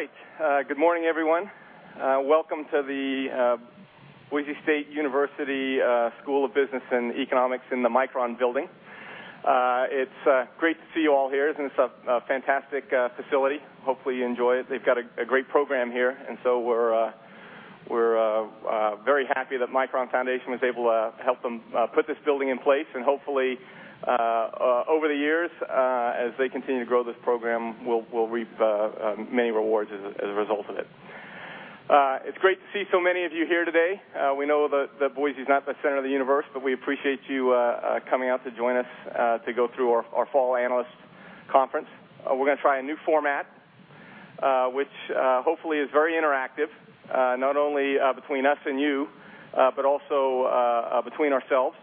All right. Good morning, everyone. Welcome to the Boise State University School of Business and Economics in the Micron Building. It's great to see you all here, isn't it? It's a fantastic facility. Hopefully, you enjoy it. They've got a great program here. We're very happy that Micron Foundation was able to help them put this building in place. Hopefully, over the years, as they continue to grow this program, we'll reap many rewards as a result of it. It's great to see so many of you here today. We know that Boise is not the center of the universe. We appreciate you coming out to join us to go through our fall analyst conference. We're going to try a new format, which hopefully is very interactive, not only between us and you, but also between ourselves.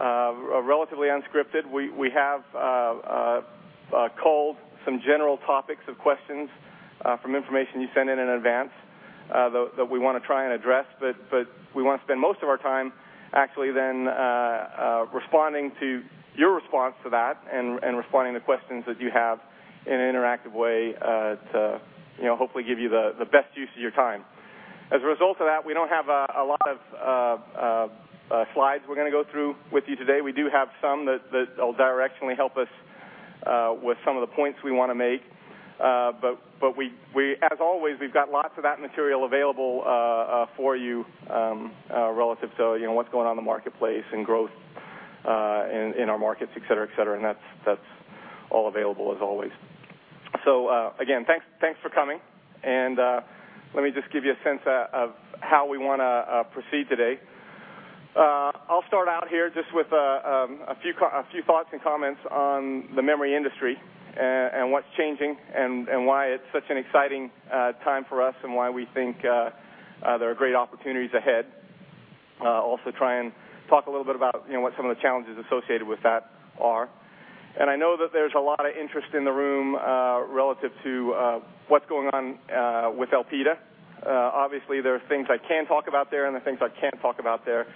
Relatively unscripted. We have culled some general topics of questions from information you sent in in advance, that we want to try and address. We want to spend most of our time actually then responding to your response to that and responding to questions that you have in an interactive way to hopefully give you the best use of your time. As a result of that, we don't have a lot of slides we're going to go through with you today. We do have some that'll directionally help us with some of the points we want to make. As always, we've got lots of that material available for you, relative to what's going on in the marketplace and growth in our markets, et cetera. That's all available as always. Again, thanks for coming. Let me just give you a sense of how we want to proceed today. I'll start out here just with a few thoughts and comments on the memory industry and what's changing and why it's such an exciting time for us and why we think there are great opportunities ahead. Also try and talk a little bit about what some of the challenges associated with that are. I know that there's a lot of interest in the room relative to what's going on with Elpida. Obviously, there are things I can talk about there and the things I can't talk about there.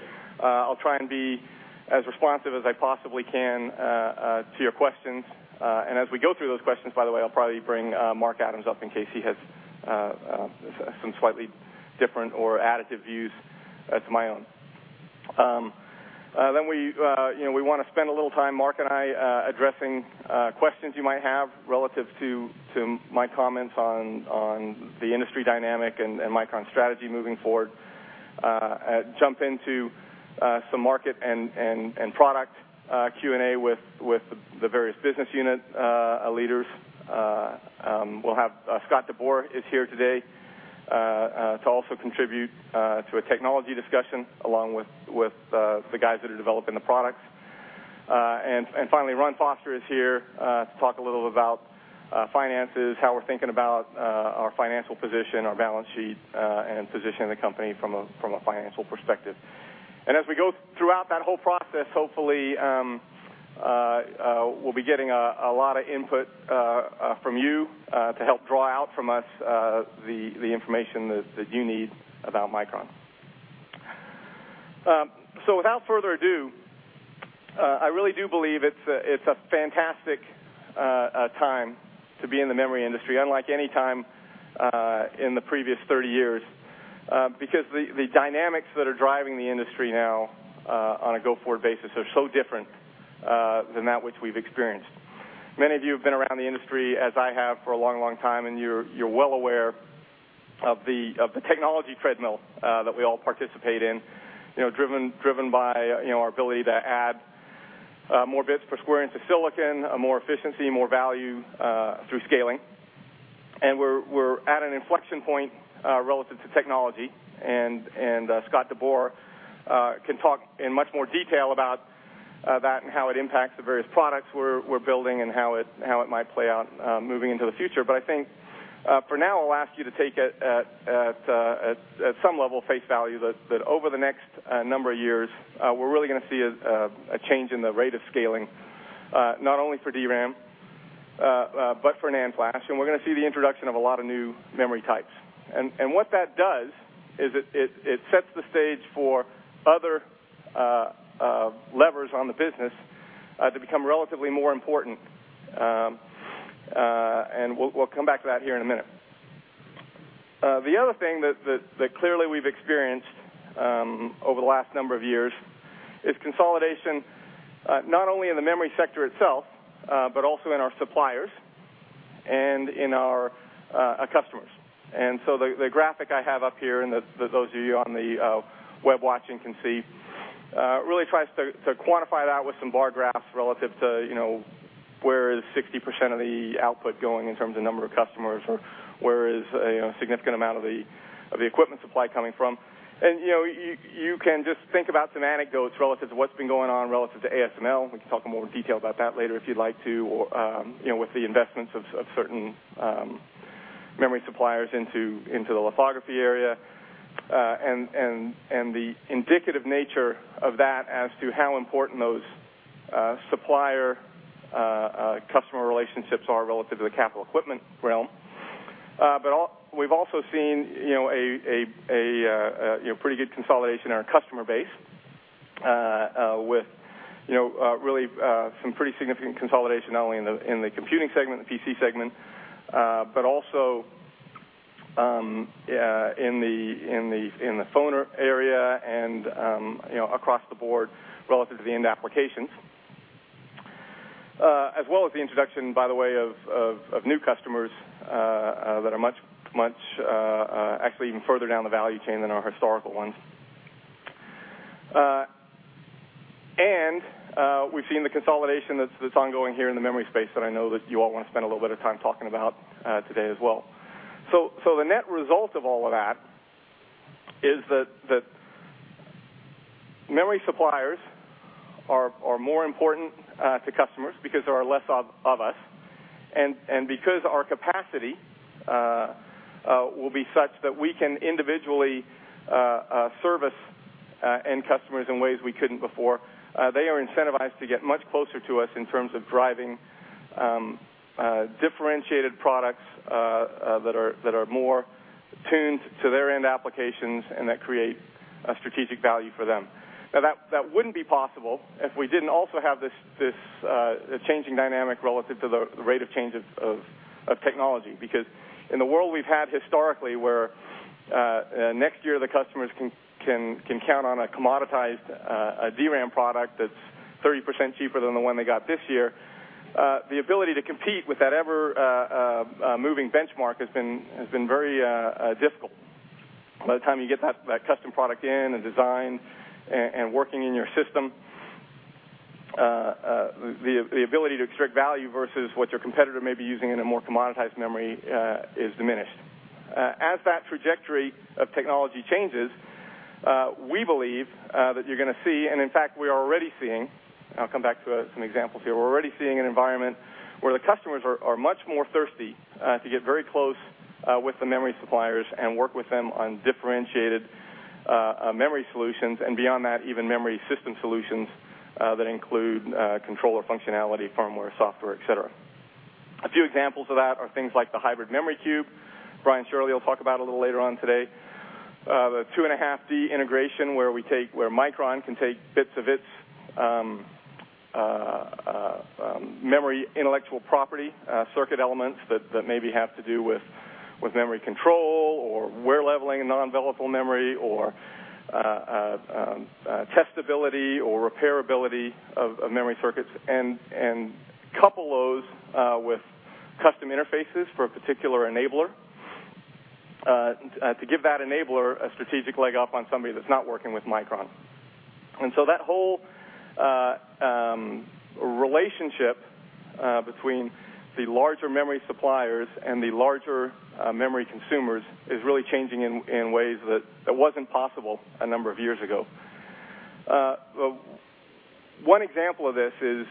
I'll try and be as responsive as I possibly can to your questions. As we go through those questions, by the way, I'll probably bring Mark Adams up in case he has some slightly different or additive views to my own. We want to spend a little time, Mark and I, addressing questions you might have relative to my comments on the industry dynamic and Micron strategy moving forward. Jump into some market and product Q&A with the various business unit leaders. We'll have Scott DeBoer is here today to also contribute to a technology discussion along with the guys that are developing the products. Finally, Ron Foster is here to talk a little about finances, how we're thinking about our financial position, our balance sheet, and positioning the company from a financial perspective. As we go throughout that whole process, hopefully, we'll be getting a lot of input from you to help draw out from us the information that you need about Micron. Without further ado, I really do believe it's a fantastic time to be in the memory industry, unlike any time in the previous 30 years, because the dynamics that are driving the industry now on a go-forward basis are so different than that which we've experienced. Many of you have been around the industry, as I have, for a long time, and you're well aware of the technology treadmill that we all participate in, driven by our ability to add more bits per square inch of silicon, more efficiency, more value through scaling. We're at an inflection point relative to technology, and Scott DeBoer can talk in much more detail about that and how it impacts the various products we're building and how it might play out moving into the future. I think for now, I'll ask you to take it at some level face value that over the next number of years, we're really going to see a change in the rate of scaling, not only for DRAM but for NAND flash. We're going to see the introduction of a lot of new memory types. What that does is it sets the stage for other levers on the business to become relatively more important. We'll come back to that here in a minute. The other thing that clearly we've experienced over the last number of years is consolidation, not only in the memory sector itself, but also in our suppliers and in our customers. The graphic I have up here, and those of you on the web watching can see, really tries to quantify that with some bar graphs relative to where is 60% of the output going in terms of number of customers or where is a significant amount of the equipment supply coming from. You can just think about some anecdotes relative to what's been going on relative to ASML. We can talk in more detail about that later if you'd like to or with the investments of certain memory suppliers into the lithography area, and the indicative nature of that as to how important those supplier-customer relationships are relative to the capital equipment realm. We've also seen a pretty good consolidation in our customer base. With really some pretty significant consolidation, not only in the computing segment, the PC segment, but also in the phone area and across the board relative to the end applications, as well as the introduction, by the way, of new customers that are much, actually even further down the value chain than our historical ones. We've seen the consolidation that's ongoing here in the memory space that I know that you all want to spend a little bit of time talking about today as well. The net result of all of that is that memory suppliers are more important to customers because there are less of us, and because our capacity will be such that we can individually service end customers in ways we couldn't before. That wouldn't be possible if we didn't also have this changing dynamic relative to the rate of change of technology, because in the world we've had historically where next year the customers can count on a commoditized DRAM product that's 30% cheaper than the one they got this year, the ability to compete with that ever-moving benchmark has been very difficult. By the time you get that custom product in and designed and working in your system, the ability to extract value versus what your competitor may be using in a more commoditized memory is diminished. That trajectory of technology changes, we believe that you're going to see, and in fact, we are already seeing, and I'll come back to some examples here. We're already seeing an environment where the customers are much more thirsty to get very close with the memory suppliers and work with them on differentiated memory solutions, and beyond that, even memory system solutions that include controller functionality, firmware, software, et cetera. A few examples of that are things like the Hybrid Memory Cube Brian Shirley will talk about a little later on today. The 2.5D integration where Micron can take bits of its memory intellectual property, circuit elements that maybe have to do with memory control or wear-leveling non-volatile memory or testability or repairability of memory circuits, and couple those with custom interfaces for a particular enabler to give that enabler a strategic leg up on somebody that's not working with Micron. That whole relationship between the larger memory suppliers and the larger memory consumers is really changing in ways that wasn't possible a number of years ago. One example of this is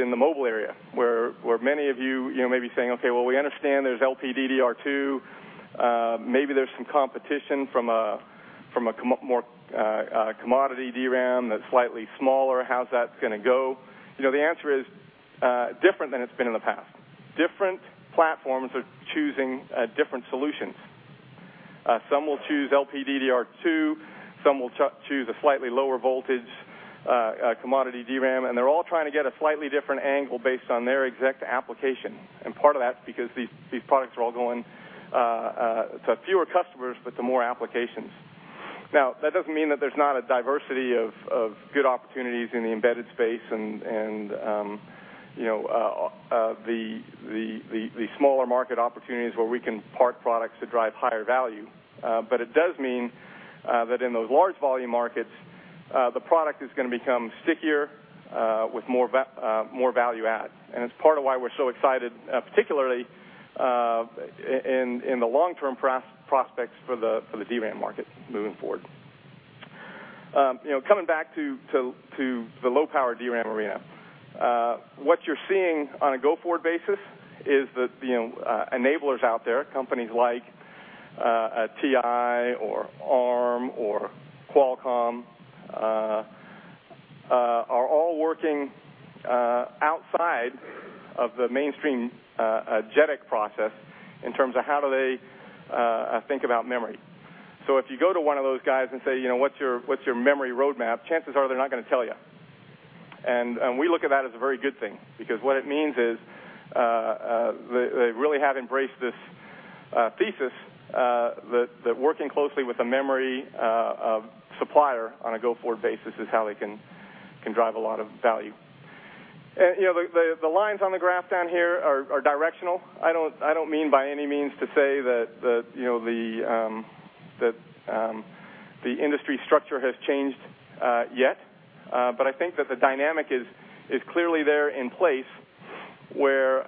in the mobile area, where many of you may be saying, okay, well, we understand there's LPDDR2, maybe there's some competition from a more commodity DRAM that's slightly smaller. How's that going to go? The answer is different than it's been in the past. Different platforms are choosing different solutions. Some will choose LPDDR2, some will choose a slightly lower voltage commodity DRAM, and they're all trying to get a slightly different angle based on their exact application. Part of that is because these products are all going to fewer customers, but to more applications. That doesn't mean that there's not a diversity of good opportunities in the embedded space and the smaller market opportunities where we can park products that drive higher value. It does mean that in those large volume markets, the product is going to become stickier with more value add. It's part of why we're so excited, particularly in the long-term prospects for the DRAM market moving forward. Coming back to the low-power DRAM arena, what you're seeing on a go-forward basis is that the enablers out there, companies like TI or Arm or Qualcomm are all working outside of the mainstream JEDEC process in terms of how do they think about memory. If you go to one of those guys and say, "What's your memory roadmap?" Chances are they're not going to tell you. We look at that as a very good thing, because what it means is they really have embraced this thesis that working closely with a memory supplier on a go-forward basis is how they can drive a lot of value. The lines on the graph down here are directional. I don't mean by any means to say that the industry structure has changed yet, but I think that the dynamic is clearly there in place where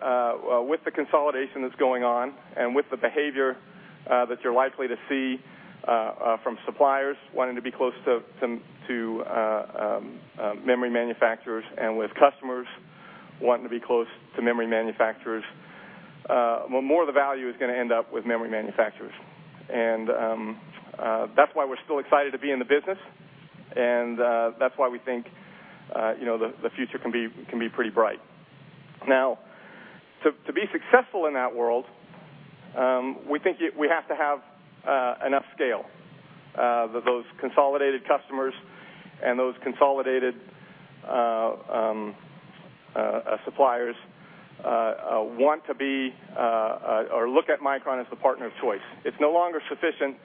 with the consolidation that's going on and with the behavior that you're likely to see from suppliers wanting to be close to memory manufacturers, and with customers wanting to be close to memory manufacturers, more of the value is going to end up with memory manufacturers. That's why we're still excited to be in the business, and that's why we think the future can be pretty bright. To be successful in that world, we think we have to have enough scale that those consolidated customers and those consolidated suppliers want to be or look at Micron as the partner of choice. It's no longer sufficient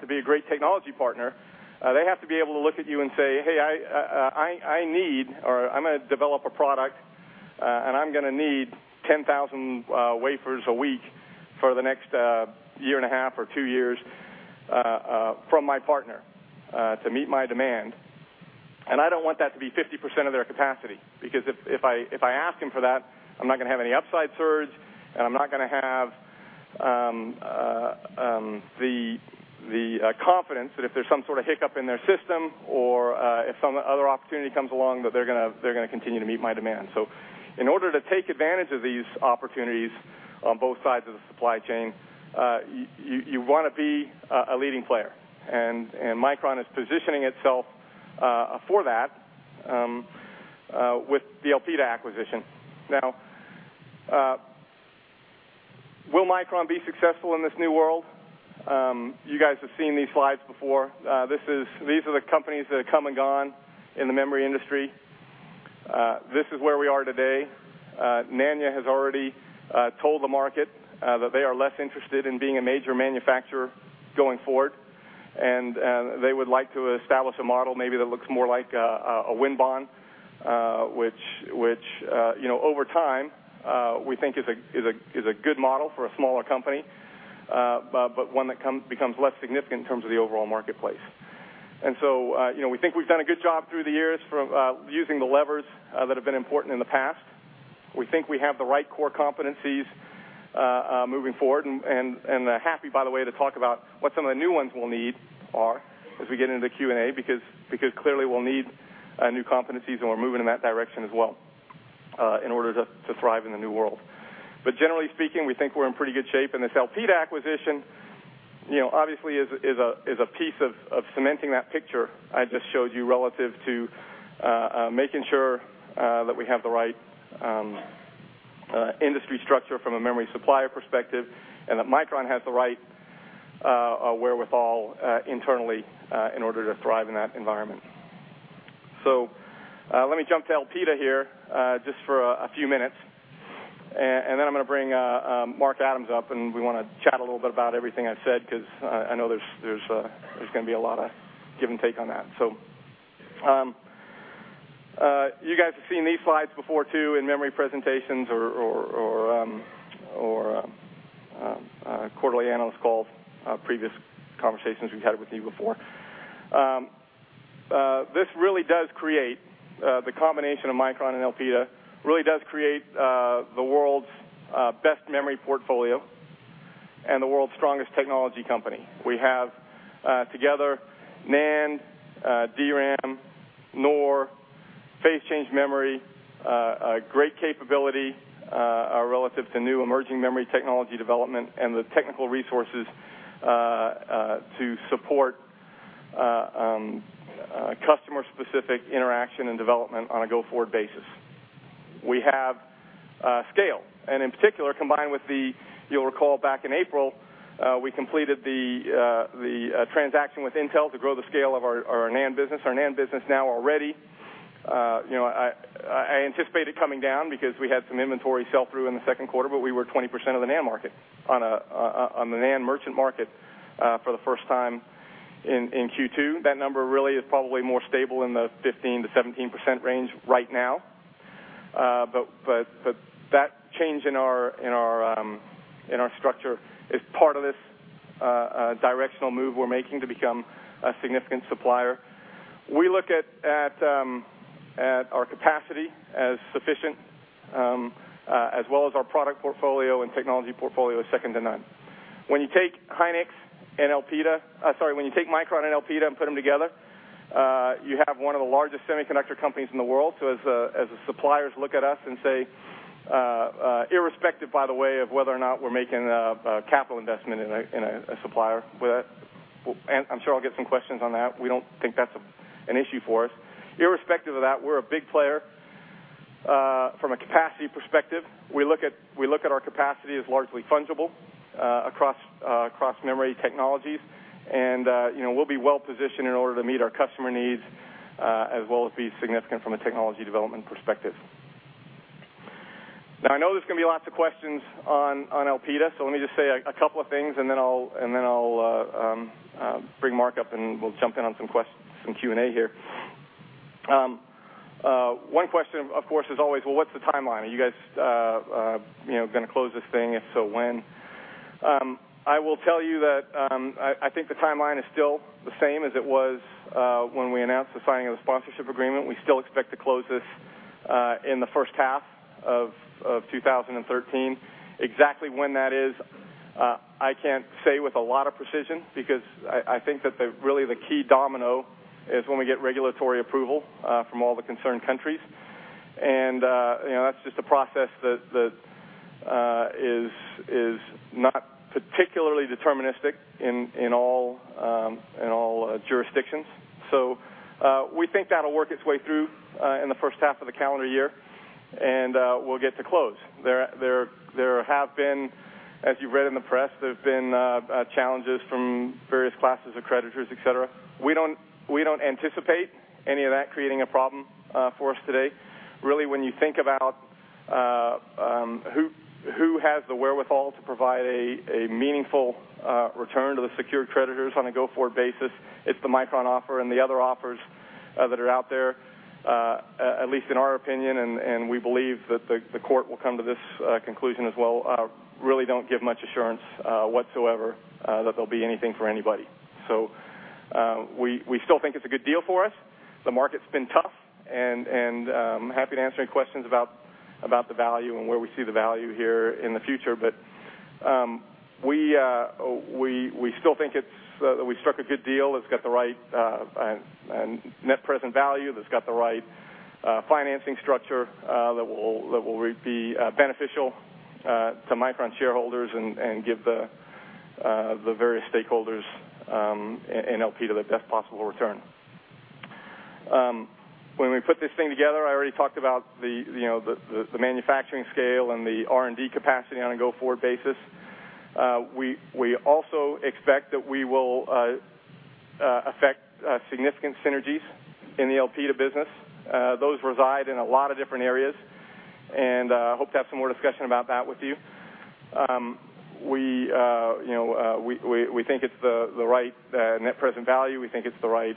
to be a great technology partner. They have to be able to look at you and say, "Hey, I need" or, "I'm going to develop a product, and I'm going to need 10,000 wafers a week for the next year and a half or two years, from my partner to meet my demand, and I don't want that to be 50% of their capacity. Because if I ask him for that, I'm not going to have any upside surge, and I'm not going to have the confidence that if there's some sort of hiccup in their system or if some other opportunity comes along, that they're going to continue to meet my demand." In order to take advantage of these opportunities on both sides of the supply chain, you want to be a leading player, and Micron is positioning itself for that with the Elpida acquisition. Will Micron be successful in this new world? You guys have seen these slides before. These are the companies that have come and gone in the memory industry. This is where we are today. Nanya has already told the market that they are less interested in being a major manufacturer going forward, and they would like to establish a model maybe that looks more like a Winbond, which, over time, we think is a good model for a smaller company, but one that becomes less significant in terms of the overall marketplace. We think we've done a good job through the years from using the levers that have been important in the past. We think we have the right core competencies moving forward and happy, by the way, to talk about what some of the new ones we'll need are as we get into the Q&A, because clearly we'll need new competencies, and we're moving in that direction as well, in order to thrive in the new world. Generally speaking, we think we're in pretty good shape, and this Elpida acquisition, obviously is a piece of cementing that picture I just showed you relative to making sure that we have the right industry structure from a memory supplier perspective and that Micron has the right wherewithal internally, in order to thrive in that environment. Let me jump to Elpida here, just for a few minutes. I'm going to bring Mark Adams up, and we want to chat a little bit about everything I said because I know there's going to be a lot of give and take on that. You guys have seen these slides before too in memory presentations or quarterly analyst calls, previous conversations we've had with you before. The combination of Micron and Elpida really does create the world's best memory portfolio and the world's strongest technology company. We have, together, NAND, DRAM, NOR, phase-change memory, a great capability relative to new emerging memory technology development and the technical resources to support customer-specific interaction and development on a go-forward basis. We have scale, and in particular, combined with the-- You'll recall back in April, we completed the transaction with Intel to grow the scale of our NAND business. Our NAND business now already-- I anticipated coming down because we had some inventory sell-through in the second quarter, but we were 20% of the NAND market, on the NAND merchant market for the first time in Q2. That number really is probably more stable in the 15%-17% range right now. That change in our structure is part of this directional move we're making to become a significant supplier. We look at our capacity as sufficient, as well as our product portfolio and technology portfolio is second to none. When you take Hynix and Elpida-- Sorry, when you take Micron and Elpida and put them together, you have one of the largest semiconductor companies in the world. As suppliers look at us and say, irrespective by the way of whether or not we're making a capital investment in a supplier. I'm sure I'll get some questions on that. We don't think that's an issue for us. Irrespective of that, we're a big player from a capacity perspective. We look at our capacity as largely fungible across memory technologies, and we'll be well-positioned in order to meet our customer needs as well as be significant from a technology development perspective. I know there's going to be lots of questions on Elpida, let me just say a couple of things, and then I'll bring Mark up, and we'll jump in on some Q&A here. One question, of course, as always, well, what's the timeline? Are you guys going to close this thing? If so, when? I will tell you that I think the timeline is still the same as it was when we announced the signing of the sponsorship agreement. We still expect to close this in the first half of 2013. Exactly when that is, I can't say with a lot of precision because I think that really the key domino is when we get regulatory approval from all the concerned countries. That's just a process that is not particularly deterministic in all jurisdictions. We think that'll work its way through, in the first half of the calendar year, and we'll get to close. There have been, as you've read in the press, there have been challenges from various classes of creditors, et cetera. We don't anticipate any of that creating a problem for us today. Really, when you think about who has the wherewithal to provide a meaningful return to the secured creditors on a go-forward basis, it's the Micron offer and the other offers that are out there, at least in our opinion, and we believe that the court will come to this conclusion as well, really don't give much assurance whatsoever, that they'll be anything for anybody. We still think it's a good deal for us. The market's been tough and, I'm happy to answer any questions about the value and where we see the value here in the future. We still think that we struck a good deal that's got the right net present value, that's got the right financing structure, that will be beneficial to Micron shareholders and give the various stakeholders in Elpida the best possible return. When we put this thing together, I already talked about the manufacturing scale and the R&D capacity on a go-forward basis. We also expect that we will affect significant synergies in the Elpida business. Those reside in a lot of different areas, and I hope to have some more discussion about that with you. We think it's the right net present value. We think it's the right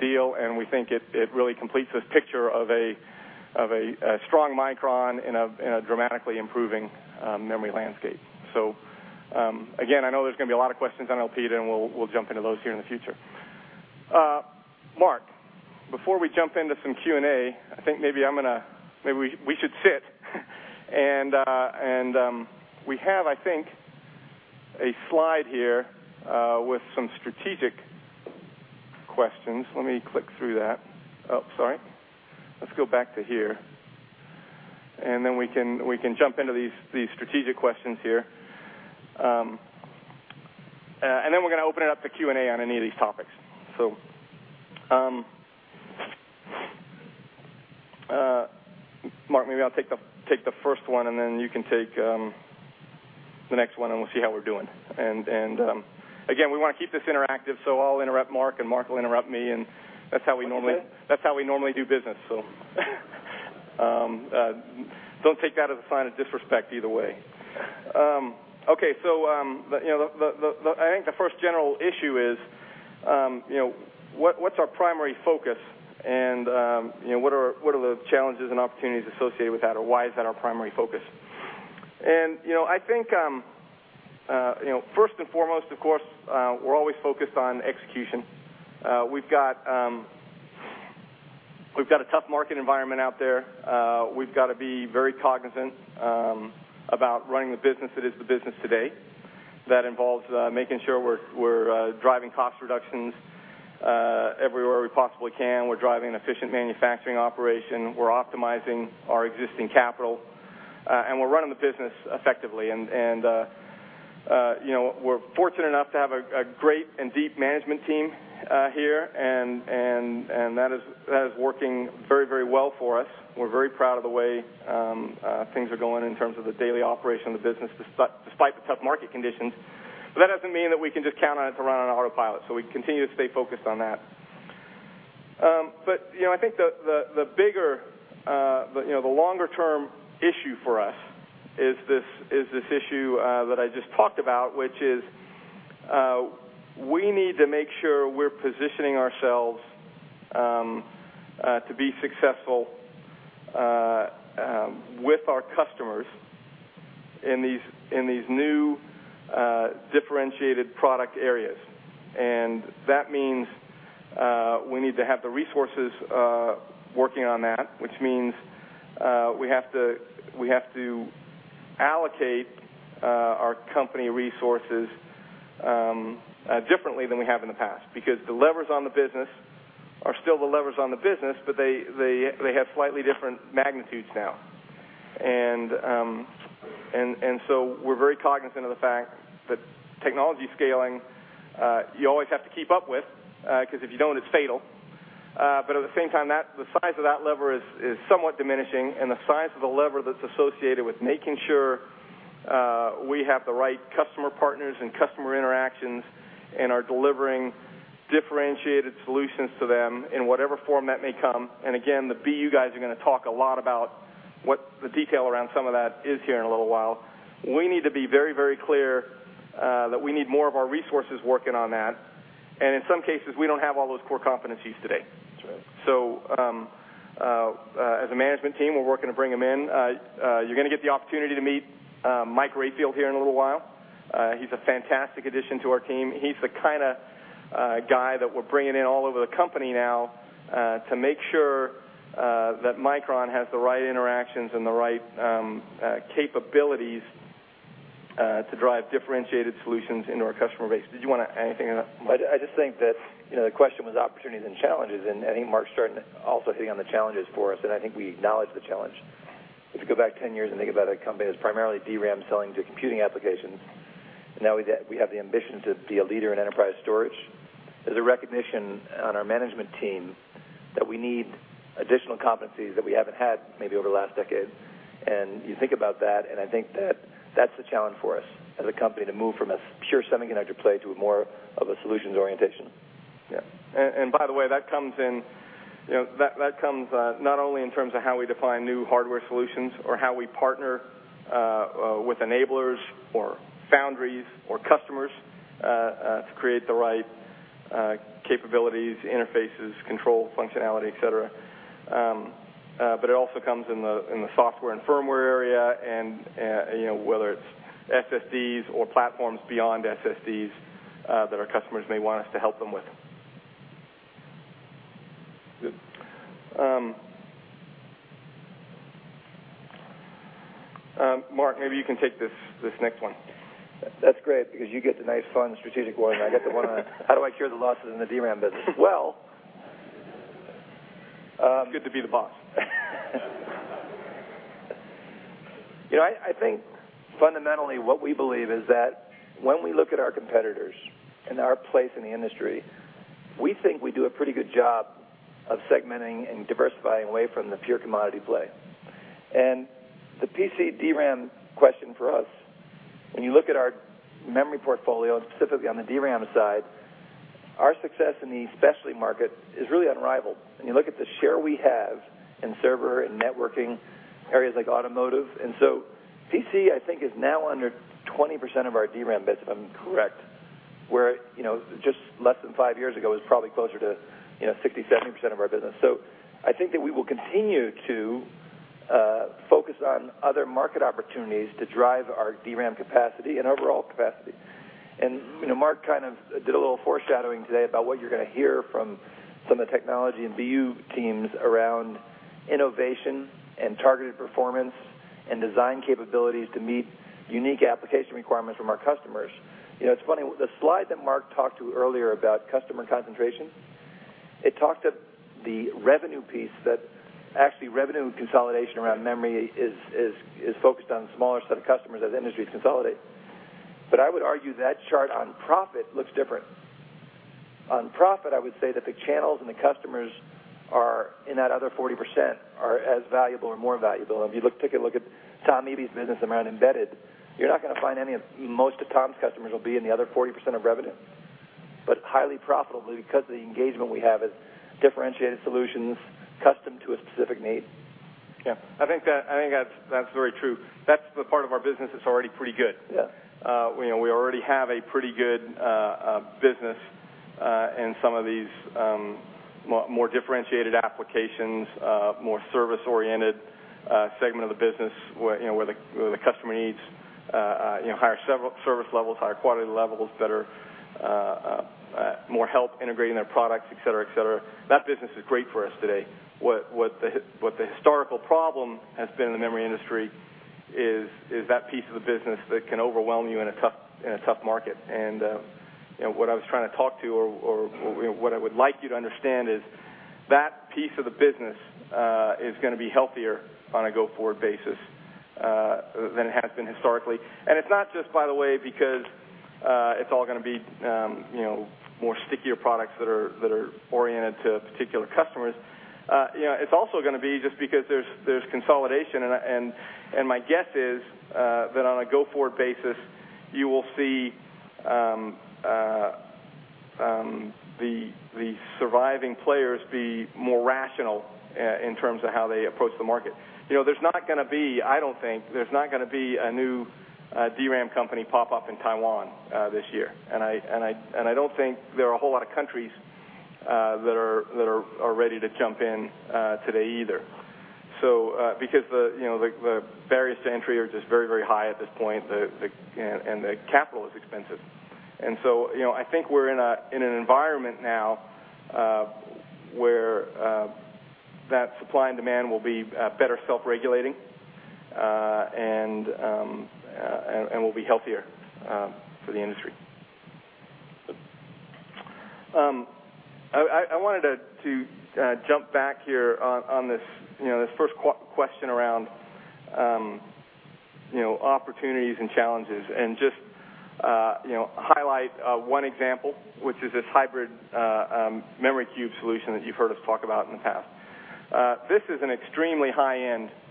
deal, and we think it really completes this picture of a strong Micron in a dramatically improving memory landscape. Again, I know there's going to be a lot of questions on Elpida, and we'll jump into those here in the future. Mark, before we jump into some Q&A, I think maybe we should sit and we have, I think, a slide here, with some strategic questions. Let me click through that. Oh, sorry. Let's go back to here, we can jump into these strategic questions here. We're going to open it up to Q&A on any of these topics. Mark, maybe I'll take the first one, and then you can take the next one, and we'll see how we're doing. Again, we want to keep this interactive, so I'll interrupt Mark, and Mark will interrupt me, and that's how we normally. Okay that's how we normally do business. Don't take that as a sign of disrespect either way. I think the first general issue is, what's our primary focus and what are the challenges and opportunities associated with that? Or why is that our primary focus? I think, first and foremost, of course, we're always focused on execution. We've got a tough market environment out there. We've got to be very cognizant about running the business that is the business today. That involves making sure we're driving cost reductions everywhere we possibly can. We're driving an efficient manufacturing operation. We're optimizing our existing capital. We're running the business effectively. We're fortunate enough to have a great and deep management team here, and that is working very well for us. We're very proud of the way things are going in terms of the daily operation of the business, despite the tough market conditions. That doesn't mean that we can just count on it to run on autopilot. We continue to stay focused on that. I think the bigger, the longer term issue for us is this issue that I just talked about, which is, we need to make sure we're positioning ourselves to be successful with our customers in these new differentiated product areas. That means, we need to have the resources working on that, which means we have to allocate our company resources differently than we have in the past, because the levers on the business are still the levers on the business, but they have slightly different magnitudes now. We're very cognizant of the fact that technology scaling, you always have to keep up with, because if you don't, it's fatal. At the same time, the size of that lever is somewhat diminishing and the size of the lever that's associated with making sure we have the right customer partners and customer interactions and are delivering differentiated solutions to them in whatever form that may come. Again, the BU guys are going to talk a lot about what the detail around some of that is here in a little while. We need to be very clear that we need more of our resources working on that. In some cases, we don't have all those core competencies today. That's right. As a management team, we're working to bring them in. You're going to get the opportunity to meet Mike Rayfield here in a little while. He's a fantastic addition to our team. He's the kind of guy that we're bringing in all over the company now, to make sure that Micron has the right interactions and the right capabilities to drive differentiated solutions into our customer base. Did you want to add anything on that, Mark? I just think that the question was opportunities and challenges, and I think Mark's starting also hitting on the challenges for us, and I think we acknowledge the challenge. If you go back 10 years and think about a company that's primarily DRAM selling to computing applications. We have the ambition to be a leader in enterprise storage. There's a recognition on our management team that we need additional competencies that we haven't had maybe over the last decade. You think about that, and I think that that's a challenge for us as a company to move from a pure semiconductor play to more of a solutions orientation. Yeah. By the way, that comes not only in terms of how we define new hardware solutions or how we partner with enablers or foundries or customers to create the right capabilities, interfaces, control, functionality, et cetera, but it also comes in the software and firmware area, and whether it's SSDs or platforms beyond SSDs that our customers may want us to help them with. Mark, maybe you can take this next one. That's great, because you get the nice, fun, strategic one. I get the one on, how do I cure the losses in the DRAM business? It's good to be the boss. I think fundamentally what we believe is that when we look at our competitors and our place in the industry, we think we do a pretty good job of segmenting and diversifying away from the pure commodity play. The PC DRAM question for us, when you look at our memory portfolio, specifically on the DRAM side, our success in the specialty market is really unrivaled. When you look at the share we have in server and networking, areas like automotive. PC, I think, is now under 20% of our DRAM business, if I'm correct. Where just less than five years ago, it was probably closer to 60%, 70% of our business. I think that we will continue to focus on other market opportunities to drive our DRAM capacity and overall capacity. Mark kind of did a little foreshadowing today about what you're going to hear from some of the technology and BU teams around innovation and targeted performance and design capabilities to meet unique application requirements from our customers. It's funny, the slide that Mark talked to earlier about customer concentration, it talked of the revenue piece, that actually revenue consolidation around memory is focused on smaller set of customers as industries consolidate. I would argue that chart on profit looks different. On profit, I would say that the channels and the customers are in that other 40%, are as valuable or more valuable. If you take a look at Tom Eby's business around embedded, most of Tom's customers will be in the other 40% of revenue, but highly profitable because the engagement we have is differentiated solutions custom to a specific need. Yeah. I think that's very true. That's the part of our business that's already pretty good. Yeah. We already have a pretty good business in some of these more differentiated applications, more service-oriented segment of the business, where the customer needs higher service levels, higher quality levels, more help integrating their products, et cetera. That business is great for us today. What the historical problem has been in the memory industry is that piece of the business that can overwhelm you in a tough market. What I was trying to talk to or what I would like you to understand is that piece of the business is going to be healthier on a go-forward basis than it has been historically. It's not just by the way because it's all going to be more stickier products that are oriented to particular customers. It's also going to be just because there's consolidation, and my guess is that on a go-forward basis, you will see the surviving players be more rational in terms of how they approach the market. There's not going to be, I don't think, there's not going to be a new DRAM company pop up in Taiwan this year. I don't think there are a whole lot of countries that are ready to jump in today either. Because the barriers to entry are just very high at this point, and the capital is expensive. I think we're in an environment now where that supply and demand will be better self-regulating, and will be healthier for the industry. I wanted to jump back here on this first question around opportunities and challenges and just highlight one example, which is this Hybrid Memory Cube solution that you've heard us talk about in the past. This is an extremely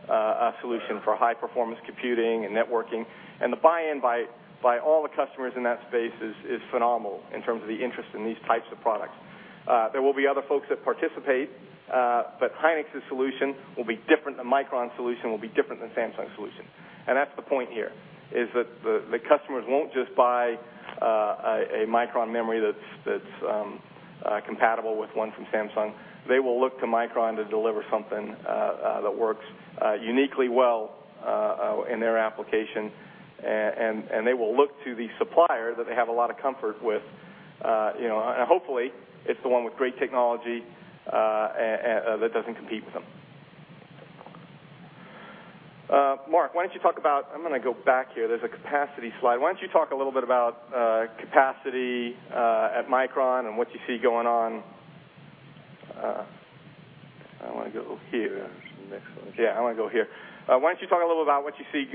high-end solution for high-performance computing and networking, and the buy-in by all the customers in that space is phenomenal in terms of the interest in these types of products. There will be other folks that participate, but Hynix's solution will be different than Micron's solution, will be different than Samsung's solution. That's the point here, is that the customers won't just buy a Micron memory that's compatible with one from Samsung. They will look to Micron to deliver something that works uniquely well in their application, and they will look to the supplier that they have a lot of comfort with. Hopefully, it's the one with great technology that doesn't compete with them. Mark, why don't you talk about. I'm going to go back here. There's a capacity slide. Why don't you talk a little bit about capacity at Micron and what you see going on- I want to go here. There's some next ones. I want to go here. Why don't you talk a little about what you see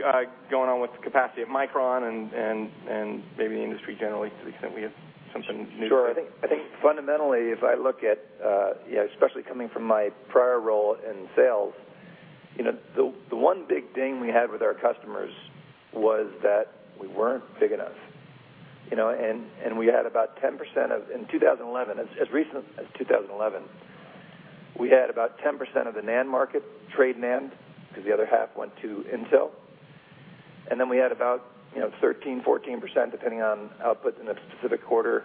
going on with the capacity at Micron and maybe the industry generally, to the extent we have something new? Sure. I think, fundamentally, if I look at, especially coming from my prior role in sales, the one big ding we had with our customers was that we weren't big enough. In 2011, as recent as 2011, we had about 10% of the NAND market, trade NAND, because the other half went to Intel. Then we had about 13%, 14%, depending on output in a specific quarter,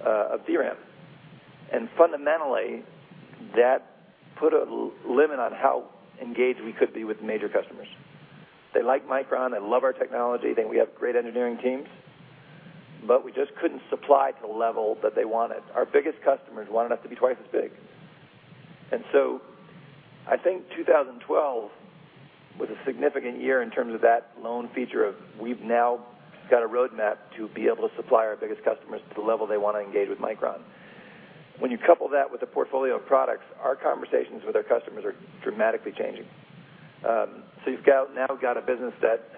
of DRAM. Fundamentally, that put a limit on how engaged we could be with major customers. They like Micron, they love our technology, they think we have great engineering teams, but we just couldn't supply to the level that they wanted. Our biggest customers wanted us to be twice as big. I think 2012 was a significant year in terms of that lone feature of, we've now got a roadmap to be able to supply our biggest customers to the level they want to engage with Micron. When you couple that with a portfolio of products, our conversations with our customers are dramatically changing. You've now got a business that,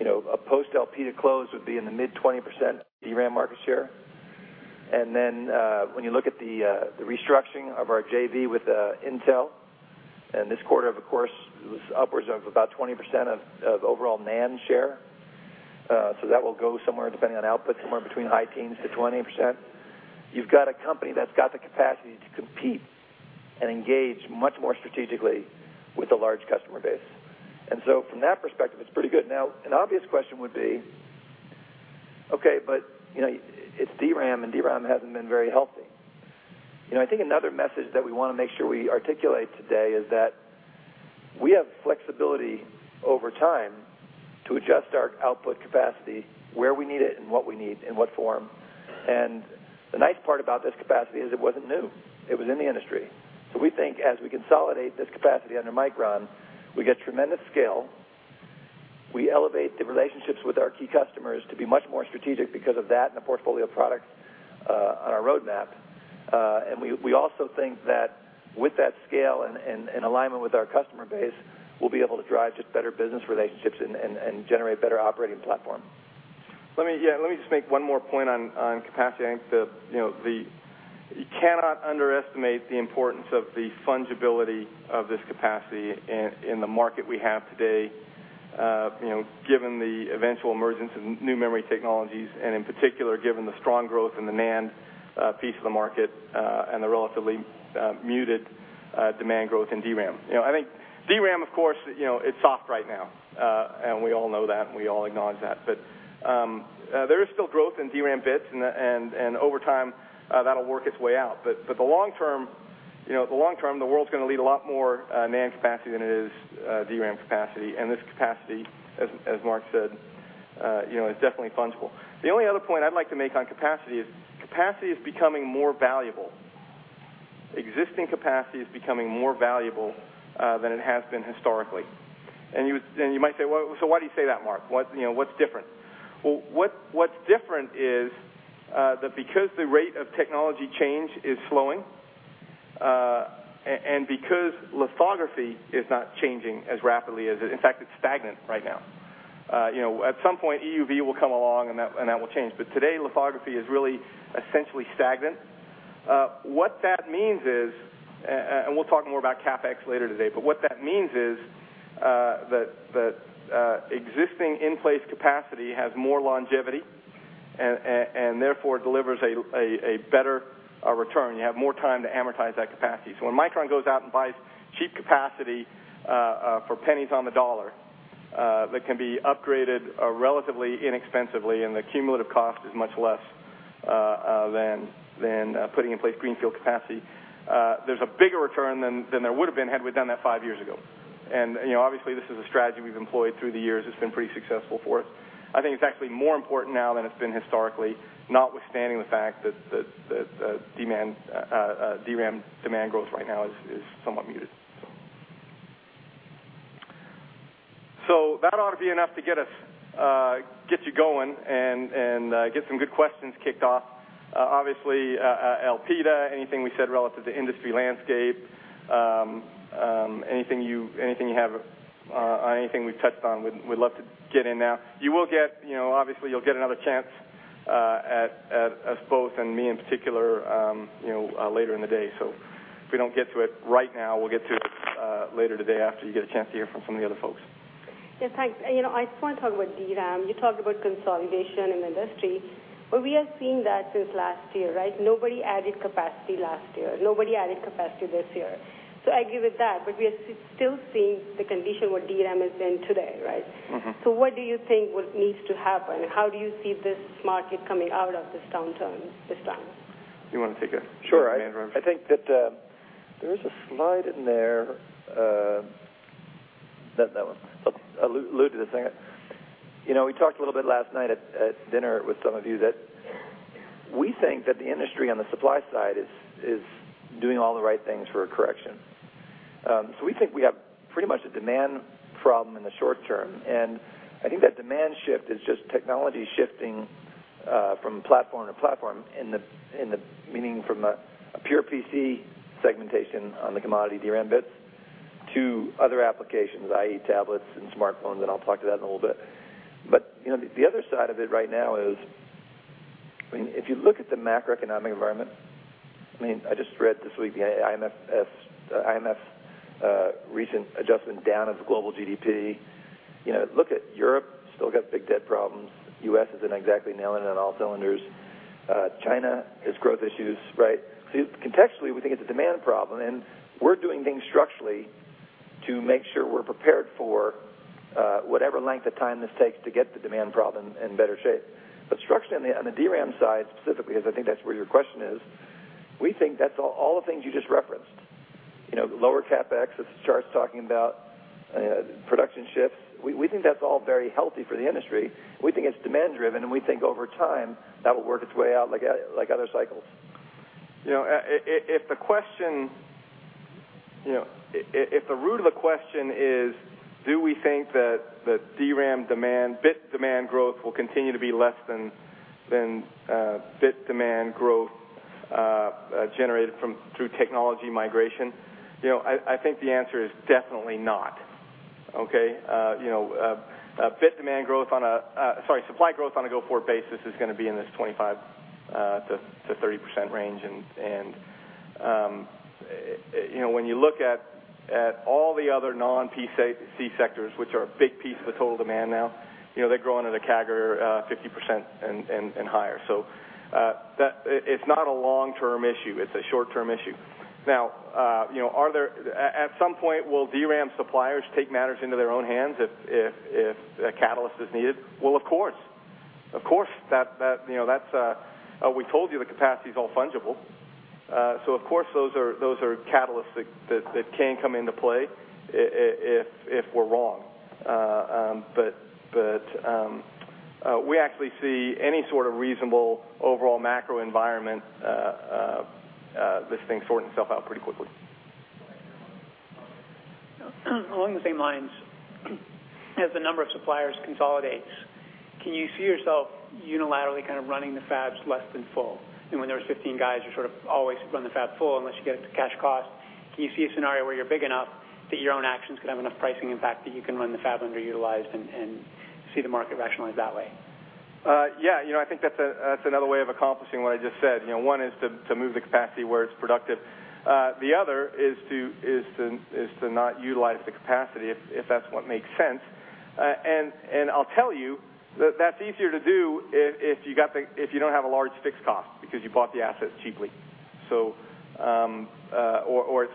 a post Elpida close would be in the mid-20% DRAM market share. Then, when you look at the restructuring of our JV with Intel, and this quarter, of course, was upwards of about 20% of overall NAND share. That will go somewhere, depending on output, somewhere between high teens to 20%. You've got a company that's got the capacity to compete and engage much more strategically with a large customer base. From that perspective, it's pretty good. Okay, but it's DRAM, and DRAM hasn't been very healthy. I think another message that we want to make sure we articulate today is that we have flexibility over time to adjust our output capacity where we need it and what we need in what form. The nice part about this capacity is it wasn't new. It was in the industry. We think as we consolidate this capacity under Micron, we get tremendous scale, we elevate the relationships with our key customers to be much more strategic because of that and the portfolio of products on our roadmap. We also think that with that scale and alignment with our customer base, we'll be able to drive just better business relationships and generate better operating platform. Let me just make one more point on capacity. You cannot underestimate the importance of the fungibility of this capacity in the market we have today, given the eventual emergence of new memory technologies, and in particular, given the strong growth in the NAND piece of the market, and the relatively muted demand growth in DRAM. I think DRAM, of course, it's soft right now. We all know that, and we all acknowledge that. There is still growth in DRAM bits, and over time, that'll work its way out. The long term, the world's going to lead a lot more NAND capacity than it is DRAM capacity. This capacity, as Mark said, is definitely fungible. The only other point I'd like to make on capacity is capacity is becoming more valuable. Existing capacity is becoming more valuable than it has been historically. You might say, "Why do you say that, Mark? What's different?" What's different is that because the rate of technology change is slowing, and because lithography is not changing as rapidly as it-- in fact, it's stagnant right now. At some point, EUV will come along, and that will change. Today, lithography is really essentially stagnant. What that means is, and we'll talk more about CapEx later today, but what that means is that existing in-place capacity has more longevity, and therefore delivers a better return. You have more time to amortize that capacity. When Micron goes out and buys cheap capacity for pennies on the dollar that can be upgraded relatively inexpensively, and the cumulative cost is much less than putting in place greenfield capacity, there's a bigger return than there would've been had we done that five years ago. Obviously, this is a strategy we've employed through the years. It's been pretty successful for us. I think it's actually more important now than it's been historically, notwithstanding the fact that DRAM demand growth right now is somewhat muted. That ought to be enough to get you going and get some good questions kicked off. Obviously, Elpida, anything we said relative to industry landscape, anything we've touched on, we'd love to get in now. Obviously, you'll get another chance at us both, and me in particular later in the day. If we don't get to it right now, we'll get to it later today after you get a chance to hear from some of the other folks. Yes, hi. I just want to talk about DRAM. You talked about consolidation in the industry. We have seen that since last year, right? Nobody added capacity last year. Nobody added capacity this year. I give it that, but we are still seeing the condition where DRAM is in today, right? What do you think needs to happen? How do you see this market coming out of this downturn this time? You want to take it? Sure. I think that there is a slide in there. That one. I'll allude to this thing. We talked a little bit last night at dinner with some of you that we think that the industry on the supply side is doing all the right things for a correction. We think we have pretty much a demand problem in the short term, and I think that demand shift is just technology shifting from platform to platform, meaning from a pure PC segmentation on the commodity DRAM bits to other applications, i.e., tablets and smartphones, and I'll talk to that in a little bit. The other side of it right now is, if you look at the macroeconomic environment, I just read this week the IMF's recent adjustment down of the global GDP. Look at Europe, still got big debt problems. U.S. isn't exactly nailing it on all cylinders. China has growth issues, right? Contextually, we think it's a demand problem, and we're doing things structurally to make sure we're prepared for whatever length of time this takes to get the demand problem in better shape. Structurally, on the DRAM side specifically, because I think that's where your question is, we think that's all the things you just referenced. Lower CapEx, as the chart's talking about, production shifts. We think that's all very healthy for the industry. We think it's demand driven, and we think over time, that will work its way out like other cycles. If the root of the question is, do we think that DRAM demand, bit demand growth will continue to be less than bit demand growth generated through technology migration, I think the answer is definitely not. Okay? Supply growth on a go-forward basis is going to be in this 25%-30% range, and when you look at all the other non-PC sectors, which are a big piece of the total demand now, they're growing at a CAGR 50% and higher. It's not a long-term issue. It's a short-term issue. At some point, will DRAM suppliers take matters into their own hands if a catalyst is needed? Of course. We told you the capacity's all fungible. Of course, those are catalysts that can come into play if we're wrong. We actually see any sort of reasonable overall macro environment, this thing sort itself out pretty quickly. Go ahead, Along the same lines, as the number of suppliers consolidates, can you see yourself unilaterally running the fabs less than full? When there was 15 guys, you sort of always run the fab full unless you get up to cash cost. Can you see a scenario where you're big enough that your own actions could have enough pricing impact that you can run the fab underutilized and see the market rationalize that way? Yeah. I think that's another way of accomplishing what I just said. One is to move the capacity where it's productive. The other is to not utilize the capacity if that's what makes sense. I'll tell you that's easier to do if you don't have a large fixed cost because you bought the assets cheaply. It's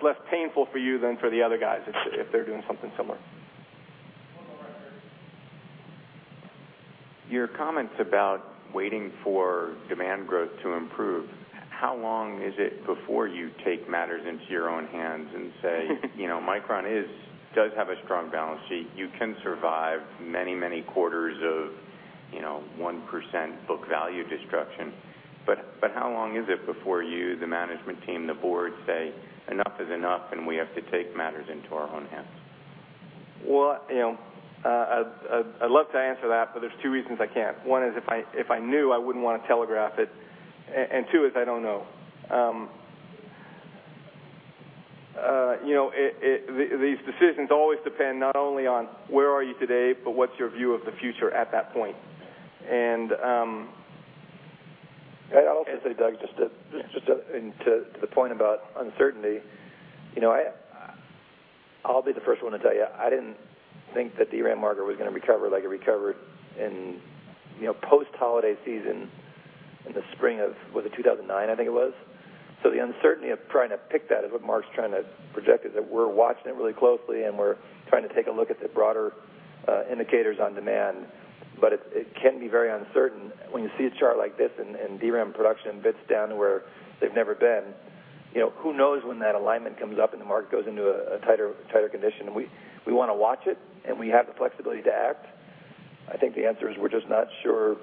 less painful for you than for the other guys if they're doing something similar. One in the back there. Your comments about waiting for demand growth to improve, how long is it before you take matters into your own hands and say, Micron does have a strong balance sheet. You can survive many quarters of 1% book value destruction, how long is it before you, the management team, the board say, "Enough is enough, and we have to take matters into our own hands"? Well, I'd love to answer that, but there's two reasons I can't. One is if I knew, I wouldn't want to telegraph it, and two is I don't know. These decisions always depend not only on where are you today, but what's your view of the future at that point. I'll also say, Doug, just to the point about uncertainty, I'll be the first one to tell you, I didn't think that the DRAM market was going to recover like it recovered in post-holiday season in the spring of, was it 2009, I think it was. The uncertainty of trying to pick that is what Mark's trying to project, is that we're watching it really closely, and we're trying to take a look at the broader indicators on demand. It can be very uncertain when you see a chart like this and DRAM production bits down to where they've never been. Who knows when that alignment comes up and the market goes into a tighter condition, and we want to watch it, and we have the flexibility to act. I think the answer is we're just not sure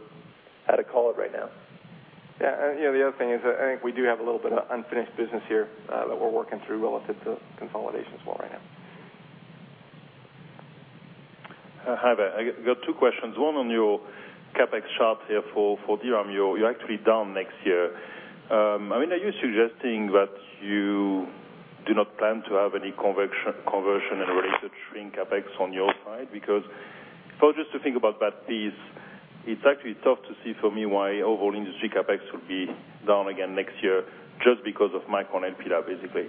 how to call it right now. Yeah. The other thing is, I think we do have a little bit of unfinished business here that we're working through relative to consolidation as well right now. Hi there. I got two questions, one on your CapEx chart here for DRAM. You're actually down next year. Are you suggesting that you do not plan to have any conversion and related shrink CapEx on your side? Just to think about that piece, it's actually tough to see for me why overall industry CapEx will be down again next year just because of Micron and PD, basically.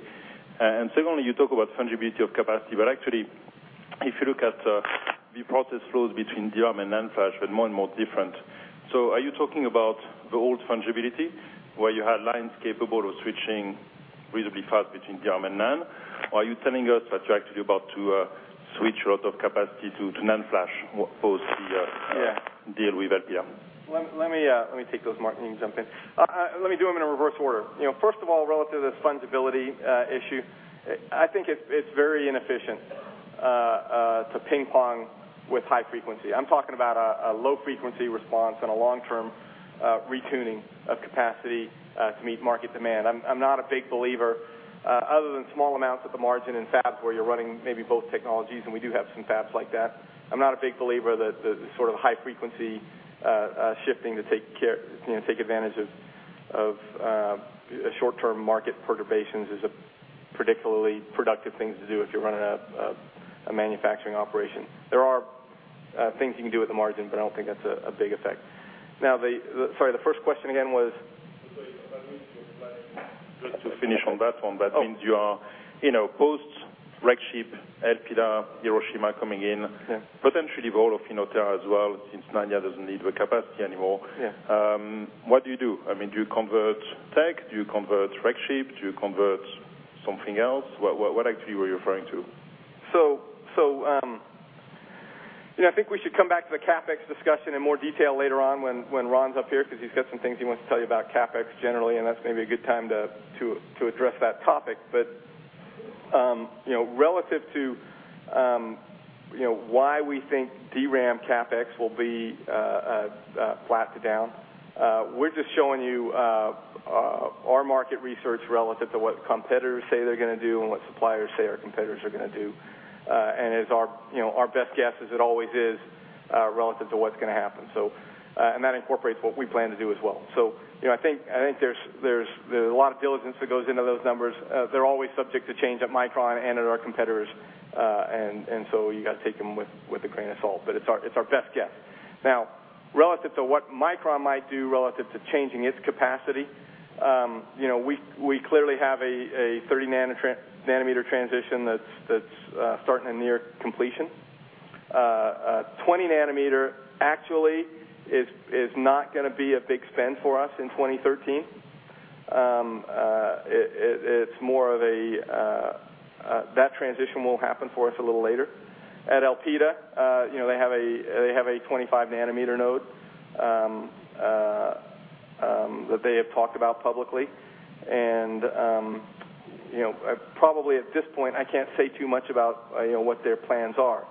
Secondly, you talk about fungibility of capacity, but actually, if you look at the process flows between DRAM and NAND flash, they're more and more different. Are you telling us that you're actually about to switch a lot of capacity to NAND flash? Yeah deal with LPM? Let me take those, Mark. You can jump in. Let me do them in a reverse order. First of all, relative to this fungibility issue, I think it's very inefficient to ping pong with high frequency. I'm talking about a low-frequency response and a long-term retuning of capacity to meet market demand. I'm not a big believer, other than small amounts at the margin in fabs where you're running maybe both technologies, and we do have some fabs like that. I'm not a big believer that the sort of high-frequency shifting to take advantage of short-term market perturbations is a particularly productive thing to do if you're running a manufacturing operation. There are things you can do with the margin, but I don't think that's a big effect. Now, sorry, the first question again was? Just to finish on that one. Oh. That means you are post-Rexchip, Elpida, Hiroshima coming in. Yeah. Potentially the whole of Inotera as well, since Nanya doesn't need the capacity anymore. Yeah. What do you do? Do you convert tech? Do you convert Rexchip? Do you convert something else? What actually were you referring to? I think we should come back to the CapEx discussion in more detail later on when Ron's up here, because he's got some things he wants to tell you about CapEx generally, and that's maybe a good time to address that topic. Relative to why we think DRAM CapEx will be flat to down, we're just showing you our market research relative to what competitors say they're going to do and what suppliers say our competitors are going to do. It's our best guess, as it always is, relative to what's going to happen. That incorporates what we plan to do as well. I think there's a lot of diligence that goes into those numbers. They're always subject to change at Micron and at our competitors, and you got to take them with a grain of salt. It's our best guess. Now, relative to what Micron might do relative to changing its capacity, we clearly have a 30-nanometer transition that's starting to near completion. 20-nanometer actually is not going to be a big spend for us in 2013. That transition will happen for us a little later. At Elpida, they have a 25-nanometer node, that they have talked about publicly. Probably at this point, I can't say too much about what their plans are.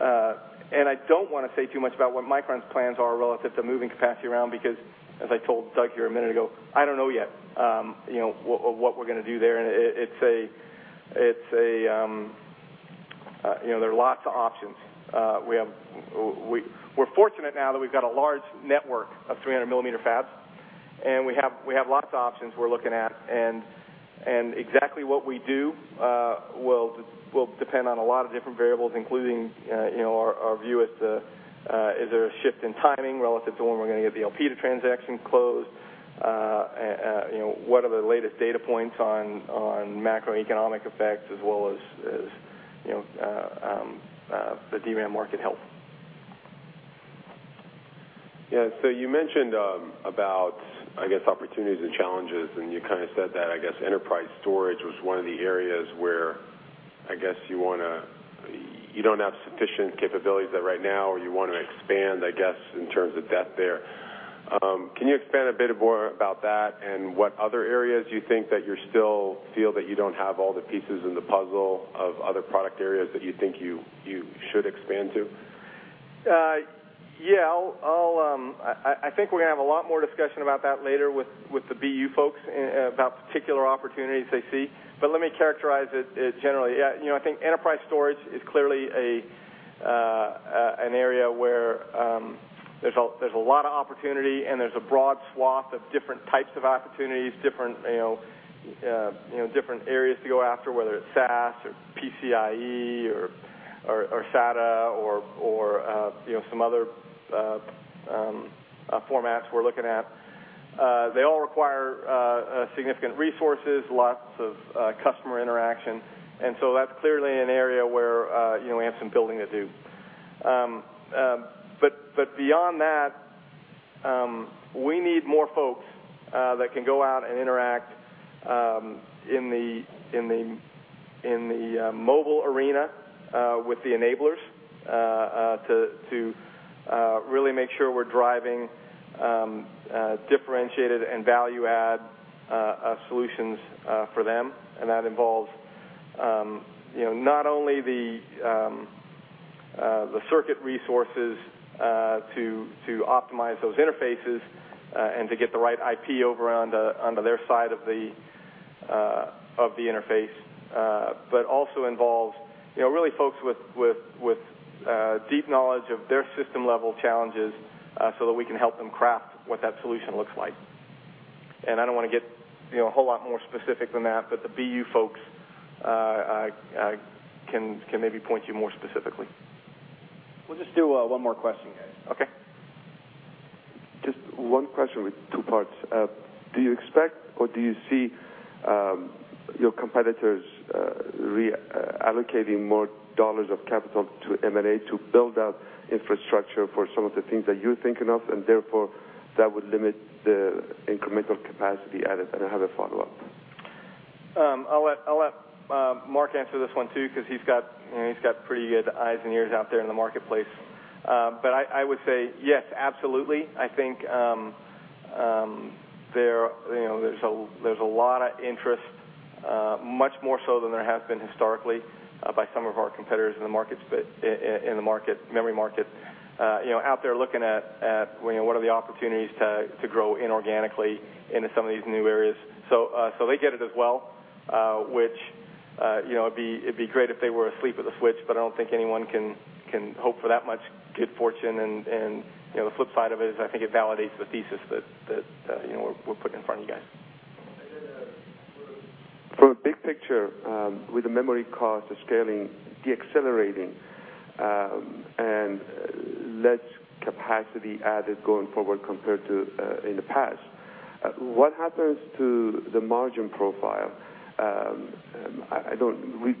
I don't want to say too much about what Micron's plans are relative to moving capacity around because, as I told Doug here a minute ago, I don't know yet what we're going to do there. There are lots of options. We're fortunate now that we've got a large network of 300-millimeter fabs, and we have lots of options we're looking at. exactly what we do will depend on a lot of different variables, including our view as to is there a shift in timing relative to when we're going to get the Elpida transaction closed? What are the latest data points on macroeconomic effects, as well as the DRAM market health? You mentioned about, I guess, opportunities and challenges, and you kind of said that, I guess enterprise storage was one of the areas where, I guess, you don't have sufficient capabilities there right now, or you want to expand, I guess, in terms of depth there. Can you expand a bit more about that and what other areas you think that you still feel that you don't have all the pieces in the puzzle of other product areas that you think you should expand to? I think we're going to have a lot more discussion about that later with the BU folks about particular opportunities they see. Let me characterize it generally. I think enterprise storage is clearly an area where there's a lot of opportunity and there's a broad swath of different types of opportunities, different areas to go after, whether it's SAS or PCIE or SATA or some other formats we're looking at. They all require significant resources, lots of customer interaction, that's clearly an area where we have some building to do. Beyond that, we need more folks that can go out and interact in the mobile arena with the enablers to really make sure we're driving differentiated and value-add solutions for them. That involves not only the circuit resources to optimize those interfaces and to get the right IP over onto their side of the interface, also involves really folks with deep knowledge of their system-level challenges so that we can help them craft what that solution looks like. I don't want to get a whole lot more specific than that, the BU folks can maybe point you more specifically. We'll just do one more question, guys. Okay. Just one question with two parts. Do you expect or do you see your competitors reallocating more dollars of capital to M&A to build out infrastructure for some of the things that you're thinking of, and therefore, that would limit the incremental capacity added? I have a follow-up. I'll let Mark answer this one, too, because he's got pretty good eyes and ears out there in the marketplace. I would say yes, absolutely. I think there's a lot of interest, much more so than there has been historically, by some of our competitors in the memory market, out there looking at what are the opportunities to grow inorganically into some of these new areas. They get it as well. Which, it'd be great if they were a flip of the switch, but I don't think anyone can hope for that much good fortune. The flip side of it is, I think it validates the thesis that we're putting in front of you guys. For a big picture, with the memory cost of scaling decelerating, and less capacity added going forward compared to in the past, what happens to the margin profile?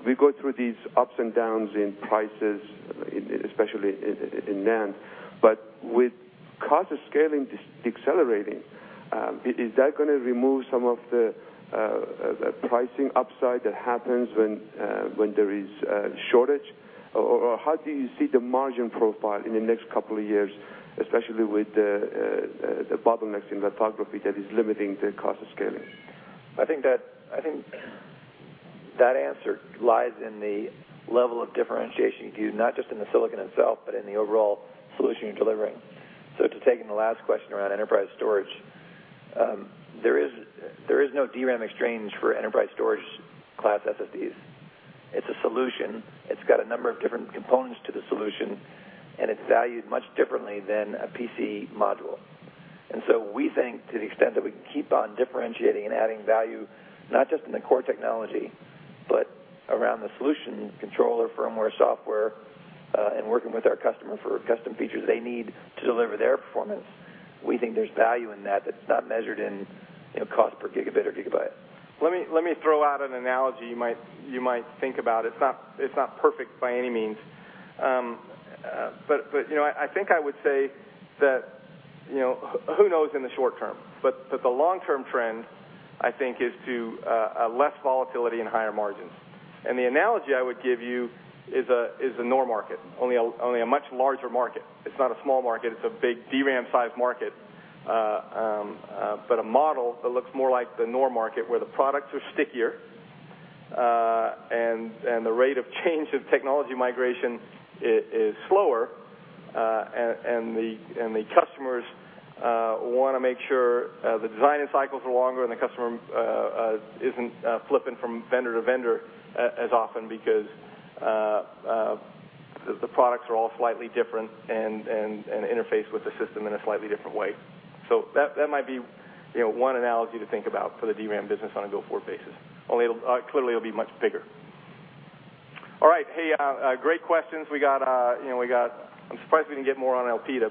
We go through these ups and downs in prices, especially in NAND. With cost of scaling decelerating, is that going to remove some of the pricing upside that happens when there is a shortage? How do you see the margin profile in the next couple of years, especially with the bottlenecks in lithography that is limiting the cost of scaling? I think that answer lies in the level of differentiation you do, not just in the silicon itself, but in the overall solution you're delivering. To take in the last question around enterprise storage, there is no DRAM exchange for enterprise storage class SSDs. It's a solution. It's got a number of different components to the solution, and it's valued much differently than a PC module. We think to the extent that we can keep on differentiating and adding value, not just in the core technology, but around the solution controller, firmware, software, and working with our customer for custom features they need to deliver their performance, we think there's value in that's not measured in cost per gigabit or gigabyte. Let me throw out an analogy you might think about. It's not perfect by any means. I think I would say that, who knows in the short term, but the long-term trend, I think, is to less volatility and higher margins. The analogy I would give you is the NOR market, only a much larger market. It's not a small market, it's a big DRAM-size market. A model that looks more like the NOR market where the products are stickier, and the rate of change of technology migration is slower, and the customers want to make sure the designing cycles are longer and the customer isn't flipping from vendor to vendor as often because the products are all slightly different and interface with the system in a slightly different way. That might be one analogy to think about for the DRAM business on a go-forward basis. Only it clearly will be much bigger. All right. Hey, great questions. I'm surprised we didn't get more on Elpida,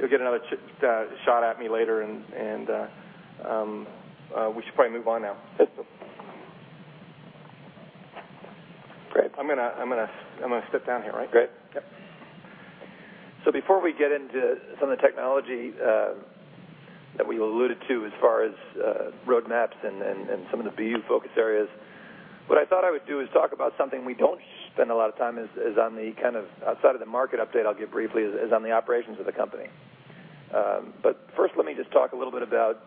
you'll get another shot at me later, we should probably move on now. Great. I'm going to step down here, right? Great. Yep. Before we get into some of the technology that we alluded to as far as roadmaps and some of the BU focus areas, what I thought I would do is talk about something we don't spend a lot of time is on the kind of outside of the market update I'll give briefly is on the operations of the company. First, let me just talk a little bit about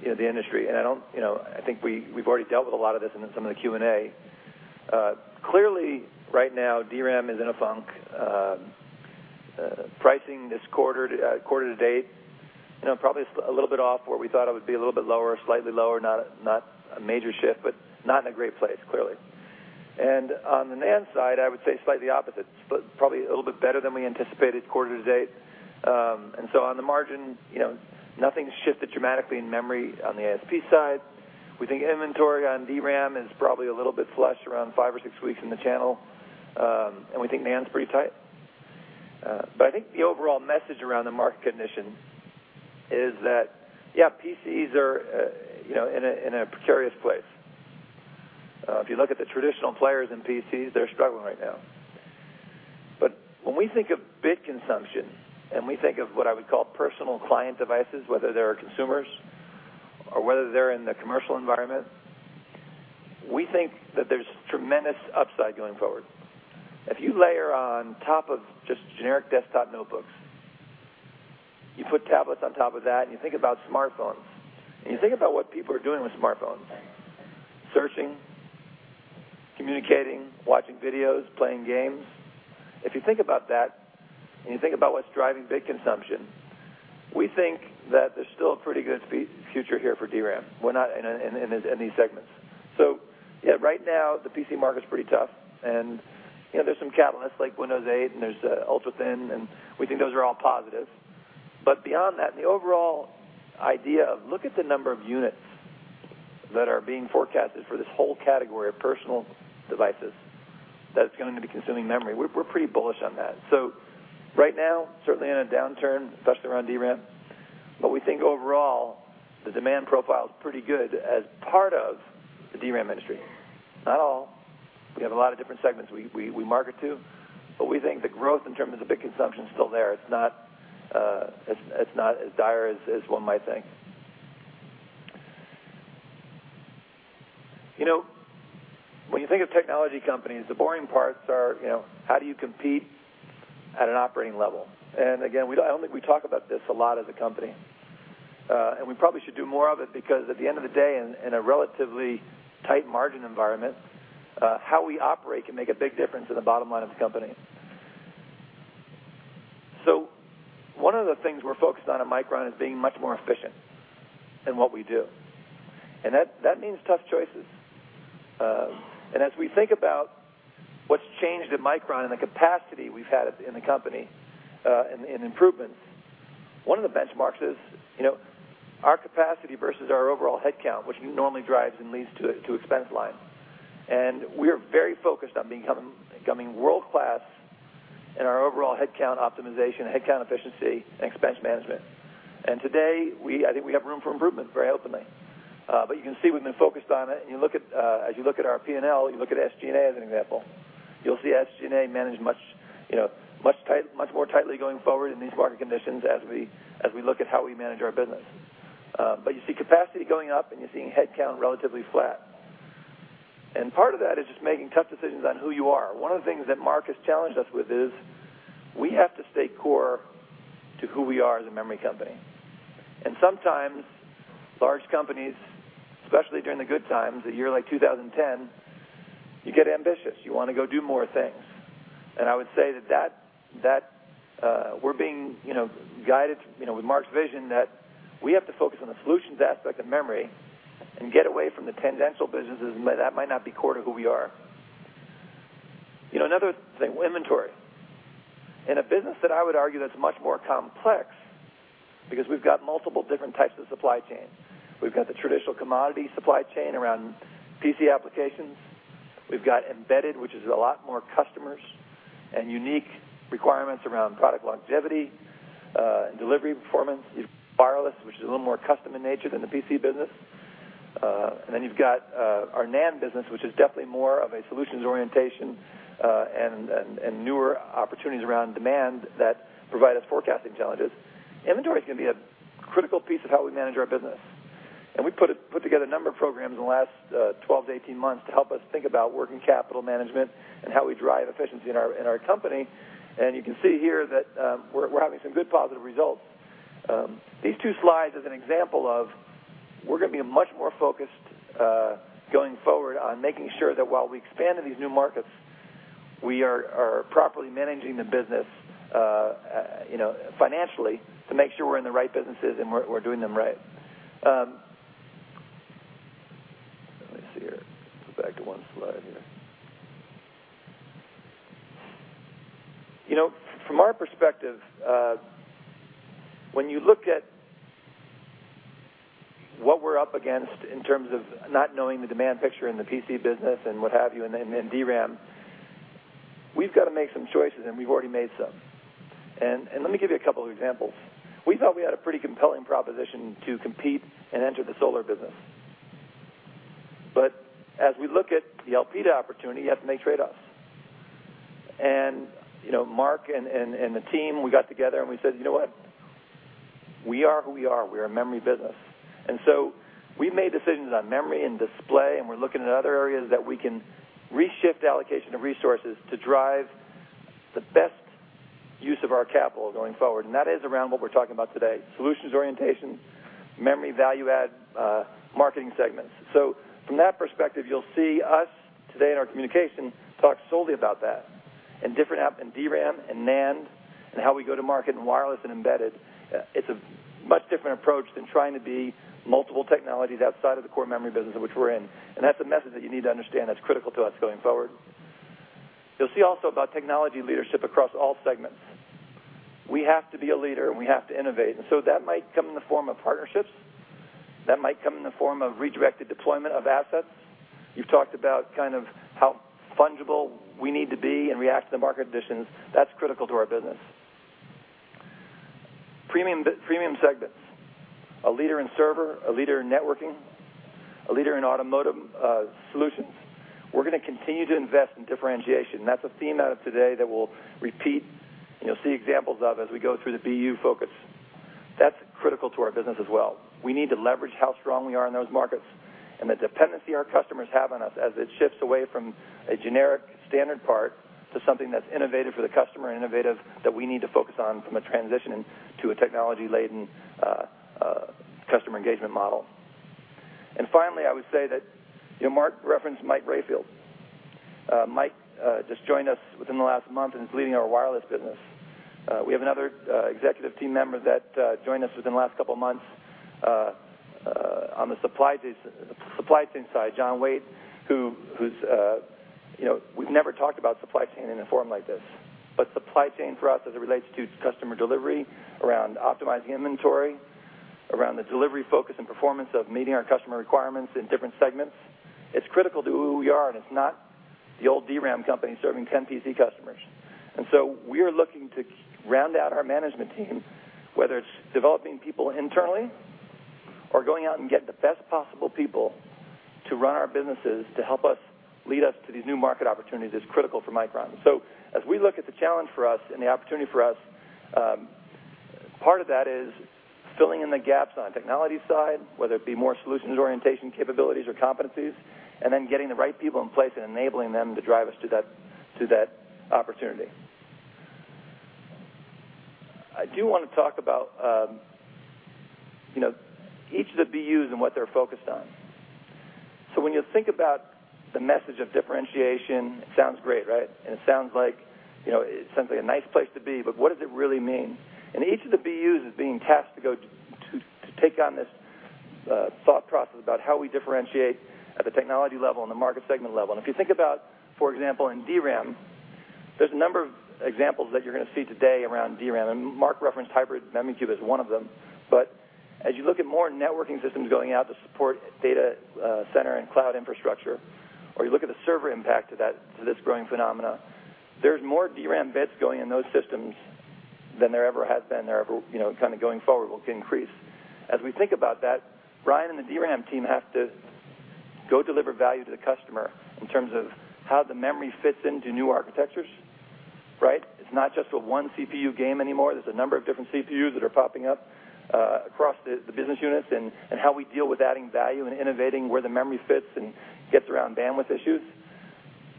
the industry, I think we've already dealt with a lot of this in some of the Q&A. Clearly, right now, DRAM is in a funk. Pricing this quarter to date, probably a little bit off where we thought it would be, a little bit lower, slightly lower, not a major shift, not in a great place, clearly. On the NAND side, I would say slightly opposite, probably a little bit better than we anticipated quarter to date. On the margin, nothing's shifted dramatically in memory on the ASP side. We think inventory on DRAM is probably a little bit flush, around five or six weeks in the channel. We think NAND's pretty tight. I think the overall message around the market condition is that, yeah, PCs are in a precarious place. If you look at the traditional players in PCs, they're struggling right now. When we think of bit consumption, we think of what I would call personal client devices, whether they are consumers or whether they're in the commercial environment, we think that there's tremendous upside going forward. If you layer on top of just generic desktop notebooks, you put tablets on top of that, you think about smartphones, you think about what people are doing with smartphones, searching, communicating, watching videos, playing games. If you think about that, you think about what's driving bit consumption, we think that there's still a pretty good future here for DRAM in these segments. Yeah, right now, the PC market's pretty tough, there's some catalysts like Windows 8, there's ultra-thin, we think those are all positive. Beyond that, the overall idea of look at the number of units that are being forecasted for this whole category of personal devices, that it's going to be consuming memory. We're pretty bullish on that. Right now, certainly in a downturn, especially around DRAM, but we think overall, the demand profile is pretty good as part of the DRAM industry. Not all. We have a lot of different segments we market to, but we think the growth in terms of bit consumption is still there. It's not as dire as one might think. When you think of technology companies, the boring parts are how do you compete at an operating level? Again, I don't think we talk about this a lot as a company. We probably should do more of it because at the end of the day, in a relatively tight margin environment, how we operate can make a big difference in the bottom line of the company. One of the things we're focused on at Micron is being much more efficient in what we do, and that means tough choices. As we think about what's changed at Micron and the capacity we've had in the company, and improvements, one of the benchmarks is our capacity versus our overall headcount, which normally drives and leads to expense line. We are very focused on becoming world-class in our overall headcount optimization, headcount efficiency, and expense management. Today, I think we have room for improvement, very openly. You can see we've been focused on it, and as you look at our P&L, you look at SG&A as an example. You'll see SG&A managed much more tightly going forward in these market conditions as we look at how we manage our business. You see capacity going up, and you're seeing headcount relatively flat. Part of that is just making tough decisions on who you are. One of the things that Mark has challenged us with is, we have to stay core to who we are as a memory company. Sometimes large companies, especially during the good times, a year like 2010, you get ambitious. You want to go do more things. I would say that we're being guided with Mark's vision, that we have to focus on the solutions aspect of memory and get away from the tangential businesses that might not be core to who we are. Another thing, inventory. In a business that I would argue that's much more complex, because we've got multiple different types of supply chains. We've got the traditional commodity supply chain around PC applications. We've got embedded, which is a lot more customers and unique requirements around product longevity and delivery performance. You've got wireless, which is a little more custom in nature than the PC business. Then you've got our NAND business, which is definitely more of a solutions orientation, and newer opportunities around demand that provide us forecasting challenges. Inventory is going to be a critical piece of how we manage our business. We put together a number of programs in the last 12-18 months to help us think about working capital management and how we drive efficiency in our company. You can see here that we're having some good positive results. These two slides is an example of we're going to be much more focused, going forward, on making sure that while we expand in these new markets, we are properly managing the business financially to make sure we're in the right businesses and we're doing them right. Let me see here. Go back to one slide here. From our perspective, when you look at what we're up against in terms of not knowing the demand picture in the PC business and what have you, then DRAM, we've got to make some choices, and we've already made some. Let me give you a couple of examples. We thought we had a pretty compelling proposition to compete and enter the solar business. As we look at the Elpida opportunity, you have to make trade-offs. Mark and the team, we got together, and we said, "You know what? We are who we are. We're a memory business." We made decisions on memory and display, and we're looking at other areas that we can reshift allocation of resources to drive the best use of our capital going forward. That is around what we're talking about today, solutions orientation, memory value add marketing segments. From that perspective, you'll see us, today in our communication, talk solely about that in different app, in DRAM and NAND, and how we go to market in wireless and embedded. It's a much different approach than trying to be multiple technologies outside of the core memory business in which we're in. That's a message that you need to understand that's critical to us going forward. You'll see also about technology leadership across all segments. We have to be a leader, and we have to innovate. That might come in the form of partnerships. That might come in the form of redirected deployment of assets. You've talked about how fungible we need to be and react to the market conditions. That's critical to our business. Premium segments, a leader in server, a leader in networking, a leader in automotive solutions. We're going to continue to invest in differentiation. That's a theme out of today that we'll repeat, and you'll see examples of as we go through the BU focus. That's critical to our business as well. We need to leverage how strong we are in those markets and the dependency our customers have on us as it shifts away from a generic standard part to something that's innovative for the customer, innovative that we need to focus on from a transitioning to a technology-laden customer engagement model. Finally, I would say that Mark referenced Mike Rayfield. Mike just joined us within the last month and is leading our wireless business. We have another executive team member that joined us within the last couple of months on the supply chain side, John Waite. We've never talked about supply chain in a forum like this. Supply chain for us as it relates to customer delivery around optimizing inventory, around the delivery focus and performance of meeting our customer requirements in different segments, it's critical to who we are, and it's not the old DRAM company serving 10 PC customers. We are looking to round out our management team, whether it's developing people internally or going out and getting the best possible people to run our businesses to help us lead us to these new market opportunities is critical for Micron. As we look at the challenge for us and the opportunity for us, part of that is filling in the gaps on the technology side, whether it be more solutions orientation capabilities or competencies. Then getting the right people in place and enabling them to drive us to that opportunity. I do want to talk about each of the BUs and what they are focused on. When you think about the message of differentiation, it sounds great. It sounds like a nice place to be, but what does it really mean? Each of the BUs is being tasked to take on this thought process about how we differentiate at the technology level and the market segment level. If you think about, for example, in DRAM, there is a number of examples that you are going to see today around DRAM, and Mark referenced Hybrid Memory Cube as one of them. As you look at more networking systems going out to support data center and cloud infrastructure, or you look at the server impact to this growing phenomena, there is more DRAM bits going in those systems than there ever has been. Going forward, it will increase. As we think about that, Brian and the DRAM team have to go deliver value to the customer in terms of how the memory fits into new architectures. It is not just a 1 CPU game anymore. There is a number of different CPUs that are popping up across the business units, and how we deal with adding value and innovating where the memory fits and gets around bandwidth issues.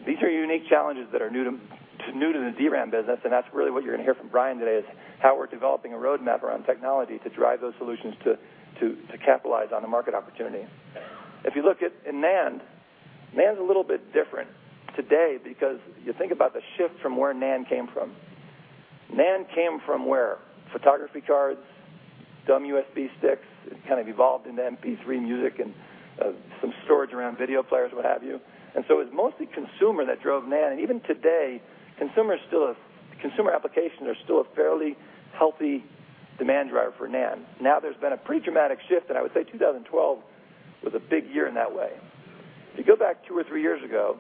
These are unique challenges that are new to the DRAM business. That is really what you are going to hear from Brian today, is how we are developing a roadmap around technology to drive those solutions to capitalize on the market opportunity. If you look at NAND is a little bit different today because you think about the shift from where NAND came from. NAND came from where? Photography cards, dumb USB sticks. It evolved into MP3 music and some storage around video players, what have you. It was mostly consumer that drove NAND. Even today, consumer applications are still a fairly healthy demand driver for NAND. There has been a pretty dramatic shift, and I would say 2012 was a big year in that way. If you go back two or three years ago,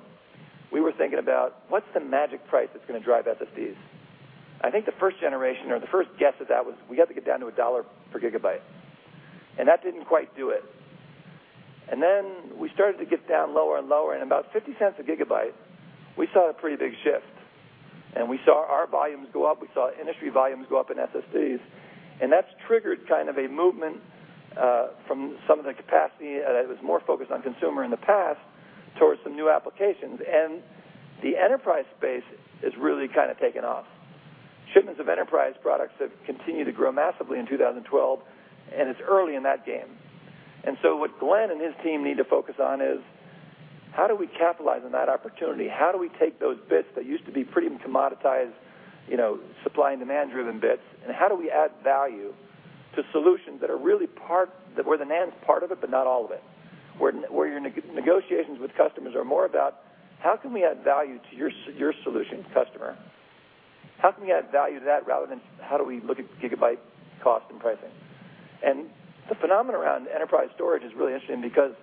we were thinking about what is the magic price that is going to drive SSDs. I think the first generation, or the first guess at that, was we got to get down to $1 per gigabyte. That did not quite do it. Then we started to get down lower and lower, and about $0.50 a gigabyte, we saw a pretty big shift. We saw industry volumes go up in SSDs, and that has triggered a movement from some of the capacity that was more focused on consumer in the past towards some new applications. The enterprise space has really taken off. Shipments of enterprise products have continued to grow massively in 2012, and it is early in that game. What Glen and his team need to focus on is how do we capitalize on that opportunity? How do we take those bits that used to be pretty commoditized, supply-and-demand driven bits, how do we add value to solutions where the NAND's part of it, but not all of it? Where your negotiations with customers are more about how can we add value to your solution, customer? How can we add value to that rather than how do we look at gigabyte cost and pricing? The phenomenon around enterprise storage is really interesting because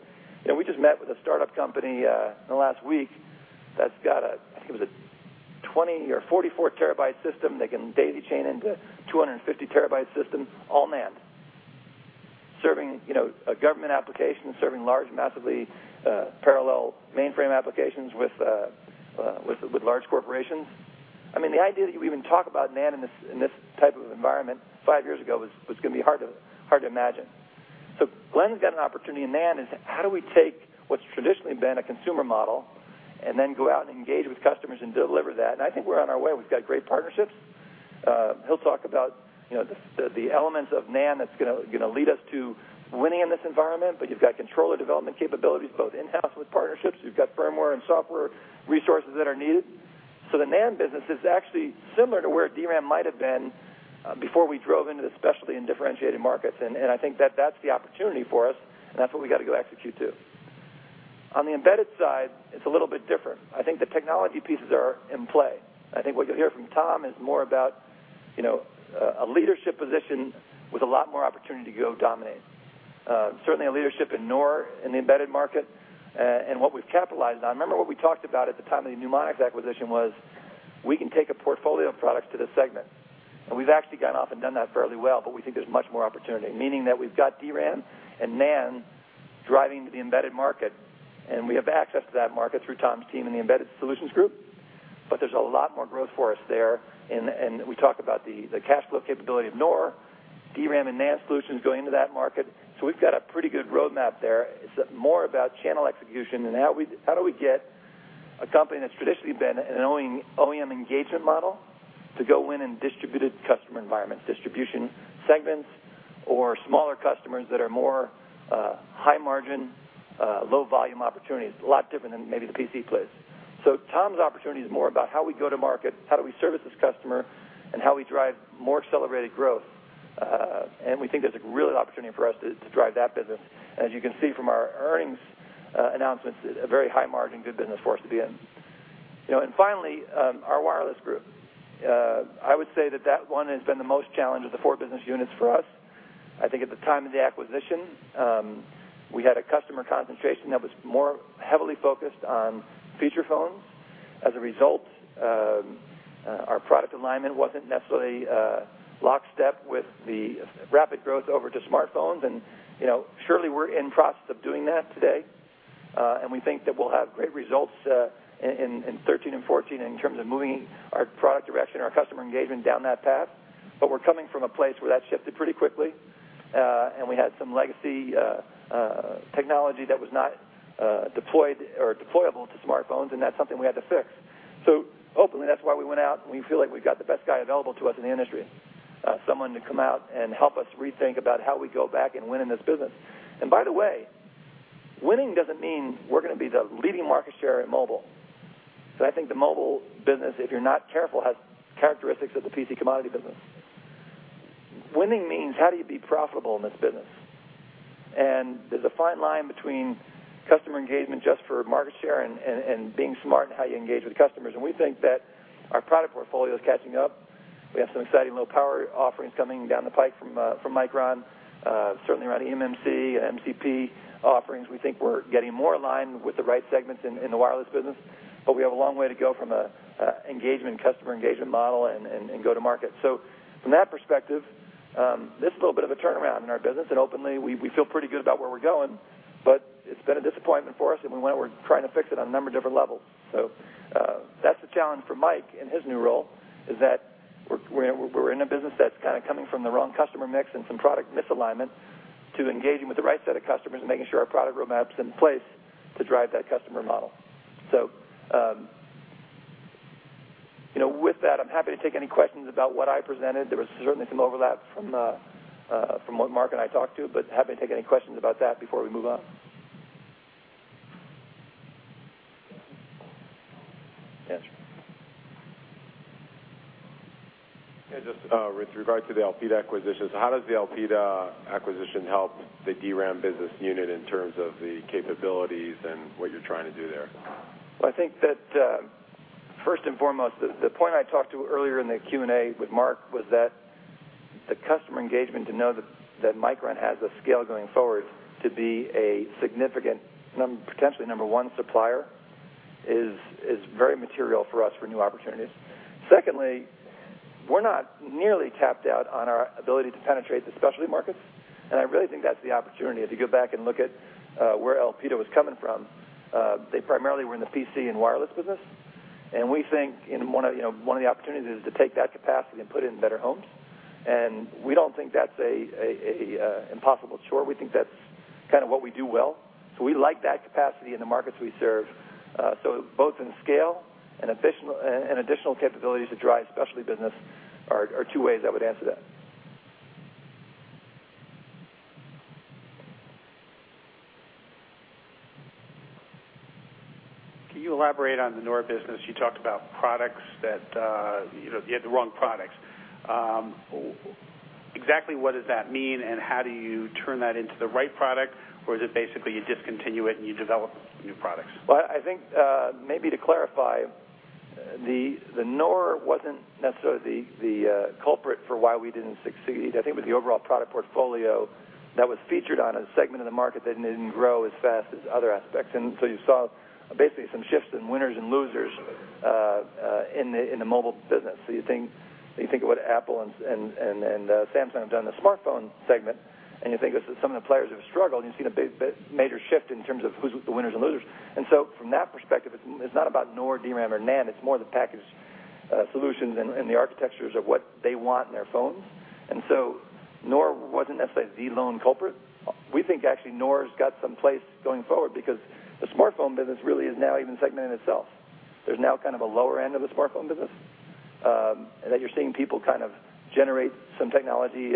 we just met with a startup company in the last week that's got, I think it was a 20 or 44 terabyte system that can daisy chain into 250 terabyte systems, all NAND. Serving a government application, serving large, massively parallel mainframe applications with large corporations. The idea that you would even talk about NAND in this type of environment five years ago was going to be hard to imagine. Glen's got an opportunity in NAND, is how do we take what's traditionally been a consumer model and then go out and engage with customers and deliver that? I think we're on our way. We've got great partnerships. He'll talk about the elements of NAND that's going to lead us to winning in this environment. You've got controller development capabilities, both in-house with partnerships. You've got firmware and software resources that are needed. The NAND business is actually similar to where DRAM might have been before we drove into the specialty and differentiated markets. I think that that's the opportunity for us, and that's what we got to go execute to. On the embedded side, it's a little bit different. I think the technology pieces are in play. I think what you'll hear from Tom is more about a leadership position with a lot more opportunity to go dominate. Certainly, a leadership in NOR, in the embedded market, and what we've capitalized on. I remember what we talked about at the time of the Numonyx acquisition was we can take a portfolio of products to this segment, we've actually gone off and done that fairly well, we think there's much more opportunity, meaning that we've got DRAM and NAND driving the embedded market, and we have access to that market through Tom's team in the Embedded Solutions Group. There's a lot more growth for us there. We talked about the cash flow capability of NOR, DRAM, and NAND solutions going into that market. We've got a pretty good roadmap there. It's more about channel execution and how do we get a company that's traditionally been an OEM engagement model to go in in distributed customer environments, distribution segments or smaller customers that are more high margin, low volume opportunities, a lot different than maybe the PC plays. Tom's opportunity is more about how we go to market, how do we service this customer, and how we drive more accelerated growth. We think there's a really an opportunity for us to drive that business. As you can see from our earnings announcements, a very high margin, good business for us to be in. Finally, our wireless group. I would say that that one has been the most challenged of the four business units for us. I think at the time of the acquisition, we had a customer concentration that was more heavily focused on feature phones. As a result, our product alignment wasn't necessarily lockstep with the rapid growth over to smartphones. Surely, we're in process of doing that today, and we think that we'll have great results in 2013 and 2014 in terms of moving our product direction, our customer engagement down that path. We're coming from a place where that shifted pretty quickly, and we had some legacy technology that was not deployable to smartphones, and that's something we had to fix. Hopefully, that's why we went out, and we feel like we got the best guy available to us in the industry. Someone to come out and help us rethink about how we go back and win in this business. By the way, winning doesn't mean we're going to be the leading market share in mobile. I think the mobile business, if you're not careful, has characteristics of the PC commodity business. Winning means how do you be profitable in this business? There's a fine line between customer engagement just for market share and being smart in how you engage with customers. We think that our product portfolio is catching up. We have some exciting low-power offerings coming down the pike from Micron, certainly around eMMC and MCP offerings. We think we're getting more aligned with the right segments in the wireless business, but we have a long way to go from a customer engagement model and go to market. From that perspective, this is a little bit of a turnaround in our business, and openly, we feel pretty good about where we're going, but it's been a disappointment for us, and we're trying to fix it on a number of different levels. That's the challenge for Mike in his new role, is that we're in a business that's kind of coming from the wrong customer mix and some product misalignment to engaging with the right set of customers and making sure our product roadmap's in place to drive that customer model. With that, I'm happy to take any questions about what I presented. There was certainly some overlap from what Mark and I talked to, but happy to take any questions about that before we move on. Yes, sir. Just with regard to the Elpida acquisition, how does the Elpida acquisition help the DRAM business unit in terms of the capabilities and what you're trying to do there? Well, I think that, first and foremost, the point I talked to earlier in the Q&A with Mark was that the customer engagement to know that Micron has the scale going forward to be a significant, potentially number one supplier is very material for us for new opportunities. Secondly, we're not nearly tapped out on our ability to penetrate the specialty markets, and I really think that's the opportunity. If you go back and look at where Elpida was coming from, they primarily were in the PC and wireless business, and we think one of the opportunities is to take that capacity and put it in better homes, and we don't think that's an impossible chore. We think that's kind of what we do well. We like that capacity in the markets we serve. Both in scale and additional capabilities to drive specialty business are two ways I would answer that. Can you elaborate on the NOR business? You talked about products, that you had the wrong products. Exactly what does that mean, and how do you turn that into the right product, or is it basically you discontinue it and you develop new products? Well, I think, maybe to clarify, the NOR wasn't necessarily the culprit for why we didn't succeed. I think it was the overall product portfolio that was featured on a segment of the market that didn't grow as fast as other aspects. You saw basically some shifts in winners and losers in the mobile business. You think of what Apple and Samsung have done in the smartphone segment, and you think of some of the players who have struggled, and you've seen a big, major shift in terms of who's the winners and losers. From that perspective, it's not about NOR, DRAM, or NAND, it's more the packaged solutions and the architectures of what they want in their phones. NOR wasn't necessarily the lone culprit. We think actually NOR's got some place going forward because the smartphone business really is now even segmented itself. There's now kind of a lower end of the smartphone business. That you're seeing people kind of generate some technology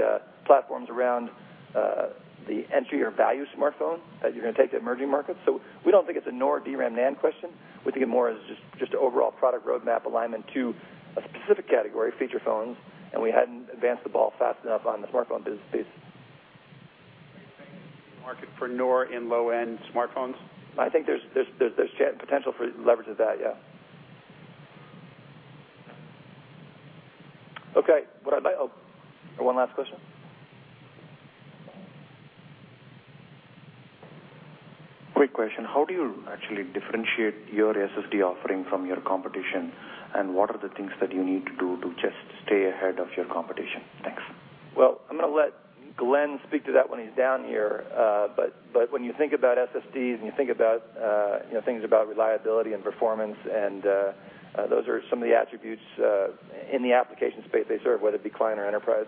platforms around the entry or value smartphone that you're going to take to emerging markets. We don't think it's a NOR, DRAM, NAND question. We think of it more as just an overall product roadmap alignment to a specific category, feature phones. We hadn't advanced the ball fast enough on the smartphone business piece. Are you saying there's a market for NOR in low-end smartphones? I think there's potential for leverage of that, yeah. Okay. One last question. Quick question. How do you actually differentiate your SSD offering from your competition? What are the things that you need to do to just stay ahead of your competition? Thanks. I'm going to let Glen speak to that when he's down here. When you think about SSDs, and you think about things about reliability and performance and those are some of the attributes in the application space they serve, whether it be client or enterprise.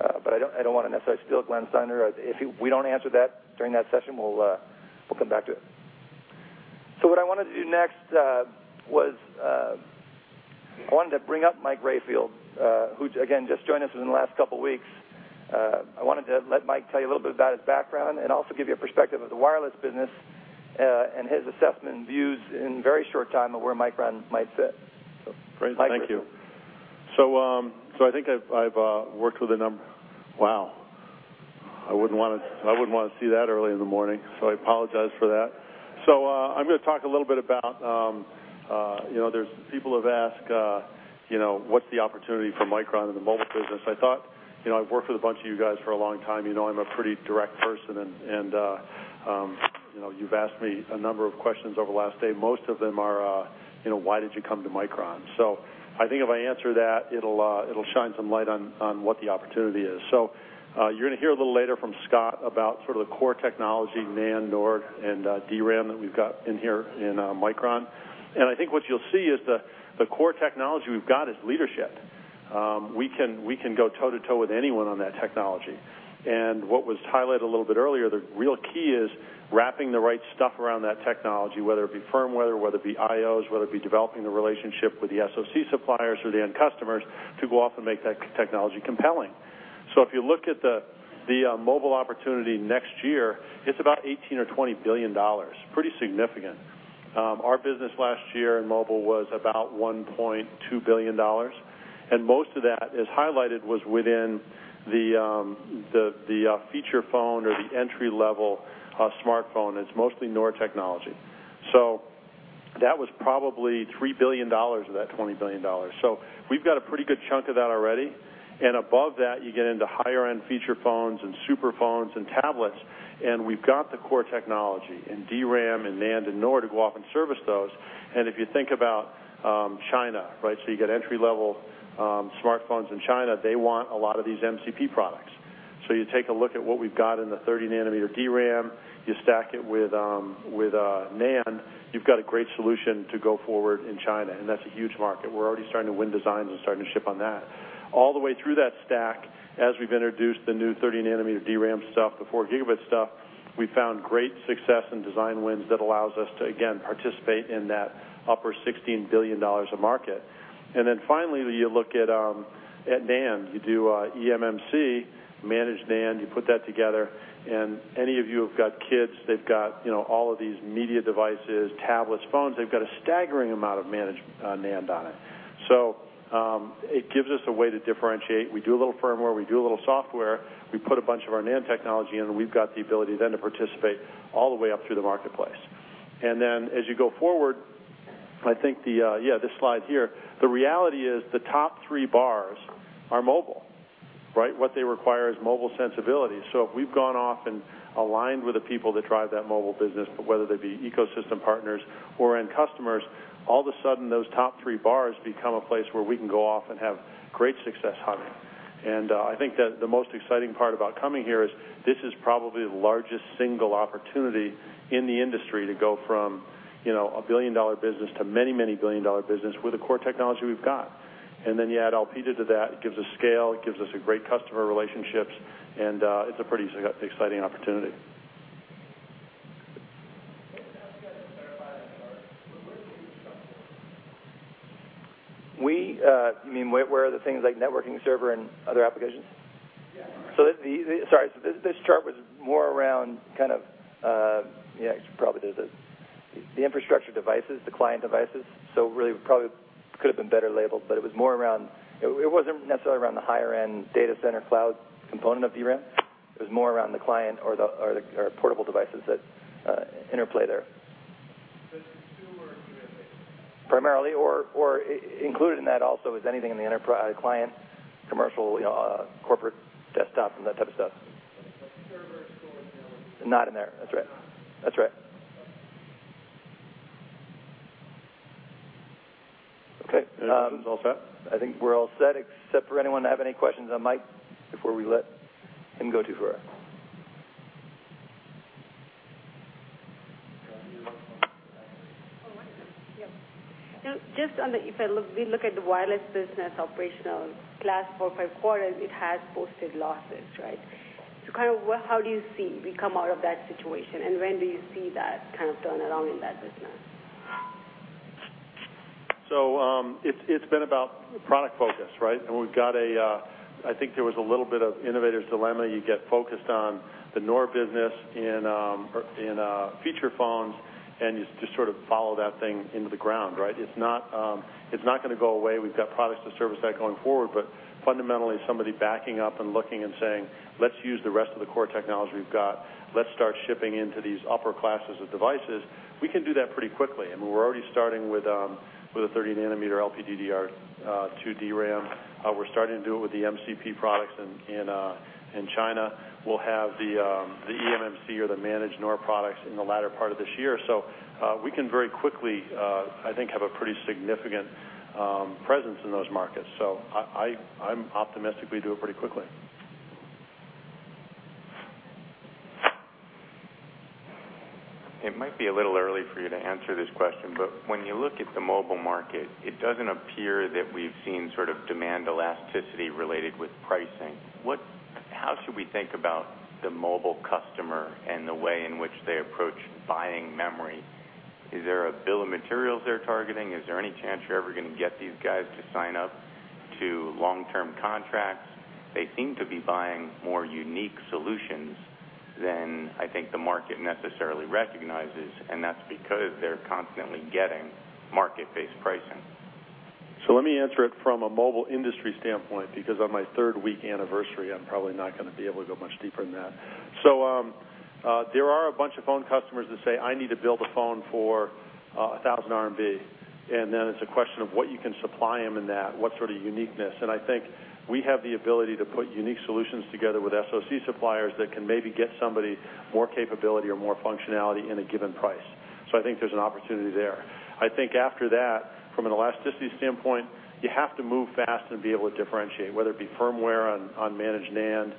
I don't want to necessarily steal Glen's thunder. If we don't answer that during that session, we'll come back to it. What I wanted to do next was, I wanted to bring up Mike Rafiel, who, again, just joined us within the last couple of weeks. I wanted to let Mike tell you a little bit about his background and also give you a perspective of the wireless business and his assessment and views in a very short time of where Micron might fit. Mike Rafiel. Great. Thank you. I think I've worked with a number-- Wow. I wouldn't want to see that early in the morning, so I apologize for that. I'm going to talk a little bit about, there's people who've asked, "What's the opportunity for Micron in the mobile business?" I thought, I've worked with a bunch of you guys for a long time. You know I'm a pretty direct person, and you've asked me a number of questions over the last day. Most of them are, "Why did you come to Micron?" I think if I answer that, it'll shine some light on what the opportunity is. You're going to hear a little later from Scott about sort of the core technology, NAND, NOR, and DRAM that we've got in here in Micron. I think what you'll see is the core technology we've got is leadership. We can go toe-to-toe with anyone on that technology. What was highlighted a little bit earlier, the real key is wrapping the right stuff around that technology, whether it be firmware, whether it be IOs, whether it be developing the relationship with the SoC suppliers or the end customers to go off and make that technology compelling. If you look at the mobile opportunity next year, it's about $18 billion or $20 billion. Pretty significant. Our business last year in mobile was about $1.2 billion, and most of that, as highlighted, was within the feature phone or the entry-level smartphone. It's mostly NOR technology. That was probably $3 billion of that $20 billion. We've got a pretty good chunk of that already, and above that, you get into higher-end feature phones and super phones and tablets, and we've got the core technology in DRAM, and NAND, and NOR to go off and service those. If you think about China, you get entry-level smartphones in China, they want a lot of these MCP products. You take a look at what we've got in the 30-nanometer DRAM, you stack it with NAND, you've got a great solution to go forward in China, and that's a huge market. We're already starting to win designs and starting to ship on that. All the way through that stack, as we've introduced the new 30-nanometer DRAM stuff, the four-gigabit stuff, we found great success in design wins that allows us to, again, participate in that upper $16 billion of market. Finally, you look at NAND. You do eMMC, managed NAND, you put that together. Any of you who've got kids, they've got all of these media devices, tablets, phones. They've got a staggering amount of managed NAND on it. It gives us a way to differentiate. We do a little firmware, we do a little software, we put a bunch of our NAND technology in, we've got the ability then to participate all the way up through the marketplace. As you go forward, I think, this slide here, the reality is the top 3 bars are mobile. What they require is mobile sensibility. If we've gone off and aligned with the people that drive that mobile business, whether they be ecosystem partners or end customers, all of a sudden, those top 3 bars become a place where we can go off and have great success hunting. I think that the most exciting part about coming here is this is probably the largest single opportunity in the industry to go from a $1 billion business to many, many billion-dollar business with the core technology we've got. You add Elpida to that, it gives us scale, it gives us great customer relationships. It's a pretty exciting opportunity. Let me ask you guys to clarify that chart. Where is the infrastructure? You mean where are the things like networking server and other applications? Sorry. This chart was more around, probably the infrastructure devices, the client devices. Really, probably could've been better labeled, but it wasn't necessarily around the higher-end data center cloud component of DRAM. It was more around the client or portable devices that interplay there. The consumer DRAM, basically. Primarily, or included in that also is anything in the client, commercial, corporate desktop, and that type of stuff. Server, storage, networking. Not in there. That's right. Okay. That's right. Okay. Okay. I think this is all set. I think we're all set, except for anyone have any questions on Mike before we let him go too far? Just on the, if we look at the wireless business operational last four, five quarters, it has posted losses, right? How do you see we come out of that situation, and when do you see that kind of turn around in that business? It's been about product focus, right? I think there was a little bit of innovator's dilemma. You get focused on the NOR business in feature phones, and you just sort of follow that thing into the ground, right? It's not going to go away. We've got products to service that going forward. Fundamentally, somebody backing up and looking and saying, "Let's use the rest of the core technology we've got. Let's start shipping into these upper classes of devices," we can do that pretty quickly. I mean, we're already starting with a 30-nanometer LPDDR2 DRAM. We're starting to do it with the MCP products in China. We'll have the eMMC or the managed NAND products in the latter part of this year. We can very quickly, I think, have a pretty significant presence in those markets. I optimistically do it pretty quickly. It might be a little early for you to answer this question, when you look at the mobile market, it doesn't appear that we've seen sort of demand elasticity related with pricing. How should we think about the mobile customer and the way in which they approach buying memory? Is there a bill of materials they're targeting? Is there any chance you're ever going to get these guys to sign up to long-term contracts? They seem to be buying more unique solutions than I think the market necessarily recognizes, and that's because they're constantly getting market-based pricing. Let me answer it from a mobile industry standpoint, because on my third-week anniversary, I'm probably not going to be able to go much deeper than that. There are a bunch of phone customers that say, "I need to build a phone for 1,000 RMB," and then it's a question of what you can supply them in that, what sort of uniqueness. I think we have the ability to put unique solutions together with SoC suppliers that can maybe get somebody more capability or more functionality in a given price. I think there's an opportunity there. I think after that, from an elasticity standpoint, you have to move fast and be able to differentiate, whether it be firmware on managed NAND,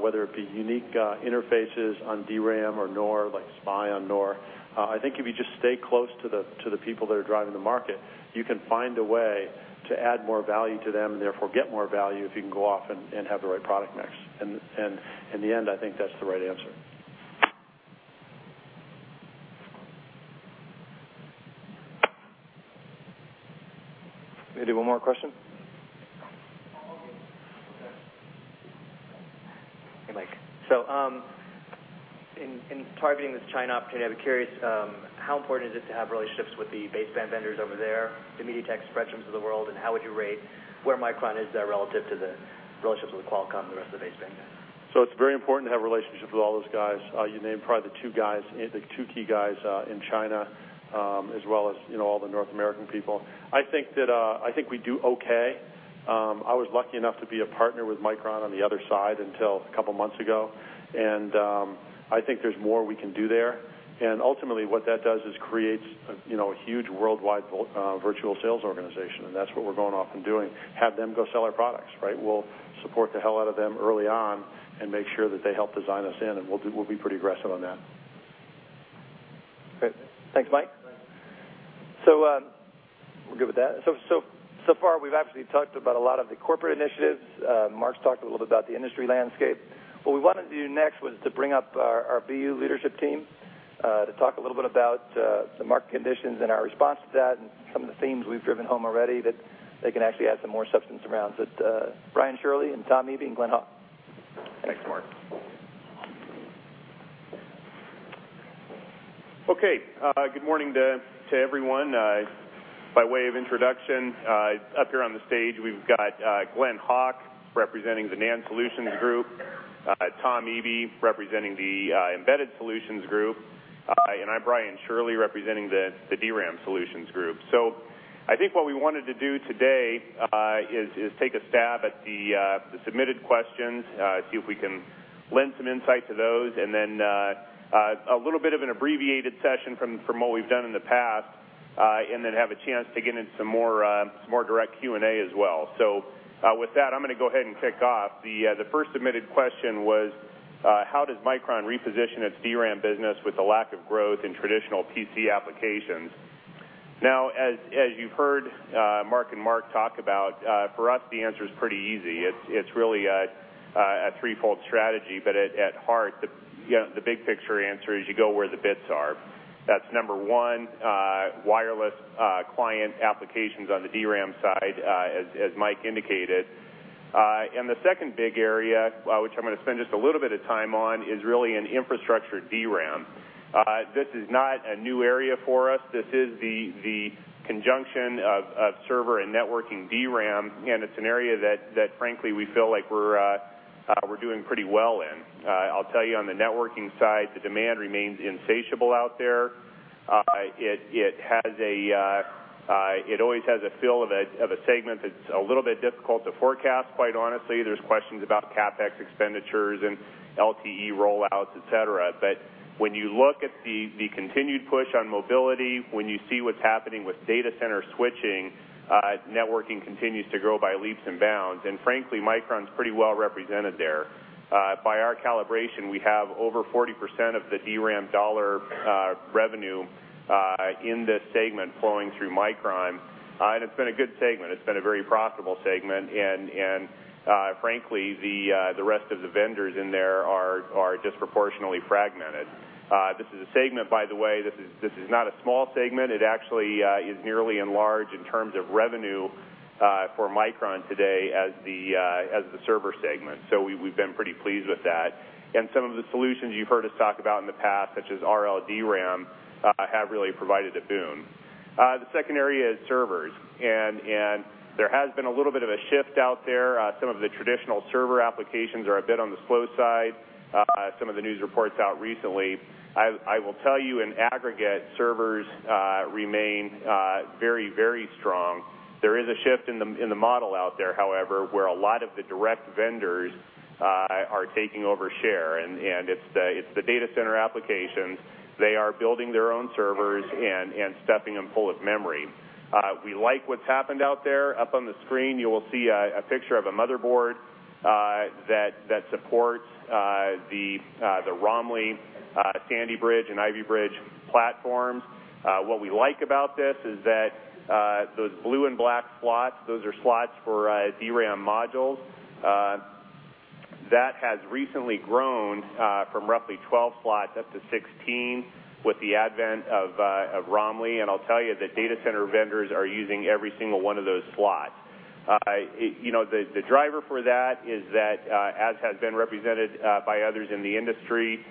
whether it be unique interfaces on DRAM or NOR, like SPI on NOR. I think if you just stay close to the people that are driving the market, you can find a way to add more value to them and therefore get more value if you can go off and have the right product mix. In the end, I think that's the right answer. Can we do one more question? Hey, Mike. In targeting this China opportunity, I'd be curious, how important is it to have relationships with the baseband vendors over there, the MediaTek, Spreadtrums of the world, and how would you rate where Micron is there relative to the relationships with Qualcomm and the rest of the baseband vendors? It's very important to have relationships with all those guys. You named probably the two key guys in China, as well as all the North American people. I think we do okay. I was lucky enough to be a partner with Micron on the other side until a couple of months ago, I think there's more we can do there. Ultimately, what that does is creates a huge worldwide virtual sales organization, that's what we're going off and doing, have them go sell our products. We'll support the hell out of them early on and make sure that they help design us in, we'll be pretty aggressive on that. Great. Thanks, Mike. No problem. We're good with that. So far, we've actually talked about a lot of the corporate initiatives. Mark's talked a little bit about the industry landscape. What we wanted to do next was to bring up our BU leadership team, to talk a little bit about some market conditions and our response to that and some of the themes we've driven home already that they can actually add some more substance around. Brian Shirley and Tom Eby and Glen Hawk. Thanks, Mark. Okay. Good morning to everyone. By way of introduction, up here on the stage, we've got Glen Hawk representing the NAND Solutions Group, Tom Eby representing the Embedded Solutions Group, and I'm Brian Shirley, representing the DRAM Solutions Group. I think what we wanted to do today is take a stab at the submitted questions, see if we can lend some insight to those, and then a little bit of an abbreviated session from what we've done in the past, and then have a chance to get into some more direct Q&A as well. With that, I'm going to go ahead and kick off. The first submitted question was, how does Micron reposition its DRAM business with the lack of growth in traditional PC applications? Now, as you've heard Mark and Mark talk about, for us, the answer is pretty easy. It's really a threefold strategy, but at heart, the big-picture answer is you go where the bits are. That's number 1, wireless client applications on the DRAM side, as Mike indicated. The second big area, which I'm going to spend just a little bit of time on, is really in infrastructure DRAM. This is not a new area for us. This is the conjunction of server and networking DRAM, and it's an area that frankly, we feel like we're doing pretty well in. I'll tell you on the networking side, the demand remains insatiable out there. It always has a feel of a segment that's a little bit difficult to forecast, quite honestly. There's questions about CapEx expenditures and LTE rollouts, et cetera. When you look at the continued push on mobility, when you see what's happening with data center switching, networking continues to grow by leaps and bounds, and frankly, Micron's pretty well-represented there. By our calibration, we have over 40% of the DRAM $ revenue in this segment flowing through Micron. It's been a good segment. It's been a very profitable segment. Frankly, the rest of the vendors in there are disproportionately fragmented. This is a segment, by the way, this is not a small segment. It actually is nearly as large in terms of revenue for Micron today as the server segment. We've been pretty pleased with that. Some of the solutions you've heard us talk about in the past, such as RLDRAM, have really provided a boom. The second area is servers, and there has been a little bit of a shift out there. Some of the traditional server applications are a bit on the slow side. Some of the news reports out recently. I will tell you, in aggregate, servers remain very, very strong. There is a shift in the model out there, however, where a lot of the direct vendors are taking over share, and it's the data center applications. They are building their own servers and stuffing them full of memory. We like what's happened out there. Up on the screen, you will see a picture of a motherboard that supports the Romley Sandy Bridge and Ivy Bridge platforms. What we like about this is that those blue and black slots, those are slots for DRAM modules. That has recently grown from roughly 12 slots up to 16 with the advent of Romley. I'll tell you, the data center vendors are using every single one of those slots. The driver for that is that as has been represented by others in the industry,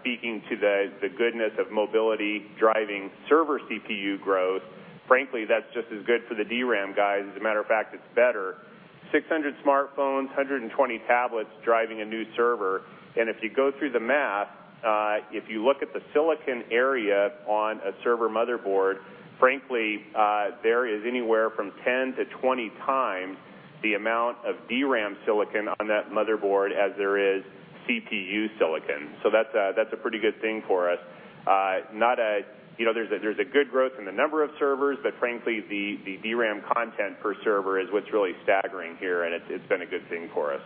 speaking to the goodness of mobility driving server CPU growth, frankly, that's just as good for the DRAM guys. As a matter of fact, it's better. 600 smartphones, 120 tablets driving a new server. If you go through the math, if you look at the silicon area on a server motherboard, frankly, there is anywhere from 10 to 20 times the amount of DRAM silicon on that motherboard as there is CPU silicon. That's a pretty good thing for us. There's a good growth in the number of servers, frankly, the DRAM content per server is what's really staggering here, and it's been a good thing for us.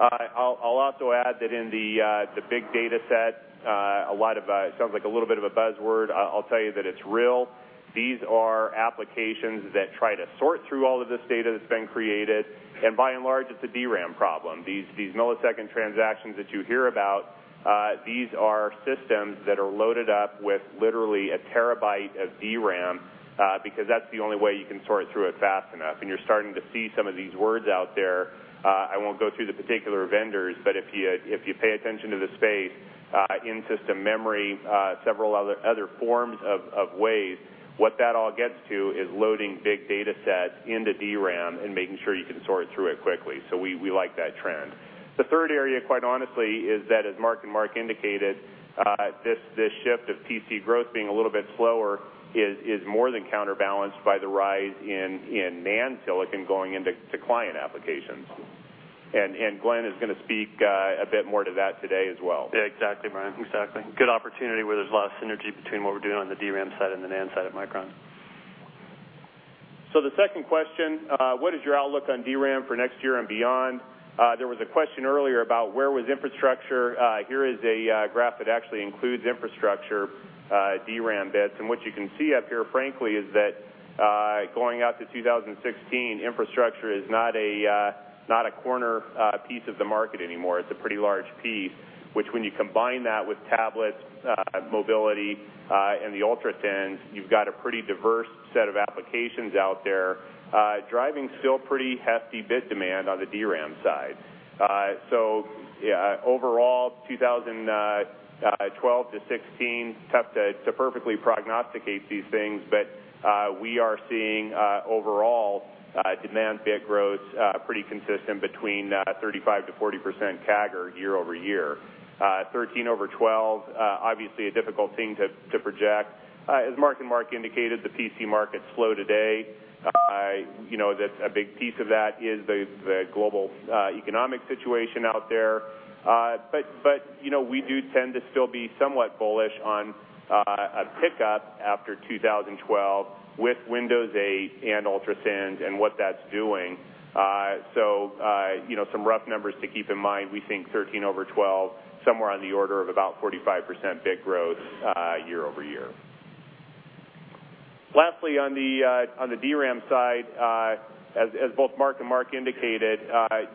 I'll also add that in the big data set, it sounds like a little bit of a buzzword. I'll tell you that it's real. These are applications that try to sort through all of this data that's been created, and by and large, it's a DRAM problem. These millisecond transactions that you hear about, these are systems that are loaded up with literally a terabyte of DRAM, because that's the only way you can sort through it fast enough. You're starting to see some of these words out there. I won't go through the particular vendors, if you pay attention to the space, in-system memory, several other forms of ways, what that all gets to is loading big data sets into DRAM and making sure you can sort through it quickly. We like that trend. The third area, quite honestly, is that, as Mark and Mark indicated, this shift of PC growth being a little bit slower is more than counterbalanced by the rise in NAND silicon going into client applications. Glen is going to speak a bit more to that today as well. Exactly, Brian. Exactly. Good opportunity where there's a lot of synergy between what we're doing on the DRAM side and the NAND side at Micron. The second question, what is your outlook on DRAM for next year and beyond? There was a question earlier about where was infrastructure. Here is a graph that actually includes infrastructure DRAM bits, and what you can see up here, frankly, is that going out to 2016, infrastructure is not a corner piece of the market anymore. It's a pretty large piece, which when you combine that with tablets, mobility, and the ultrathins, you've got a pretty diverse set of applications out there, driving still pretty hefty bit demand on the DRAM side. Overall, 2012 to 2016, it's tough to perfectly prognosticate these things, but we are seeing, overall, demand bit growth pretty consistent between 35%-40% CAGR year-over-year. 13 over 12, obviously, a difficult thing to project. As Mark and Mark indicated, the PC market's slow today. A big piece of that is the global economic situation out there. We do tend to still be somewhat bullish on a pickup after 2012 with Windows 8 and ultrathins and what that's doing. Some rough numbers to keep in mind. We think 13 over 12, somewhere on the order of about 45% bit growth year-over-year. Lastly, on the DRAM side, as both Mark and Mark indicated,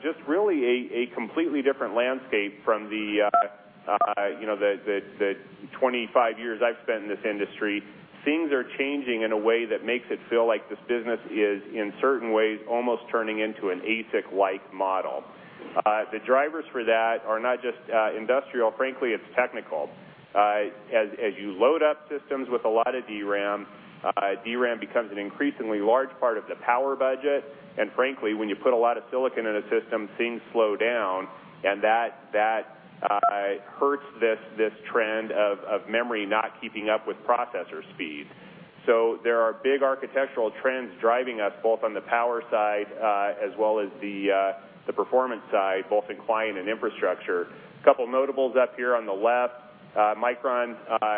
just really a completely different landscape from the 25 years I've spent in this industry. Things are changing in a way that makes it feel like this business is, in certain ways, almost turning into an ASIC-like model. The drivers for that are not just industrial. Frankly, it's technical. As you load up systems with a lot of DRAM becomes an increasingly large part of the power budget, and frankly, when you put a lot of silicon in a system, things slow down, and that hurts this trend of memory not keeping up with processor speed. There are big architectural trends driving us both on the power side as well as the performance side, both in client and infrastructure. A couple notables up here on the left. Micron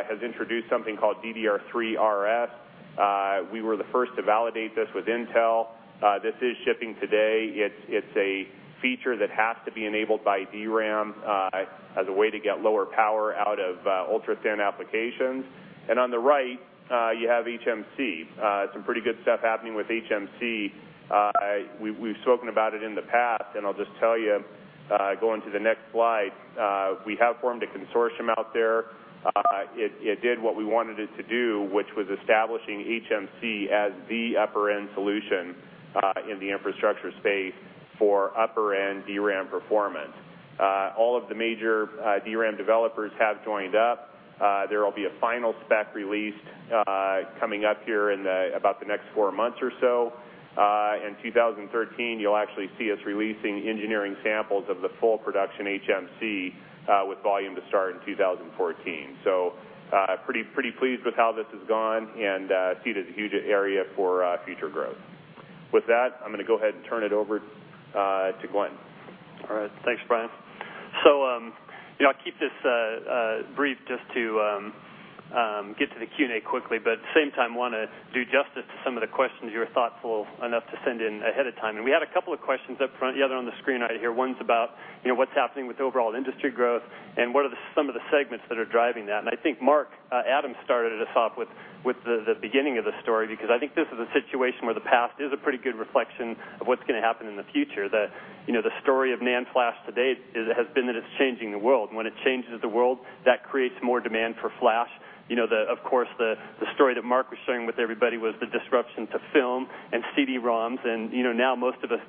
has introduced something called DDR3RS. We were the first to validate this with Intel. This is shipping today. It's a feature that has to be enabled by DRAM as a way to get lower power out of ultrathin applications. On the right, you have HMC. Some pretty good stuff happening with HMC. We've spoken about it in the past, I'll just tell you, going to the next slide, we have formed a consortium out there. It did what we wanted it to do, which was establishing HMC as the upper-end solution in the infrastructure space for upper-end DRAM performance. All of the major DRAM developers have joined up. There will be a final spec release coming up here in about the next four months or so. In 2013, you'll actually see us releasing engineering samples of the full production HMC, with volume to start in 2014. Pretty pleased with how this has gone and see it as a huge area for future growth. With that, I'm going to go ahead and turn it over to Glen. All right. Thanks, Brian. I'll keep this brief just to get to the Q&A quickly, but at the same time, want to do justice to some of the questions you were thoughtful enough to send in ahead of time. We had a couple of questions up front. The other on the screen right here, one's about what's happening with overall industry growth and what are some of the segments that are driving that. I think Mark Adams started us off with the beginning of the story, because I think this is a situation where the past is a pretty good reflection of what's going to happen in the future. The story of NAND flash to date has been that it's changing the world, and when it changes the world, that creates more demand for flash. Of course, the story that Mark was sharing with everybody was the disruption to film and CD-ROMs, and now most of us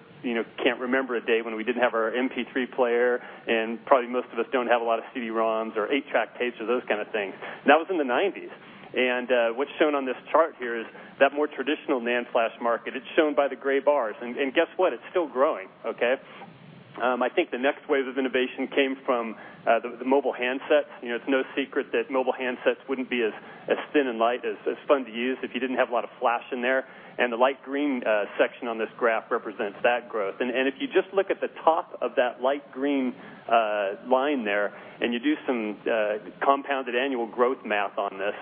can't remember a day when we didn't have our MP3 player, and probably most of us don't have a lot of CD-ROMs or 8-track tapes or those kind of things. That was in the 1990s. What's shown on this chart here is that more traditional NAND flash market. It's shown by the gray bars. Guess what? It's still growing, okay? I think the next wave of innovation came from the mobile handsets. It's no secret that mobile handsets wouldn't be as thin and light, as fun to use, if you didn't have a lot of flash in there. The light green section on this graph represents that growth. If you just look at the top of that light green line there and you do some compounded annual growth math on this,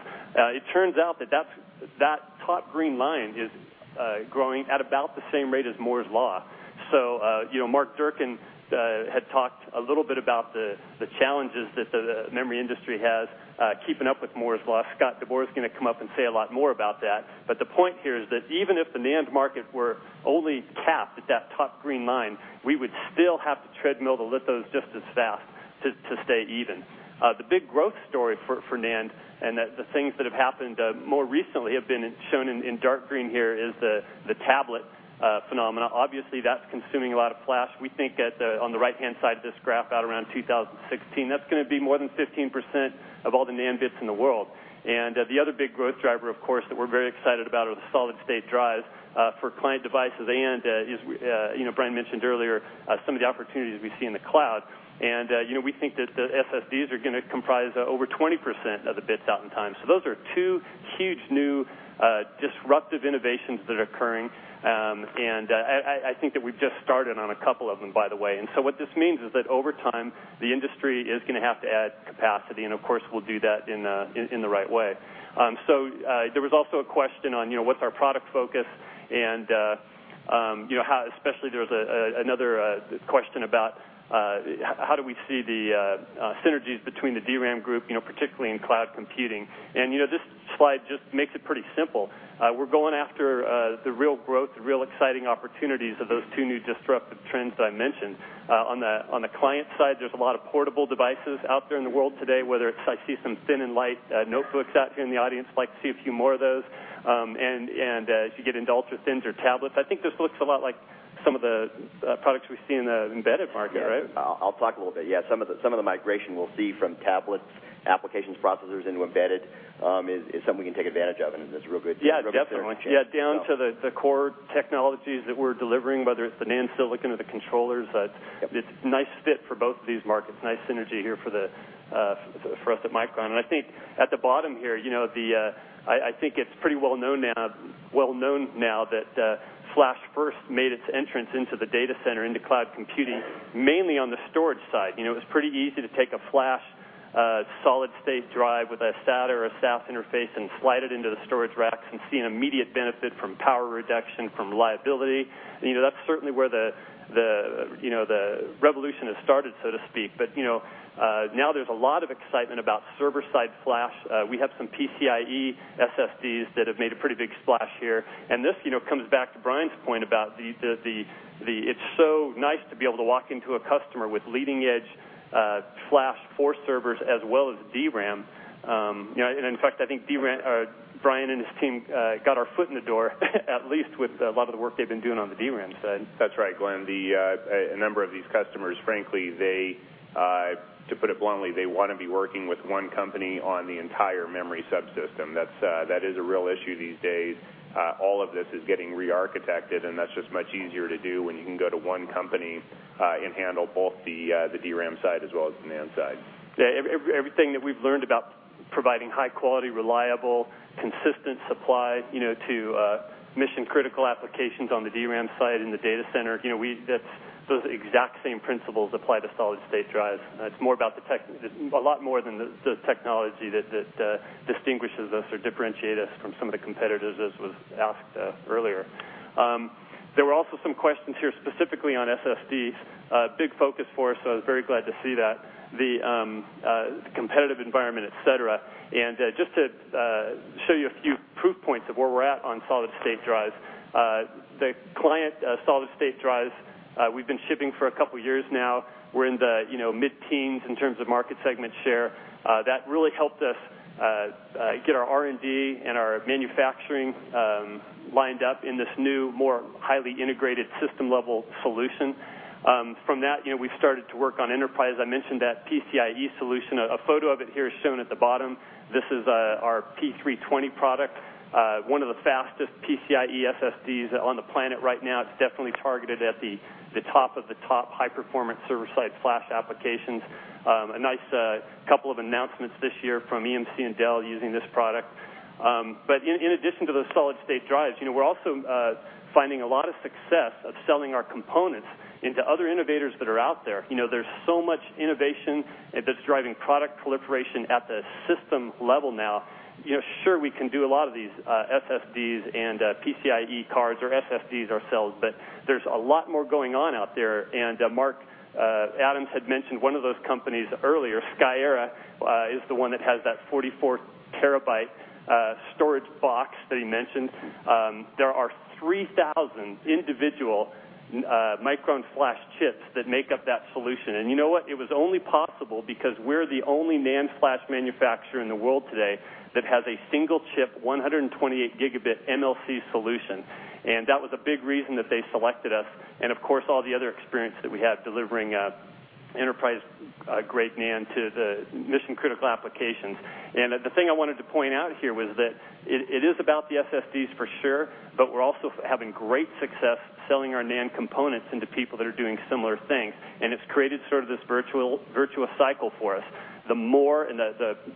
it turns out that top green line is growing at about the same rate as Moore's Law. Mark Durcan had talked a little bit about the challenges that the memory industry has keeping up with Moore's Law. Scott DeBoer is going to come up and say a lot more about that. The point here is that even if the NAND market were only capped at that top green line, we would still have to treadmill to lift those just as fast to stay even. The big growth story for NAND and the things that have happened more recently have been shown in dark green here is the tablet phenomena. Obviously, that's consuming a lot of flash. We think that on the right-hand side of this graph, out around 2016, that's going to be more than 15% of all the NAND bits in the world. The other big growth driver, of course, that we're very excited about are the solid-state drives for client devices and, as Brian mentioned earlier, some of the opportunities we see in the cloud. We think that the SSDs are going to comprise over 20% of the bits out in time. Those are two huge new disruptive innovations that are occurring, and I think that we've just started on a couple of them, by the way. What this means is that over time, the industry is going to have to add capacity, and of course, we'll do that in the right way. There was also a question on what's our product focus, especially there was another question about how do we see the synergies between the DRAM group, particularly in cloud computing. This slide just makes it pretty simple. We're going after the real growth, the real exciting opportunities of those two new disruptive trends that I mentioned. On the client side, there's a lot of portable devices out there in the world today, whether I see some thin-and-light notebooks out here in the audience, I'd like to see a few more of those. As you get into ultra-thins or tablets, I think this looks a lot like some of the products we see in the embedded market, right? I'll talk a little bit. Some of the migration we'll see from tablet applications processors into embedded is something we can take advantage of, and that's real good. Definitely Down to the core technologies that we're delivering, whether it's the NAND silicon or the controllers. Yep. It's nice fit for both of these markets, nice synergy here for us at Micron. I think at the bottom here, I think it's pretty well-known now that flash first made its entrance into the data center, into cloud computing, mainly on the storage side. It was pretty easy to take a flash solid-state drive with a SATA or a SAS interface and slide it into the storage racks and see an immediate benefit from power reduction, from reliability. That's certainly where the revolution has started, so to speak. Now there's a lot of excitement about server-side flash. We have some PCIe SSDs that have made a pretty big splash here, and this comes back to Brian's point about it's so nice to be able to walk into a customer with leading-edge flash for servers as well as DRAM. In fact, I think Brian and his team got our foot in the door, at least with a lot of the work they've been doing on the DRAM side. That's right, Glen. A number of these customers, frankly, to put it bluntly, they want to be working with one company on the entire memory subsystem. That is a real issue these days. All of this is getting re-architected, that's just much easier to do when you can go to one company and handle both the DRAM side as well as the NAND side. Yeah. Everything that we've learned about providing high-quality, reliable, consistent supply to mission-critical applications on the DRAM side in the data center, those exact same principles apply to solid-state drives. It's a lot more than the technology that distinguishes us or differentiate us from some of the competitors, as was asked earlier. There were also some questions here, specifically on SSDs. Big focus for us, so I was very glad to see that. The competitive environment, et cetera. Just to show you a few proof points of where we're at on solid-state drives. The client solid-state drives, we've been shipping for a couple of years now. We're in the mid-teens in terms of market segment share. That really helped us get our R&D and our manufacturing lined up in this new, more highly integrated system-level solution. From that, we've started to work on enterprise. I mentioned that PCIe solution. A photo of it here is shown at the bottom. This is our P320 product, one of the fastest PCIe SSDs on the planet right now. It's definitely targeted at the top of the top high-performance server-side flash applications. A nice couple of announcements this year from EMC and Dell using this product. In addition to those solid-state drives, we're also finding a lot of success of selling our components into other innovators that are out there. There's so much innovation that's driving product proliferation at the system level now. Sure, we can do a lot of these SSDs and PCIe cards or SSDs ourselves, but there's a lot more going on out there. Mark Adams had mentioned one of those companies earlier, Skyera, is the one that has that 44-terabyte storage box that he mentioned. There are 3,000 individual Micron flash chips that make up that solution. You know what? It was only possible because we're the only NAND flash manufacturer in the world today that has a single-chip 128-gigabit MLC solution. That was a big reason that they selected us, and of course, all the other experience that we have delivering enterprise-grade NAND to the mission-critical applications. The thing I wanted to point out here was that it is about the SSDs for sure, but we're also having great success selling our NAND components into people that are doing similar things, and it's created sort of this virtuous cycle for us. The more of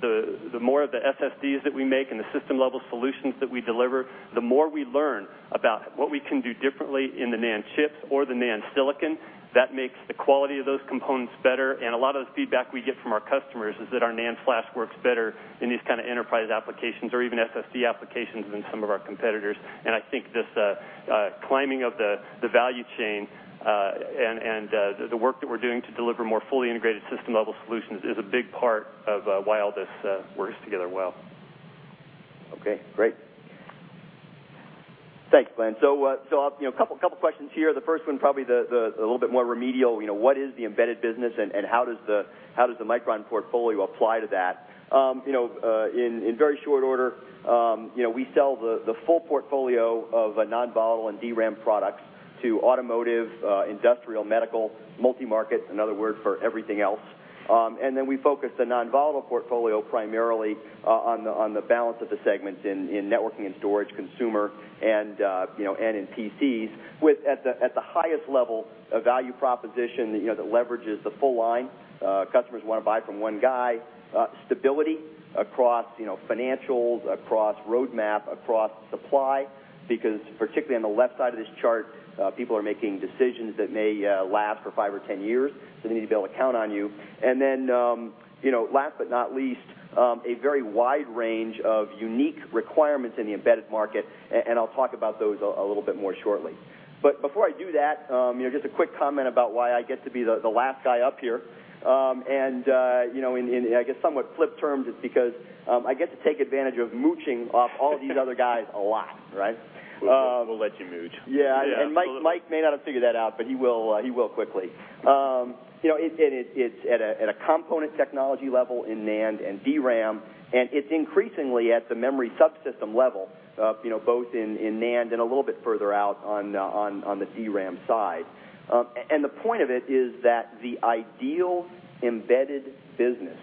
the SSDs that we make and the system-level solutions that we deliver, the more we learn about what we can do differently in the NAND chips or the NAND silicon. That makes the quality of those components better, a lot of the feedback we get from our customers is that our NAND flash works better in these kind of enterprise applications or even SSD applications than some of our competitors. I think this climbing of the value chain, and the work that we're doing to deliver more fully integrated system-level solutions is a big part of why all this works together well. Okay, great. Thanks, Glen. A couple questions here. The first one, probably a little bit more remedial, what is the embedded business, and how does the Micron portfolio apply to that? In very short order, we sell the full portfolio of non-volatile and DRAM products to automotive, industrial, medical, multi-market, another word for everything else. Then we focus the non-volatile portfolio primarily on the balance of the segments in networking and storage, consumer, and in PCs, with, at the highest level, a value proposition that leverages the full line. Customers want to buy from one guy. Stability across financials, across roadmap, across supply, because particularly on the left side of this chart, people are making decisions that may last for five or 10 years, so they need to be able to count on you. last but not least, a very wide range of unique requirements in the embedded market, I'll talk about those a little bit more shortly. Before I do that, just a quick comment about why I get to be the last guy up here. In, I guess, somewhat flipped terms, it's because I get to take advantage of mooching off all these other guys a lot, right? We'll let you mooch. Yeah. Yeah. Mike may not have figured that out, but he will quickly. It's at a component technology level in NAND and DRAM, it's increasingly at the memory subsystem level, both in NAND and a little bit further out on the DRAM side. The point of it is that the ideal embedded business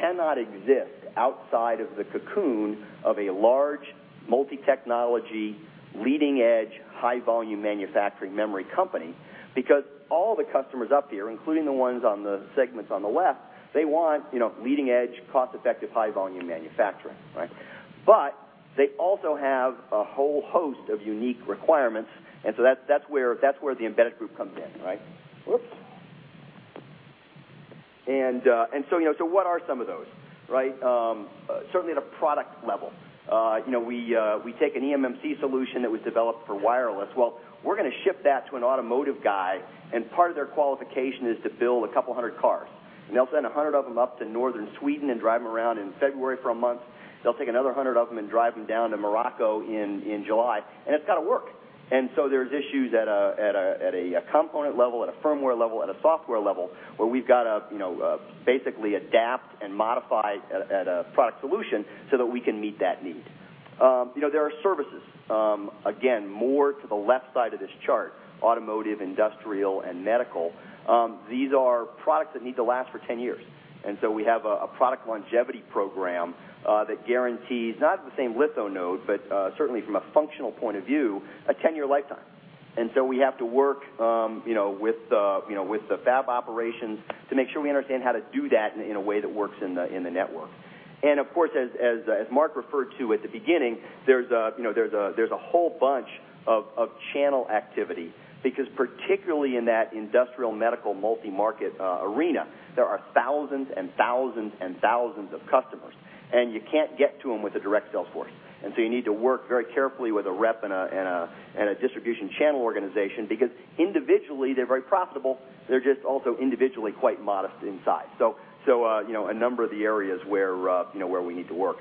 cannot exist outside of the cocoon of a large, multi-technology, leading-edge, high-volume manufacturing memory company because all the customers up here, including the ones on the segments on the left, they want leading-edge, cost-effective, high-volume manufacturing. They also have a whole host of unique requirements, so that's where the embedded group comes in, right? Oops. What are some of those? Certainly at a product level. We take an eMMC solution that was developed for wireless. Well, we're going to ship that to an automotive guy, part of their qualification is to build a couple of hundred cars. They'll send 100 of them up to northern Sweden and drive them around in February for a month. They'll take another 100 of them and drive them down to Morocco in July, it's got to work. There's issues at a component level, at a firmware level, at a software level, where we've got to basically adapt and modify at a product solution so that we can meet that need. There are services. Again, more to the left side of this chart, automotive, industrial, and medical. These are products that need to last for 10 years. We have a product longevity program that guarantees, not at the same litho node, but certainly from a functional point of view, a 10-year lifetime. We have to work with the fab operations to make sure we understand how to do that in a way that works in the network. Of course, as Mark referred to at the beginning, there's a whole bunch of channel activity, because particularly in that industrial, medical, multi-market arena, there are thousands and thousands and thousands of customers, and you can't get to them with a direct sales force. You need to work very carefully with a rep and a distribution channel organization, because individually, they're very profitable, they're just also individually quite modest in size. A number of the areas where we need to work.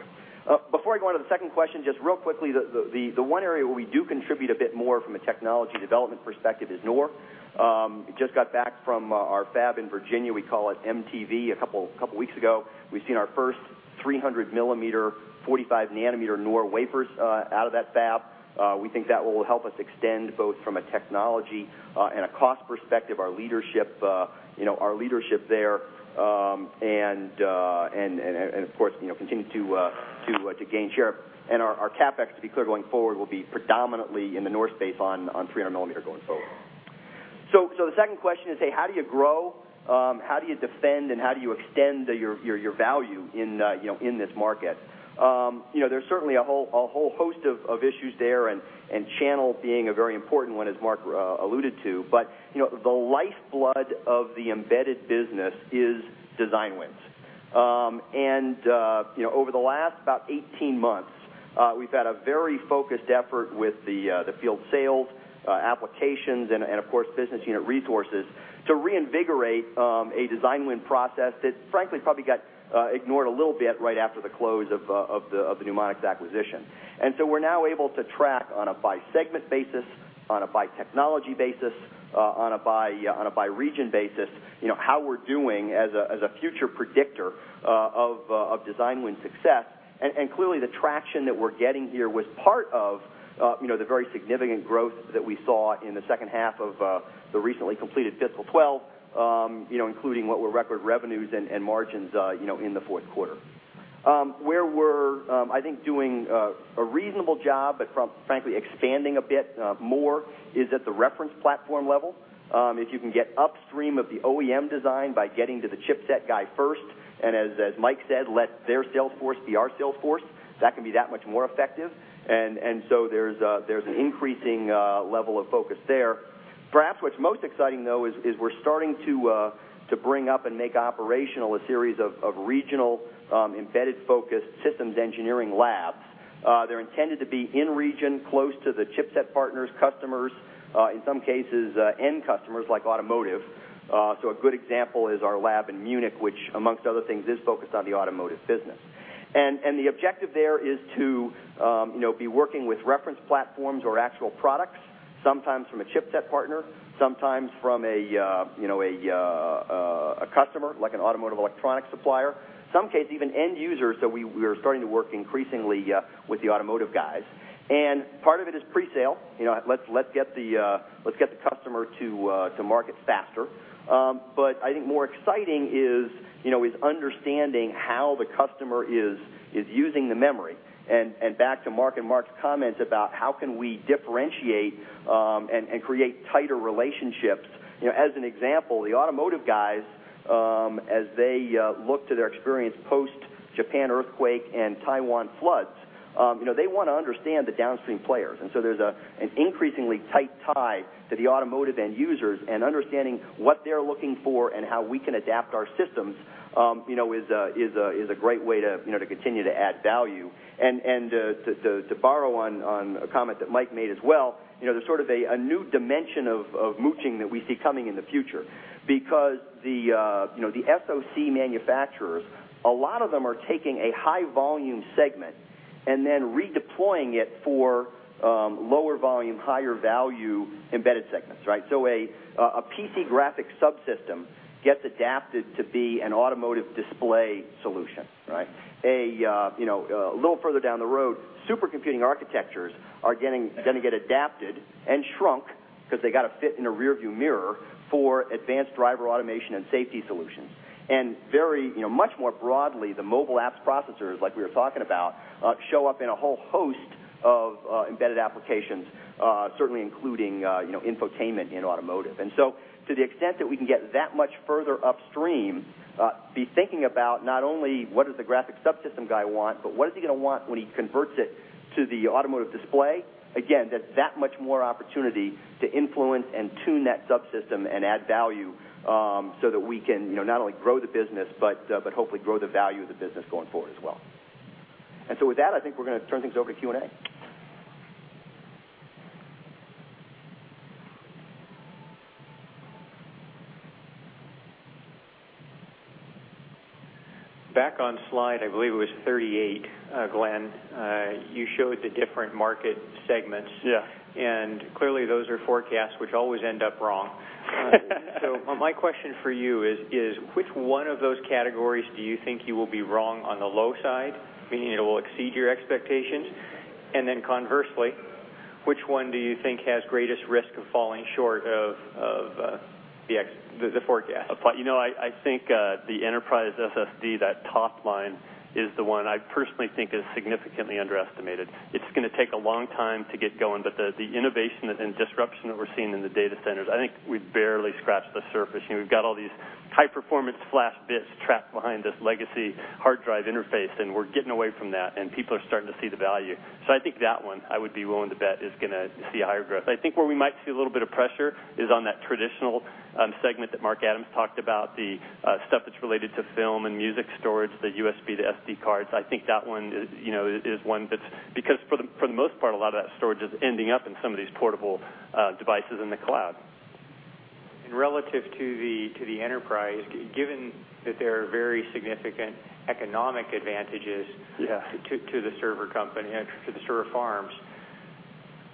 Before I go on to the second question, just real quickly, the one area where we do contribute a bit more from a technology development perspective is NOR. Just got back from our fab in Virginia, we call it MTV, a couple of weeks ago. We've seen our first 300-millimeter, 45-nanometer NOR wafers out of that fab. We think that will help us extend, both from a technology and a cost perspective, our leadership there, of course, continue to gain share. Our CapEx, to be clear, going forward, will be predominantly in the NOR space on 300 millimeter going forward. The second question is, how do you grow? How do you defend, and how do you extend your value in this market? There's certainly a whole host of issues there, and channel being a very important one, as Mark alluded to. The lifeblood of the embedded business is design wins. Over the last about 18 months, we've had a very focused effort with the field sales applications and, of course, business unit resources to reinvigorate a design win process that, frankly, probably got ignored a little bit right after the close of the Numonyx acquisition. We're now able to track on a by segment basis, on a by technology basis, on a by region basis how we're doing as a future predictor of design win success. Clearly, the traction that we're getting here was part of the very significant growth that we saw in the second half of the recently completed fiscal 2012, including what were record revenues and margins in the fourth quarter. Where we're, I think, doing a reasonable job, but frankly, expanding a bit more is at the reference platform level. If you can get upstream of the OEM design by getting to the chipset guy first, as Mike said, let their sales force be our sales force, that can be that much more effective. There's an increasing level of focus there. Perhaps what's most exciting, though, is we're starting to bring up and make operational a series of regional embedded-focused systems engineering labs. They're intended to be in-region, close to the chipset partners, customers, in some cases, end customers, like automotive. A good example is our lab in Munich, which, amongst other things, is focused on the automotive business. The objective there is to be working with reference platforms or actual products, sometimes from a chipset partner, sometimes from a customer, like an automotive electronic supplier. Some case, even end users, so we are starting to work increasingly with the automotive guys. Part of it is pre-sale. Let's get the customer to market faster. I think more exciting is understanding how the customer is using the memory, and back to Mark and Mark's comments about how can we differentiate and create tighter relationships. As an example, the automotive guys, as they look to their experience post-Japan earthquake and Taiwan floods, they want to understand the downstream players. There's an increasingly tight tie to the automotive end users and understanding what they're looking for and how we can adapt our systems is a great way to continue to add value. To borrow on a comment that Mike made as well, there's sort of a new dimension of mooching that we see coming in the future because the SoC manufacturers, a lot of them are taking a high-volume segment and then redeploying it for lower volume, higher value embedded segments. A PC graphic subsystem gets adapted to be an automotive display solution. A little further down the road, supercomputing architectures are going to get adapted and shrunk because they got to fit in a rearview mirror for advanced driver automation and safety solutions. Much more broadly, the mobile apps processors, like we were talking about, show up in a whole host of embedded applications, certainly including infotainment in automotive. To the extent that we can get that much further upstream, be thinking about not only what does the graphic subsystem guy want, but what is he going to want when he converts it to the automotive display, again, there's that much more opportunity to influence and tune that subsystem and add value so that we can not only grow the business, but hopefully grow the value of the business going forward as well. With that, I think we're going to turn things over to Q&A. Back on slide, I believe it was 38, Glenn, you showed the different market segments. Yeah. Clearly, those are forecasts which always end up wrong. My question for you is, which one of those categories do you think you will be wrong on the low side, meaning it will exceed your expectations? Conversely, which one do you think has greatest risk of falling short of the forecast? I think the enterprise SSD, that top line, is the one I personally think is significantly underestimated. It's going to take a long time to get going. The innovation and disruption that we're seeing in the data centers, I think we've barely scratched the surface. We've got all these high-performance flash bits trapped behind this legacy hard drive interface, and we're getting away from that, and people are starting to see the value. I think that one, I would be willing to bet, is going to see higher growth. I think where we might see a little bit of pressure is on that traditional segment that Mark Adams talked about, the stuff that's related to film and music storage, the USB, the SD cards. I think that one is one that's because for the most part, a lot of that storage is ending up in some of these portable devices in the cloud. Relative to the enterprise, given that there are very significant economic advantages- Yeah to the server company and to the server farms,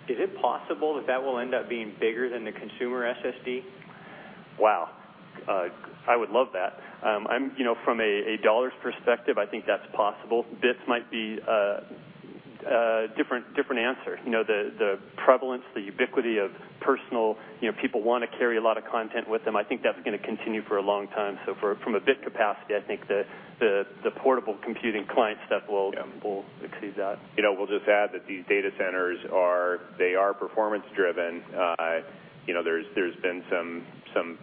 is it possible that that will end up being bigger than the consumer SSD? Wow. I would love that. From a dollars perspective, I think that's possible. Bits might be a different answer. The prevalence, the ubiquity of people want to carry a lot of content with them. I think that's going to continue for a long time. From a bit capacity, I think the portable computing client stuff will- Yeah exceed that. We'll just add that these data centers are performance-driven. There's been some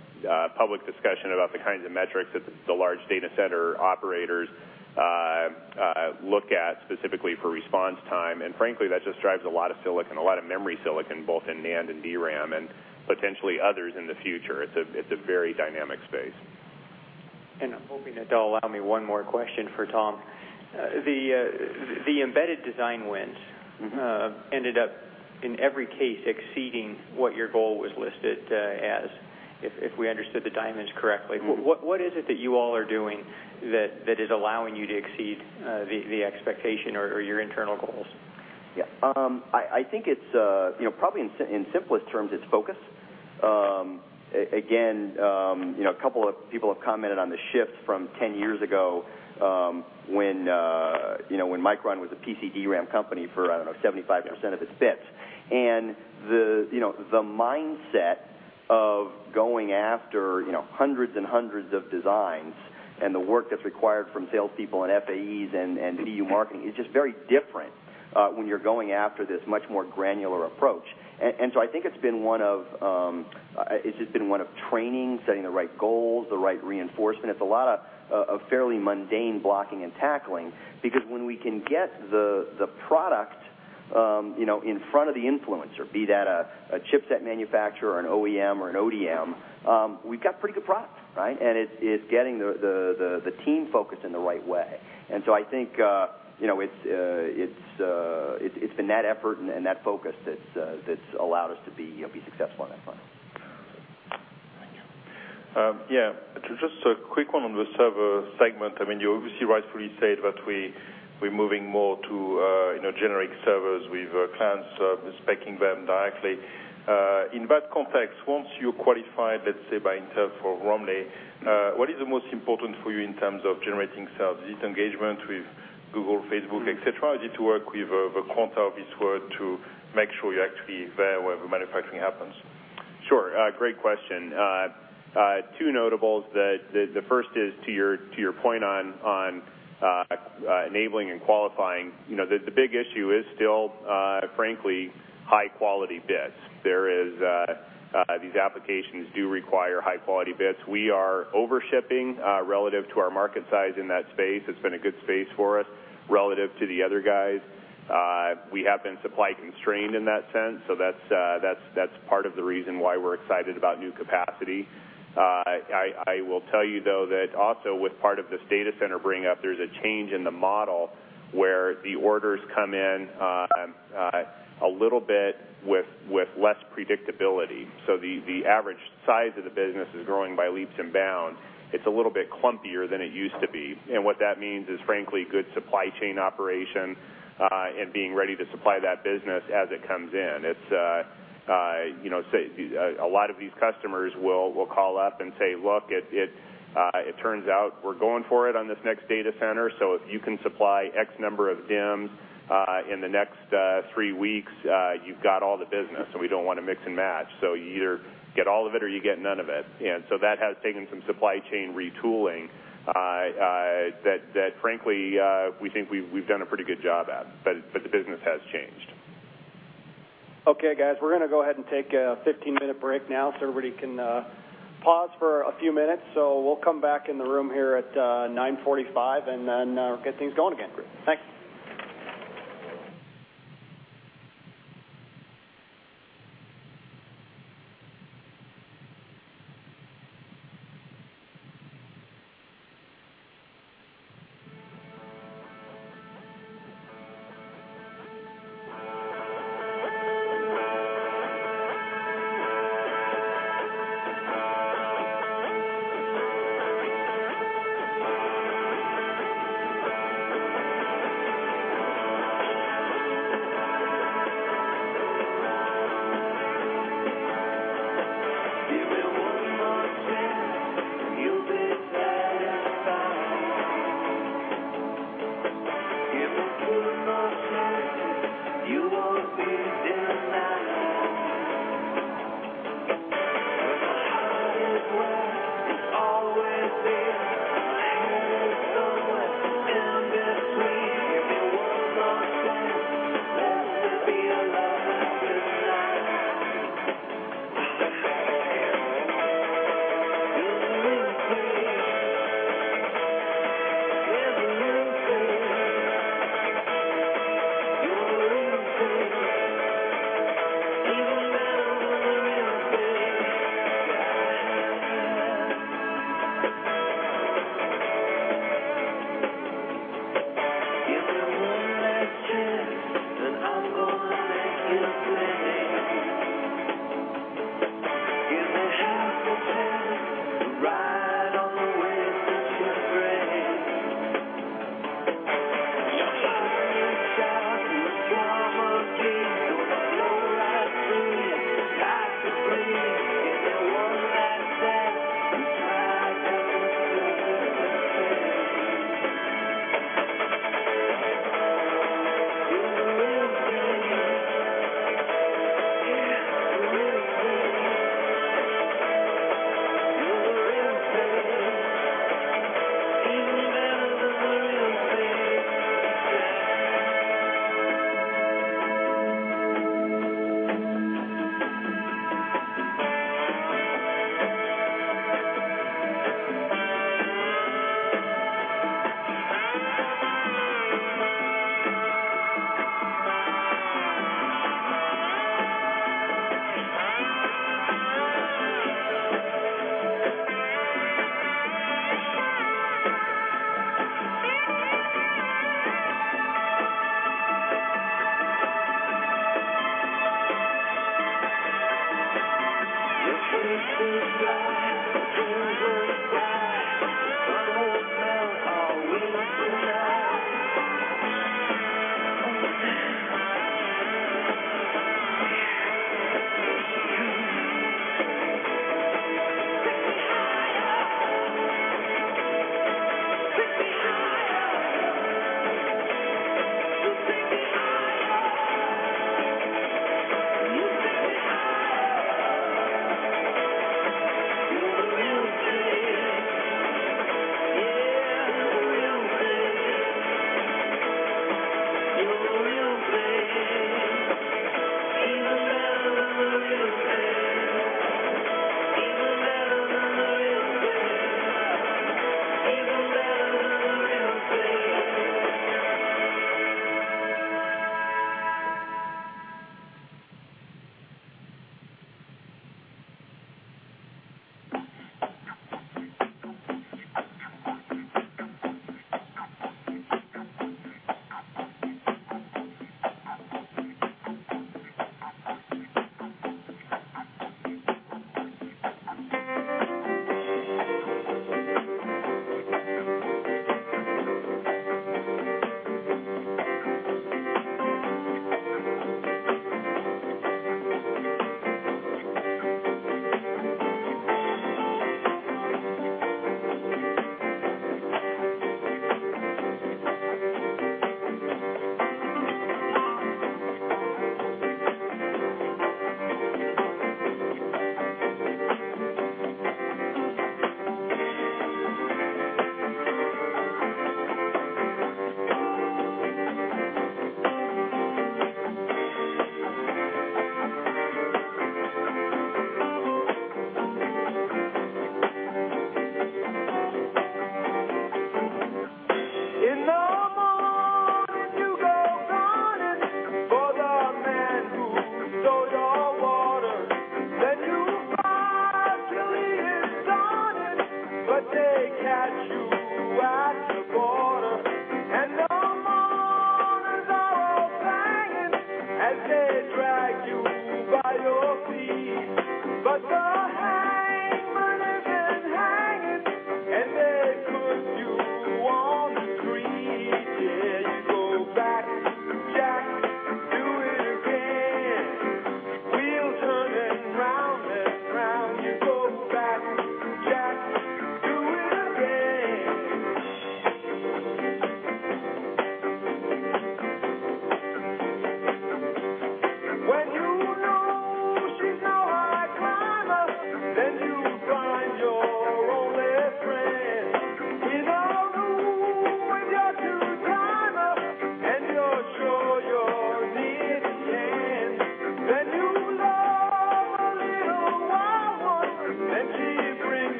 public discussion about the kinds of metrics that the large data center operators look at specifically for response time. Frankly, that just drives a lot of silicon, a lot of memory silicon, both in NAND and DRAM and potentially others in the future. It's a very dynamic space. I'm hoping that they'll allow me one more question for Tom. The embedded design wins ended up, in every case, exceeding what your goal was listed as, if we understood the diamonds correctly. What is it that you all are doing that is allowing you to exceed the expectation or your internal goals? Yeah. I think it's, probably in simplest terms, it's focus. Again, a couple of people have commented on the shift from 10 years ago, when Micron was a PC DRAM company for, I don't know, 75% of its bits. The mindset of going after hundreds and hundreds of designs and the work that's required from salespeople and FAEs and EU marketing is just very different when you're going after this much more granular approach. I think it's just been one of training, setting the right goals, the right reinforcement. It's a lot of fairly mundane blocking and tackling, because when we can get the product in front of the influencer, be that a chipset manufacturer or an OEM or an ODM, we've got pretty good product. It's getting the team focused in the right way. I think it's been that effort and that focus that's allowed us to be successful on that front. Thank you. Just a quick one on the server segment. You obviously rightfully said that we're moving more to generic servers with clients specking them directly. In that context, once you qualify, let's say, by Intel for Romley, what is the most important for you in terms of generating sales? Is it engagement with Google, Facebook, et cetera, or is it to work with a Quanta or Wistron to make sure you're actually there where the manufacturing happens? Great question. Two notables. The first is to your point on enabling and qualifying. The big issue is still, frankly, high-quality bits. These applications do require high-quality bits. We are over-shipping relative to our market size in that space. It's been a good space for us relative to the other guys. We have been supply constrained in that sense, that's part of the reason why we're excited about new capacity. I will tell you, though, that also with part of this data center bring up, there's a change in the model where the orders come in a little bit with less predictability. The average size of the business is growing by leaps and bounds. It's a little bit clumpier than it used to be. What that means is, frankly, good supply chain operation and being ready to supply that business as it comes in. A lot of these customers will call up and say, "Look, it turns out we're going for it on this next data center, so if you can supply X number of DIMMs in the next three weeks, you've got all the business, and we don't want to mix and match." You either get all of it or you get none of it. That has taken some supply chain retooling that frankly, we think we've done a pretty good job at, but the business has changed. Okay, guys, we're going to go ahead and take a 15-minute break now so everybody can pause for a few minutes. We'll come back in the room here at 9:45 and get things going again. Great. Thanks. Take me higher. You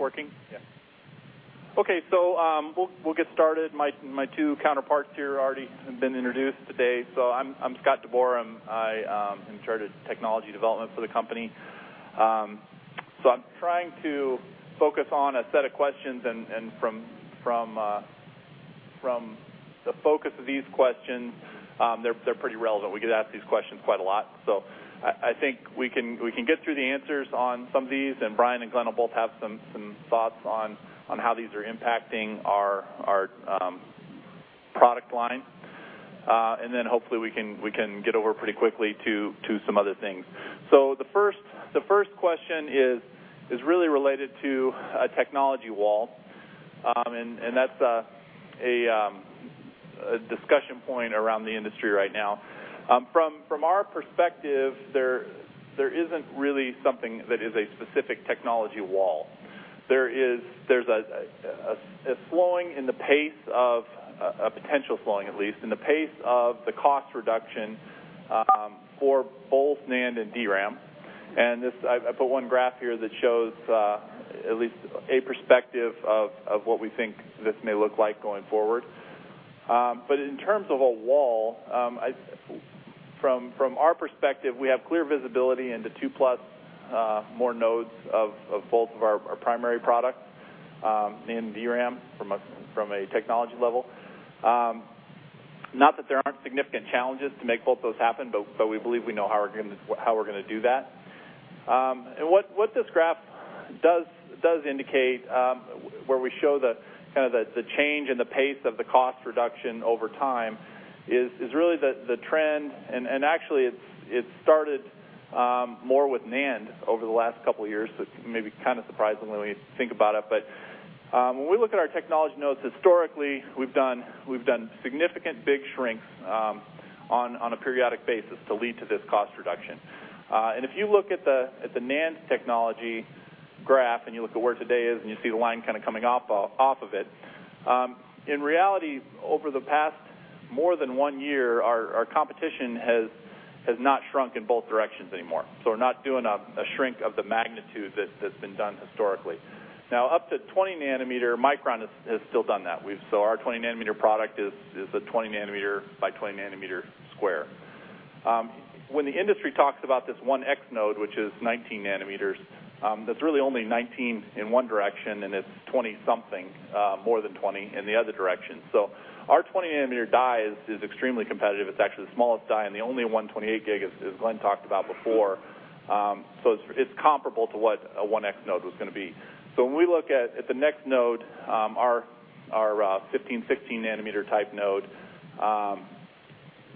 Brian, can we move? Scott, you can sit in the middle here. Oh, okay. You're the main event, man. Is this working? Yes. We'll get started. My two counterparts here already have been introduced today. I'm Scott DeBoer. I am in charge of technology development for the company. I'm trying to focus on a set of questions, from the focus of these questions, they're pretty relevant. We get asked these questions quite a lot. I think we can get through the answers on some of these, Brian and Glen will both have some thoughts on how these are impacting our product line. Hopefully, we can get over pretty quickly to some other things. The first question is really related to a technology wall, and that's. A discussion point around the industry right now. From our perspective, there isn't really something that is a specific technology wall. There's a slowing in the pace of, a potential slowing at least, in the pace of the cost reduction for both NAND and DRAM. I put one graph here that shows at least a perspective of what we think this may look like going forward. In terms of a wall, from our perspective, we have clear visibility into 2-plus more nodes of both of our primary products, NAND, DRAM, from a technology level. Not that there aren't significant challenges to make both those happen. We believe we know how we're going to do that. What this graph does indicate, where we show the change in the pace of the cost reduction over time, is really the trend. Actually, it started more with NAND over the last couple of years, maybe surprisingly when we think about it. When we look at our technology nodes, historically, we've done significant big shrinks on a periodic basis to lead to this cost reduction. If you look at the NAND technology graph, and you look at where today is, and you see the line coming off of it, in reality, over the past more than one year, our competition has not shrunk in both directions anymore. We're not doing a shrink of the magnitude that's been done historically. Up to 20 nanometer, Micron has still done that. Our 20 nanometer product is a 20 nanometer by 20 nanometer square. When the industry talks about this 1x node, which is 19 nanometers, that's really only 19 in one direction, and it's 20-something, more than 20, in the other direction. Our 20 nanometer die is extremely competitive. It's actually the smallest die, and the only 128 gig, as Glen talked about before. It's comparable to what a 1x node was going to be. When we look at the next node, our 15, 16 nanometer type node,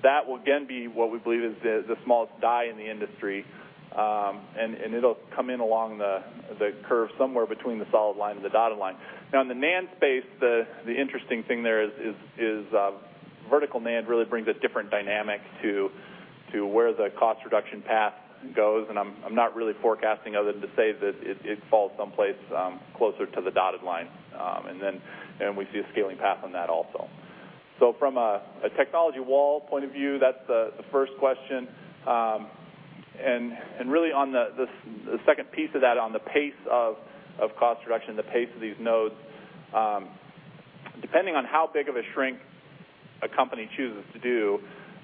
that will again be what we believe is the smallest die in the industry. It'll come in along the curve somewhere between the solid line and the dotted line. In the NAND space, the interesting thing there is Vertical NAND really brings a different dynamic to where the cost reduction path goes, I'm not really forecasting other than to say that it falls someplace closer to the dotted line. Then we see a scaling path on that also. From a technology wall point of view, that's the first question. Really on the second piece of that, on the pace of cost reduction, the pace of these nodes, depending on how big of a shrink a company chooses to do,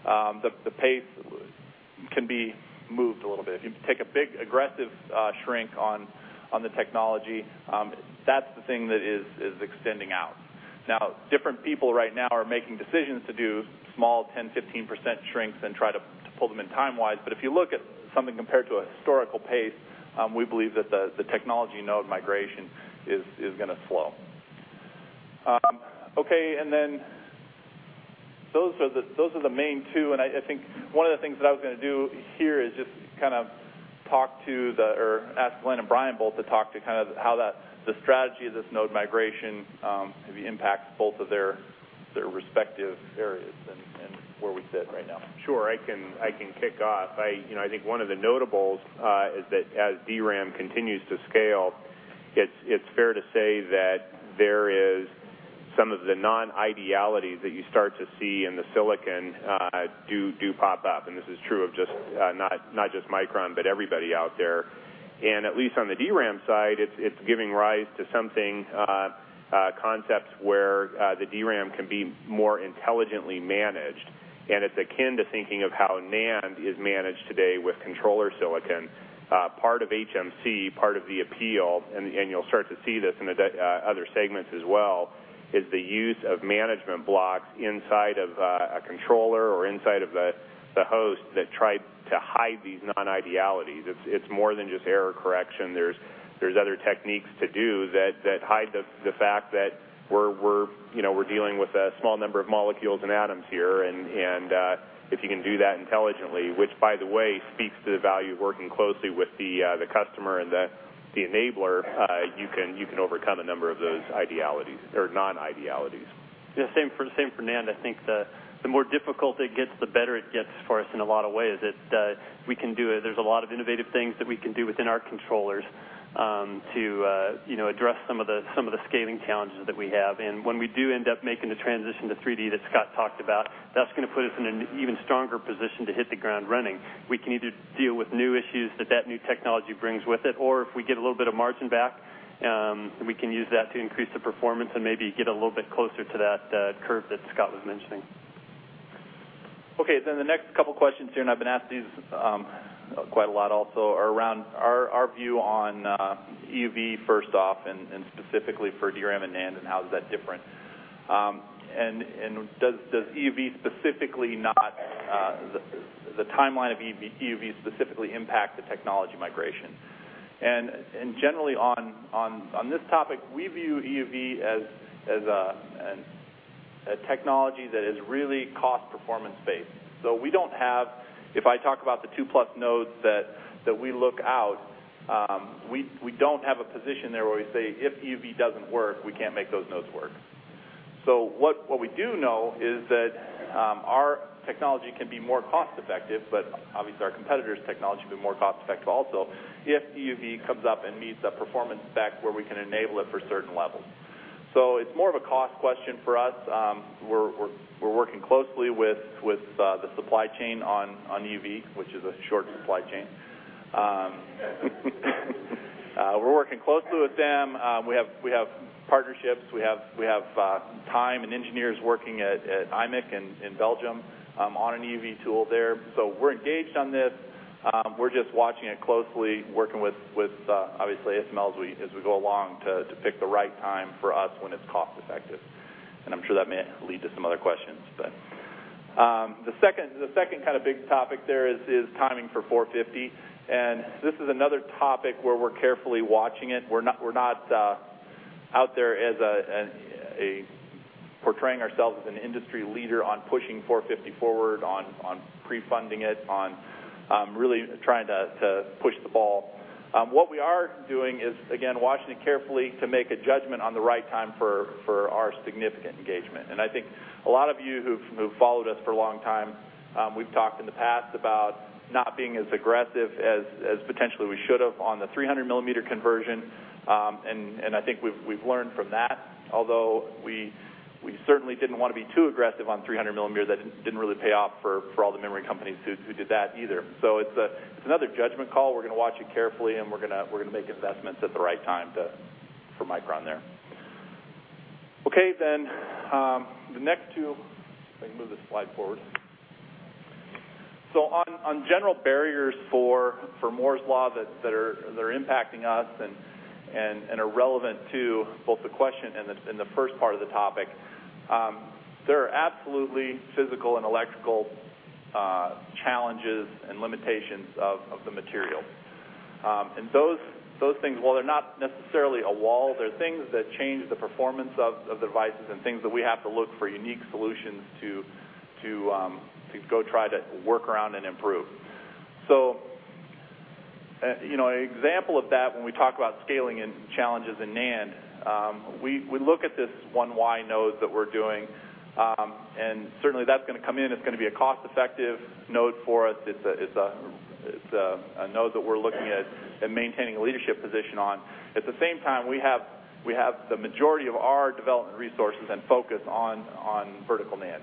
the pace can be moved a little bit. If you take a big, aggressive shrink on the technology, that's the thing that is extending out. Different people right now are making decisions to do small, 10%, 15% shrinks and try to pull them in time-wise. If you look at something compared to a historical pace, we believe that the technology node migration is going to slow. Okay, then those are the main two, I think one of the things that I was going to do here is just ask Glen and Brian both to talk to how the strategy of this node migration maybe impacts both of their respective areas and where we sit right now. Sure. I can kick off. I think one of the notables is that as DRAM continues to scale, it is fair to say that there is some of the non-idealities that you start to see in the silicon do pop up, and this is true of not just Micron, but everybody out there. At least on the DRAM side, it is giving rise to concepts where the DRAM can be more intelligently managed, and it is akin to thinking of how NAND is managed today with controller silicon. Part of HMC, part of the appeal, and you will start to see this in other segments as well, is the use of management blocks inside of a controller or inside of the host that try to hide these non-idealities. It is more than just error correction. There is other techniques to do that hide the fact that we are dealing with a small number of molecules and atoms here. If you can do that intelligently, which, by the way, speaks to the value of working closely with the customer and the enabler, you can overcome a number of those idealities or non-idealities. Yeah, same for NAND. I think the more difficult it gets, the better it gets for us in a lot of ways. There is a lot of innovative things that we can do within our controllers to address some of the scaling challenges that we have. When we do end up making the transition to 3D that Scott talked about, that is going to put us in an even stronger position to hit the ground running. We can either deal with new issues that that new technology brings with it, or if we get a little bit of margin back, we can use that to increase the performance and maybe get a little bit closer to that curve that Scott was mentioning. The next couple questions here, I have been asked these quite a lot also, are around our view on EUV first off, and specifically for DRAM and NAND and how is that different. Does the timeline of EUV specifically impact the technology migration? Generally on this topic, we view EUV as a technology that is really cost performance based. We do not have If I talk about the two-plus nodes that we look out, we do not have a position there where we say, "If EUV does not work, we cannot make those nodes work." What we do know is that our technology can be more cost-effective, but obviously our competitor's technology can be more cost-effective also, if EUV comes up and meets the performance spec where we can enable it for certain levels. It is more of a cost question for us. We're working closely with the supply chain on EUV, which is a short supply chain. We're working closely with them. We have partnerships. We have time and engineers working at IMEC in Belgium on an EUV tool there. We're engaged on this. We're just watching it closely, working with, obviously, ASML as we go along to pick the right time for us when it's cost-effective. I'm sure that may lead to some other questions. The second big topic there is timing for 450, and this is another topic where we're carefully watching it. We're not out there portraying ourselves as an industry leader on pushing 450 forward, on pre-funding it, on really trying to push the ball. What we are doing is, again, watching it carefully to make a judgment on the right time for our significant engagement. I think a lot of you who've followed us for a long time, we've talked in the past about not being as aggressive as potentially we should have on the 300-millimeter conversion, and I think we've learned from that. Although we certainly didn't want to be too aggressive on 300 millimeters. That didn't really pay off for all the memory companies who did that either. It's another judgment call. We're going to watch it carefully, and we're going to make investments at the right time for Micron there. Okay, let me move this slide forward. On general barriers for Moore's Law that are impacting us and are relevant to both the question and the first part of the topic, there are absolutely physical and electrical challenges and limitations of the material. Those things, while they're not necessarily a wall, they're things that change the performance of the devices and things that we have to look for unique solutions to go try to work around and improve. An example of that, when we talk about scaling and challenges in NAND, we look at this 1y node that we're doing, and certainly that's going to come in. It's going to be a cost-effective node for us. It's a node that we're looking at and maintaining a leadership position on. At the same time, we have the majority of our development resources and focus on Vertical NAND,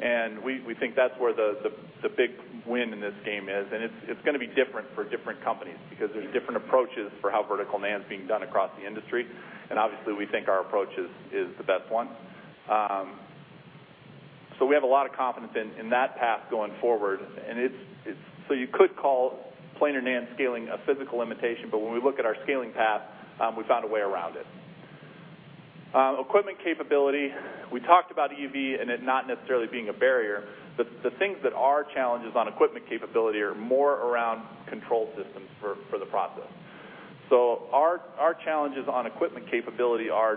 and we think that's where the big win in this game is, and it's going to be different for different companies because there's different approaches for how Vertical NAND's being done across the industry, and obviously, we think our approach is the best one. We have a lot of confidence in that path going forward, you could call Planar NAND scaling a physical limitation, but when we look at our scaling path, we found a way around it. Equipment capability, we talked about EUV and it not necessarily being a barrier, but the things that are challenges on equipment capability are more around control systems for the process. Our challenges on equipment capability are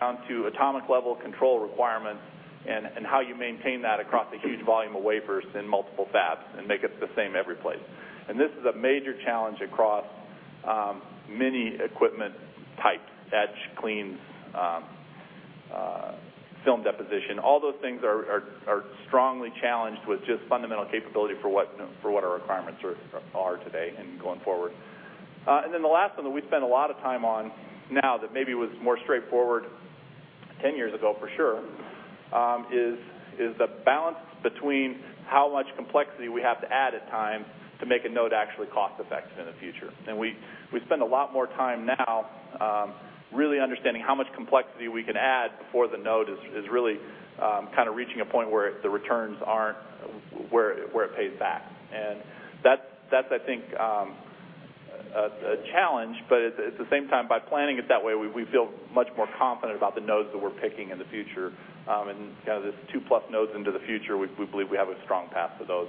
down to atomic-level control requirements and how you maintain that across a huge volume of wafers in multiple fabs and make it the same every place. This is a major challenge across many equipment types, etch, clean, film deposition. All those things are strongly challenged with just fundamental capability for what our requirements are today and going forward. The last one that we spend a lot of time on now that maybe was more straightforward 10 years ago, for sure, is the balance between how much complexity we have to add at time to make a node actually cost-effective in the future. We spend a lot more time now really understanding how much complexity we can add before the node is really reaching a point where the returns aren't where it pays back. That's, I think, a challenge, but at the same time, by planning it that way, we feel much more confident about the nodes that we're picking in the future. This two-plus nodes into the future, we believe we have a strong path to those,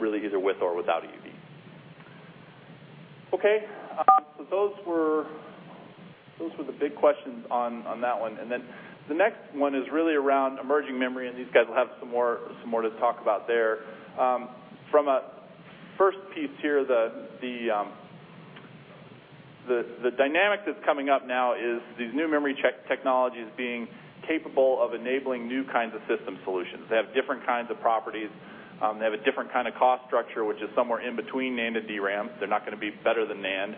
really either with or without EUV. Okay. Those were the big questions on that one. The next one is really around emerging memory, and these guys will have some more to talk about there. From a first piece here, the dynamic that's coming up now is these new memory technologies being capable of enabling new kinds of system solutions. They have different kinds of properties. They have a different kind of cost structure, which is somewhere in between NAND and DRAM. They're not going to be better than NAND.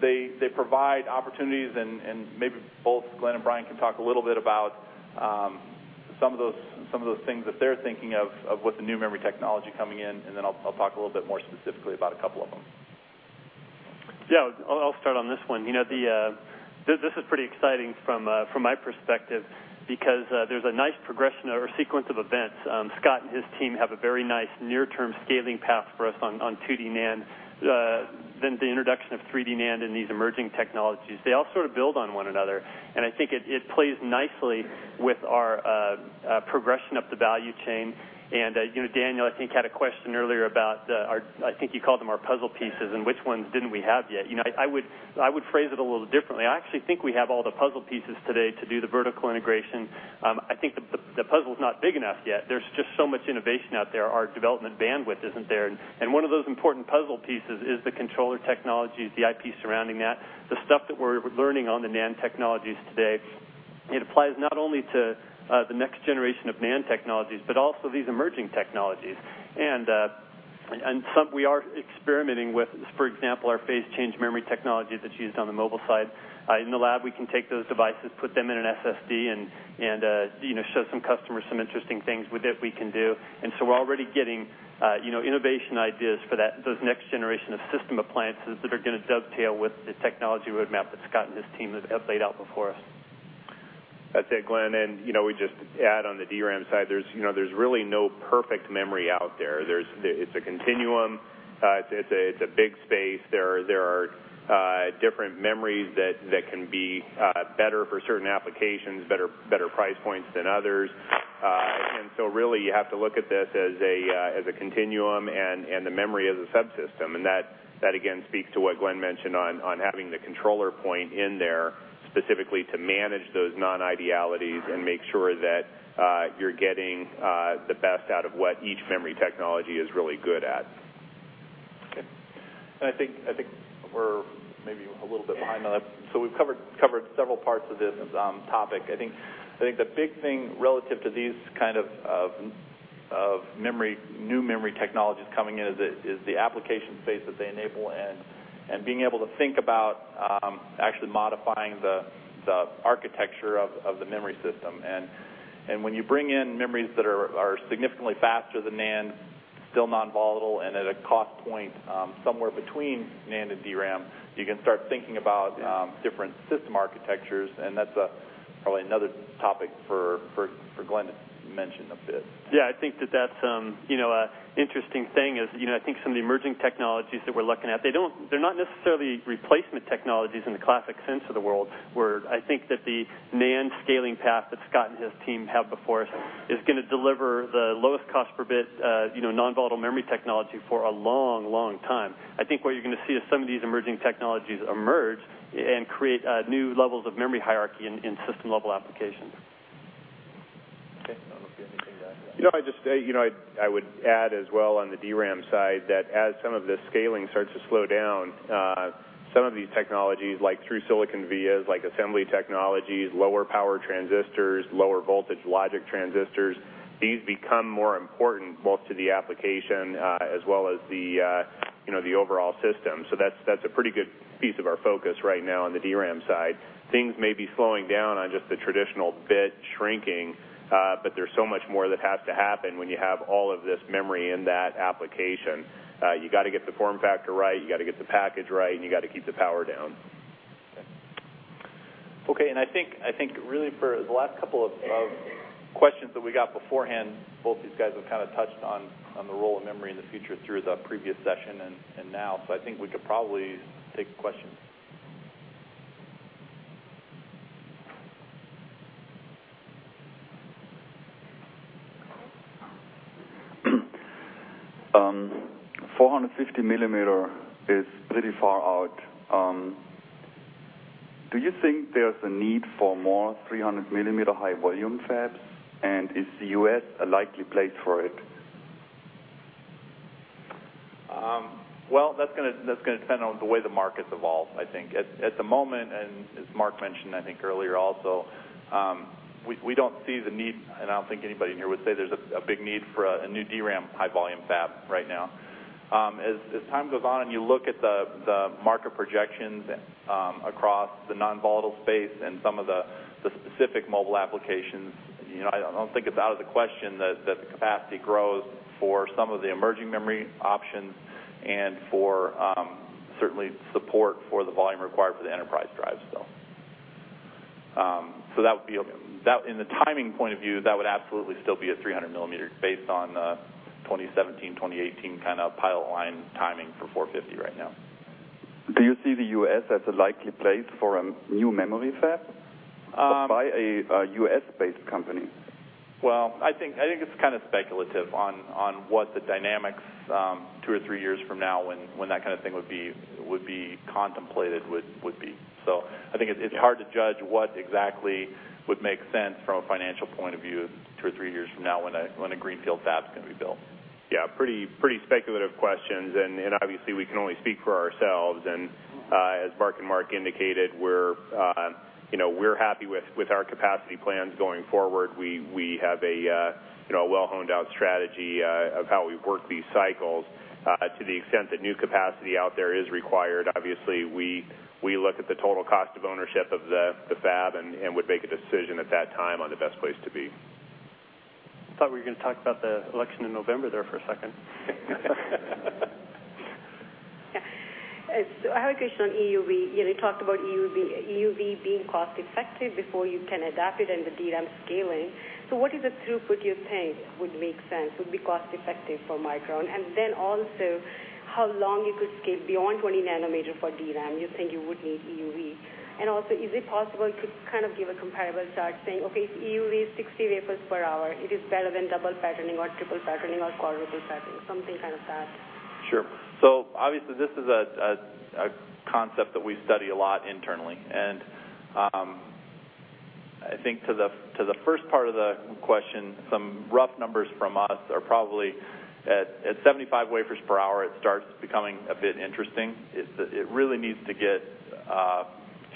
They provide opportunities, and maybe both Glen and Brian can talk a little bit about some of those things that they're thinking of with the new memory technology coming in, then I'll talk a little bit more specifically about a couple of them. Yeah. I'll start on this one. This is pretty exciting from my perspective because there's a nice progression or sequence of events. Scott and his team have a very nice near-term scaling path for us on 2D NAND. The introduction of 3D NAND and these emerging technologies, they all sort of build on one another, and I think it plays nicely with our progression up the value chain. Daniel, I think, had a question earlier about, I think you called them our puzzle pieces and which ones didn't we have yet. I would phrase it a little differently. I actually think we have all the puzzle pieces today to do the vertical integration. I think the puzzle's not big enough yet. There's just so much innovation out there, our development bandwidth isn't there. One of those important puzzle pieces is the controller technologies, the IP surrounding that, the stuff that we're learning on the NAND technologies today. It applies not only to the next generation of NAND technologies, but also these emerging technologies. We are experimenting with, for example, our Phase-change memory technology that's used on the mobile side. In the lab, we can take those devices, put them in an SSD, and show some customers some interesting things with it we can do. We're already getting innovation ideas for those next generation of system appliances that are going to dovetail with the technology roadmap that Scott and his team have laid out before us. That's it, Glenn. We just add on the DRAM side, there's really no perfect memory out there. It's a continuum. It's a big space. There are different memories that can be better for certain applications, better price points than others. Really, you have to look at this as a continuum and the memory as a subsystem. That, again, speaks to what Glenn mentioned on having the controller point in there specifically to manage those non-idealities and make sure that you're getting the best out of what each memory technology is really good at. Okay. I think we're maybe a little bit behind on that. We've covered several parts of this topic. I think the big thing relative to these kind of new memory technologies coming in is the application space that they enable and being able to think about actually modifying the architecture of the memory system. When you bring in memories that are significantly faster than NAND, still non-volatile, and at a cost point somewhere between NAND and DRAM, you can start thinking about different system architectures, and that's probably another topic for Glenn to mention a bit. I think that that's interesting thing is I think some of the emerging technologies that we're looking at, they're not necessarily replacement technologies in the classic sense of the world, where I think that the NAND scaling path that Scott and his team have before us is going to deliver the lowest cost per bit non-volatile memory technology for a long, long time. I think where you're going to see is some of these emerging technologies emerge and create new levels of memory hierarchy in system-level applications. Okay. I don't know if you have anything to add to that. I would add as well on the DRAM side that as some of the scaling starts to slow down, some of these technologies, like Through-Silicon Via, like assembly technologies, lower power transistors, lower voltage logic transistors, these become more important both to the application as well as the overall system. That's a pretty good piece of our focus right now on the DRAM side. Things may be slowing down on just the traditional bit shrinking, but there's so much more that has to happen when you have all of this memory in that application. You got to get the form factor right, you got to get the package right, and you got to keep the power down. Okay. I think really for the last couple of questions that we got beforehand, both these guys have kind of touched on the role of memory in the future through the previous session and now. I think we could probably take questions. 450 millimeter is pretty far out. Do you think there's a need for more 300 millimeter high volume fabs, and is the U.S. a likely place for it? Well, that's going to depend on the way the market evolves, I think. At the moment, and as Mark mentioned, I think earlier also, we don't see the need, and I don't think anybody in here would say there's a big need for a new DRAM high volume fab right now. As time goes on and you look at the market projections across the non-volatile space and some of the specific mobile applications, I don't think it's out of the question that the capacity grows for some of the emerging memory options and for certainly support for the volume required for the enterprise drives, though. In the timing point of view, that would absolutely still be a 300 millimeter based on 2017, 2018 kind of pilot line timing for 450 right now. Do you see the U.S. as a likely place for a new memory fab? Um- By a U.S.-based company? Well, I think it's kind of speculative on what the dynamics two or three years from now when that kind of thing would be contemplated would be. I think it's hard to judge what exactly would make sense from a financial point of view two or three years from now when a greenfield fab's going to be built. Yeah, pretty speculative questions. Obviously, we can only speak for ourselves, and as Mark and Mark indicated, we're happy with our capacity plans going forward. We have a well-honed-out strategy of how we work these cycles to the extent that new capacity out there is required. We look at the total cost of ownership of the fab and would make a decision at that time on the best place to be. I thought we were going to talk about the election in November there for a second. Yeah. I have a question on EUV. You already talked about EUV being cost-effective before you can adapt it and the DRAM scaling. What is the throughput you think would make sense, would be cost-effective for Micron? Also, how long you could scale beyond 20 nanometer for DRAM, you think you would need EUV? Also, is it possible to kind of give a comparable chart saying, okay, EUV is 60 wafers per hour, it is better than double patterning or triple patterning or quadruple patterning, something kind of that? Sure. Obviously, this is a concept that we study a lot internally, and I think to the first part of the question, some rough numbers from us are probably at 75 wafers per hour, it starts becoming a bit interesting. It really needs to get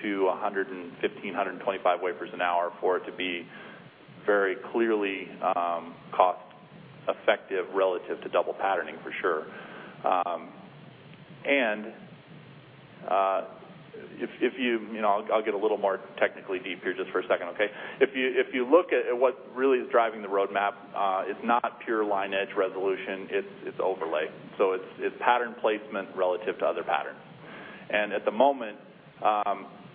to 115, 125 wafers an hour for it to be very clearly cost effective relative to double patterning, for sure. I'll get a little more technically deep here just for a second, okay? If you look at what really is driving the roadmap, it's not pure line edge resolution, it's overlay. It's pattern placement relative to other patterns. At the moment,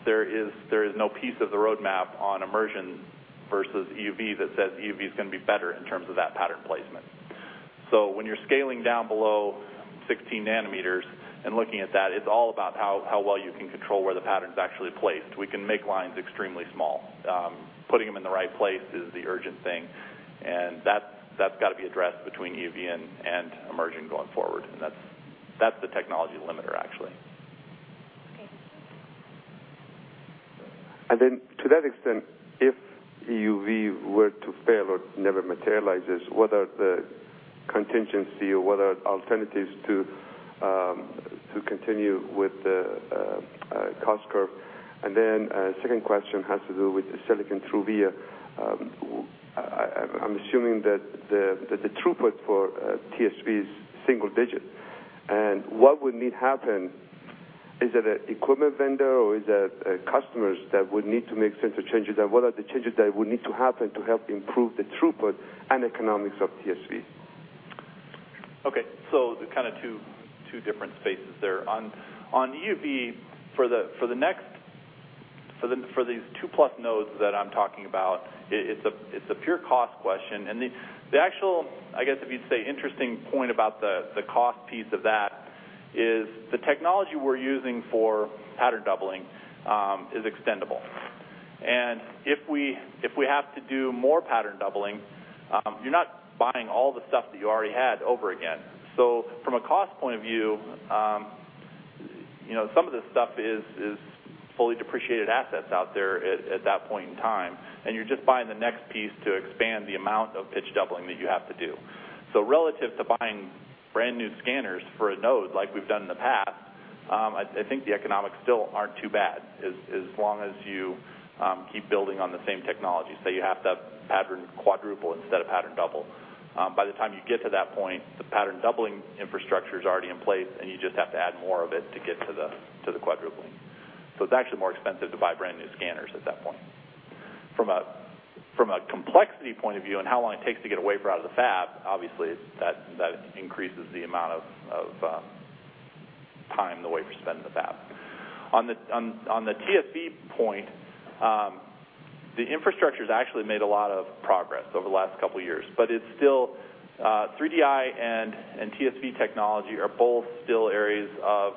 there is no piece of the roadmap on immersion versus EUV that says EUV is going to be better in terms of that pattern placement. When you're scaling down below 16 nanometers and looking at that, it's all about how well you can control where the pattern's actually placed. We can make lines extremely small. Putting them in the right place is the urgent thing, and that's got to be addressed between EUV and immersion going forward, and that's the technology limiter, actually. Thank you. To that extent, if EUV were to fail or never materialize, what are the contingency or what are alternatives to continue with the cost curve? Second question has to do with the silicon through via. I'm assuming that the throughput for TSV is single-digit. What would need happen, is it an equipment vendor or is it customers that would need to make sensor changes, and what are the changes that would need to happen to help improve the throughput and economics of TSV? The two different spaces there. On EUV, for these 2+ nodes that I'm talking about, it's a pure cost question, and the actual, I guess, if you'd say, interesting point about the cost piece of that is the technology we're using for pattern doubling is extendable. If we have to do more pattern doubling, you're not buying all the stuff that you already had over again. From a cost point of view, some of this stuff is fully depreciated assets out there at that point in time, and you're just buying the next piece to expand the amount of pitch doubling that you have to do. Relative to buying brand new scanners for a node like we've done in the past, I think the economics still aren't too bad, as long as you keep building on the same technology. Say you have to quadruple patterning instead of pattern double. By the time you get to that point, the pattern doubling infrastructure's already in place, and you just have to add more of it to get to the quadrupling. It's actually more expensive to buy brand new scanners at that point. From a complexity point of view and how long it takes to get a wafer out of the fab, obviously that increases the amount of time the wafers spend in the fab. On the TSV point, the infrastructure's actually made a lot of progress over the last couple of years, but it's still 3DI and TSV technology are both still areas of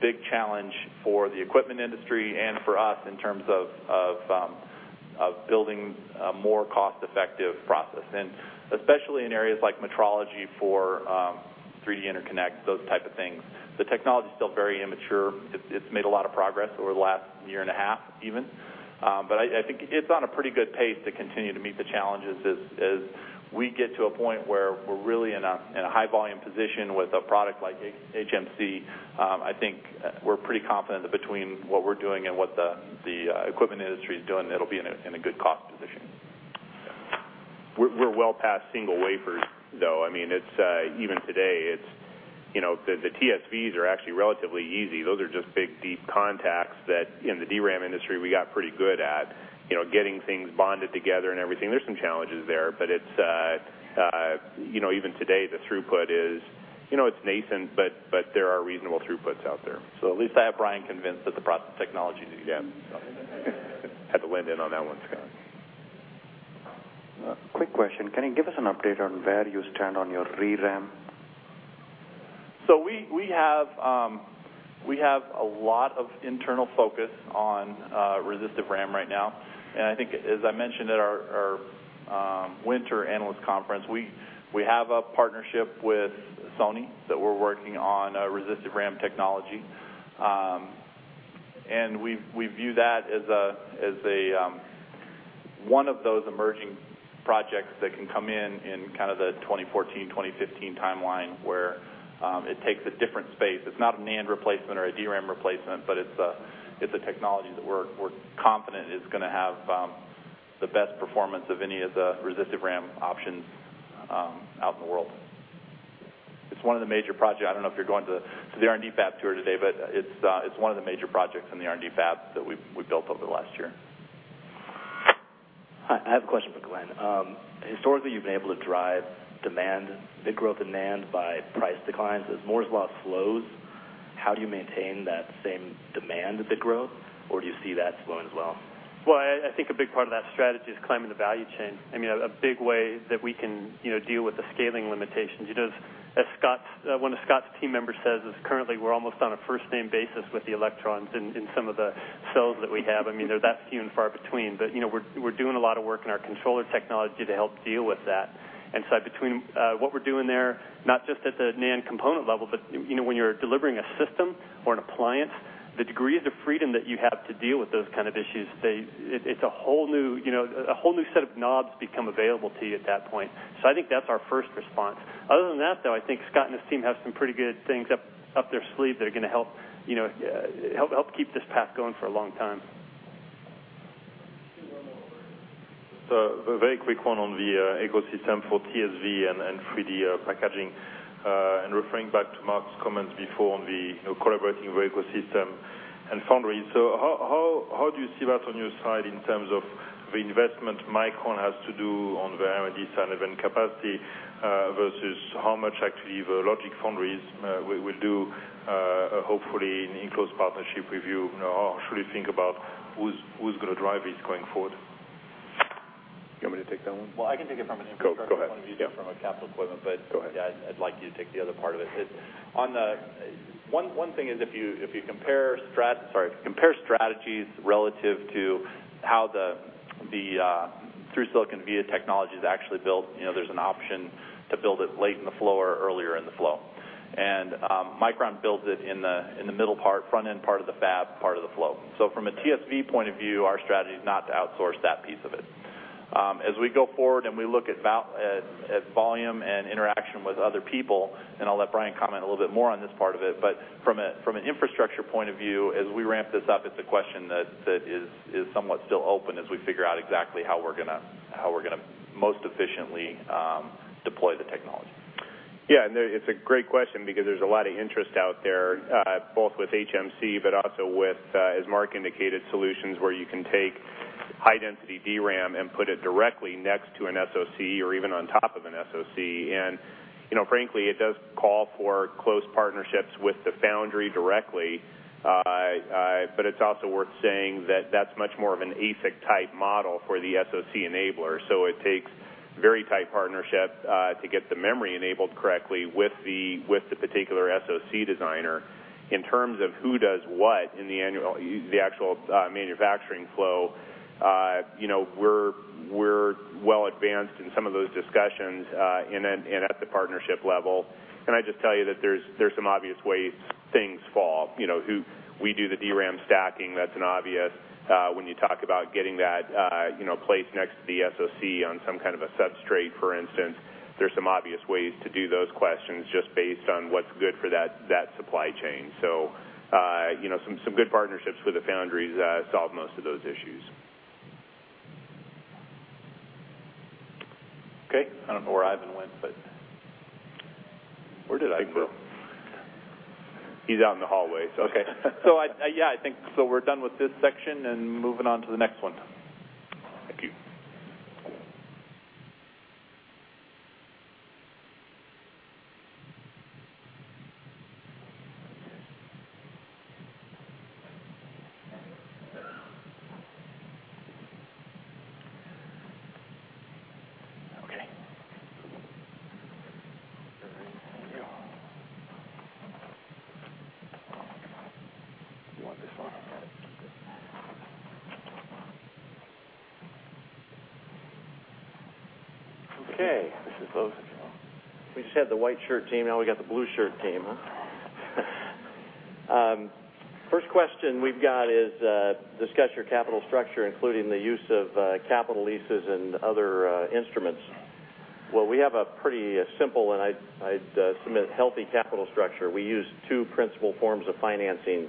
big challenge for the equipment industry and for us in terms of building a more cost-effective process. Especially in areas like metrology for 3D interconnect, those type of things, the technology's still very immature. It's made a lot of progress over the last year and a half, even. I think it's on a pretty good pace to continue to meet the challenges as we get to a point where we're really in a high-volume position with a product like HMC. I think we're pretty confident that between what we're doing and what the equipment industry's doing, it'll be in a good cost position. We're well past single wafers, though. Even today, the TSVs are actually relatively easy. Those are just big, deep contacts that in the DRAM industry, we got pretty good at getting things bonded together and everything. There's some challenges there, but even today, the throughput is nascent, but there are reasonable throughputs out there. At least I have Brian convinced that the process technology is a yeah. Had to lend in on that one, Scott. Quick question. Can you give us an update on where you stand on your ReRAM? We have a lot of internal focus on Resistive RAM right now, and I think as I mentioned at our winter analyst conference, we have a partnership with Sony that we're working on Resistive RAM technology. We view that as one of those emerging projects that can come in the 2014, 2015 timeline, where it takes a different space. It's not a NAND replacement or a DRAM replacement, but it's a technology that we're confident is going to have the best performance of any of the Resistive RAM options out in the world. It's one of the major projects. I don't know if you're going to the R&D fab tour today, but it's one of the major projects in the R&D fab that we've built over the last year. Hi, I have a question for Glenn. Historically, you've been able to drive demand, big growth in NAND by price declines. As Moore's Law slows, how do you maintain that same demand, the growth, or do you see that slowing as well? Well, I think a big part of that strategy is climbing the value chain. I mean, a big way that we can deal with the scaling limitations. One of Scott's team members says is currently we're almost on a first-name basis with the electrons in some of the cells that we have. I mean, they're that few and far between. We're doing a lot of work in our controller technology to help deal with that. Between what we're doing there, not just at the NAND component level, but when you're delivering a system or an appliance, the degrees of freedom that you have to deal with those kind of issues, a whole new set of knobs become available to you at that point. I think that's our first response. Other than that, though, I think Scott and his team have some pretty good things up their sleeve that are going to help keep this path going for a long time. A very quick one on the ecosystem for TSV and 3D packaging, referring back to Mark's comments before on the collaborating with ecosystem and foundry. How do you see that on your side in terms of the investment Micron has to do on the R&D side and capacity, versus how much actually the logic foundries will do hopefully in close partnership with you? How should we think about who's going to drive it going forward? You want me to take that one? Well, I can take it from an infrastructure- Go ahead. Yeah point of view from a capital equipment, but- Go ahead yeah, I'd like you to take the other part of it. One thing is if you compare strategies relative to how the Through-Silicon Via technology is actually built, there's an option to build it late in the flow or earlier in the flow. Micron builds it in the middle part, front-end part of the fab part of the flow. From a TSV point of view, our strategy is not to outsource that piece of it. As we go forward and we look at volume and interaction with other people, and I'll let Brian comment a little bit more on this part of it, but from an infrastructure point of view, as we ramp this up, it's a question that is somewhat still open as we figure out exactly how we're going to most efficiently deploy the technology. Yeah, it's a great question because there's a lot of interest out there, both with HMC, but also with, as Mark indicated, solutions where you can take high-density DRAM and put it directly next to an SoC or even on top of an SoC. Frankly, it does call for close partnerships with the foundry directly. It's also worth saying that that's much more of an ASIC-type model for the SoC enabler. It takes very tight partnership to get the memory enabled correctly with the particular SoC designer. In terms of who does what in the actual manufacturing flow, we're well advanced in some of those discussions and at the partnership level. Can I just tell you that there's some obvious ways things fall. We do the DRAM stacking. That's an obvious. When you talk about getting that placed next to the SoC on some kind of a substrate, for instance, there's some obvious ways to do those questions just based on what's good for that supply chain. Some good partnerships with the foundries solve most of those issues. Okay. I don't know where Ivan went. Where did Ivan go? He's out in the hallways. Okay. Yeah, I think we're done with this section and moving on to the next one. Thank you. Okay. You want this on? Keep it. Okay. We just had the white shirt team, now we got the blue shirt team, huh? First question we've got is, discuss your capital structure, including the use of capital leases and other instruments. Well, we have a pretty simple, and I'd submit, healthy capital structure. We use two principal forms of financing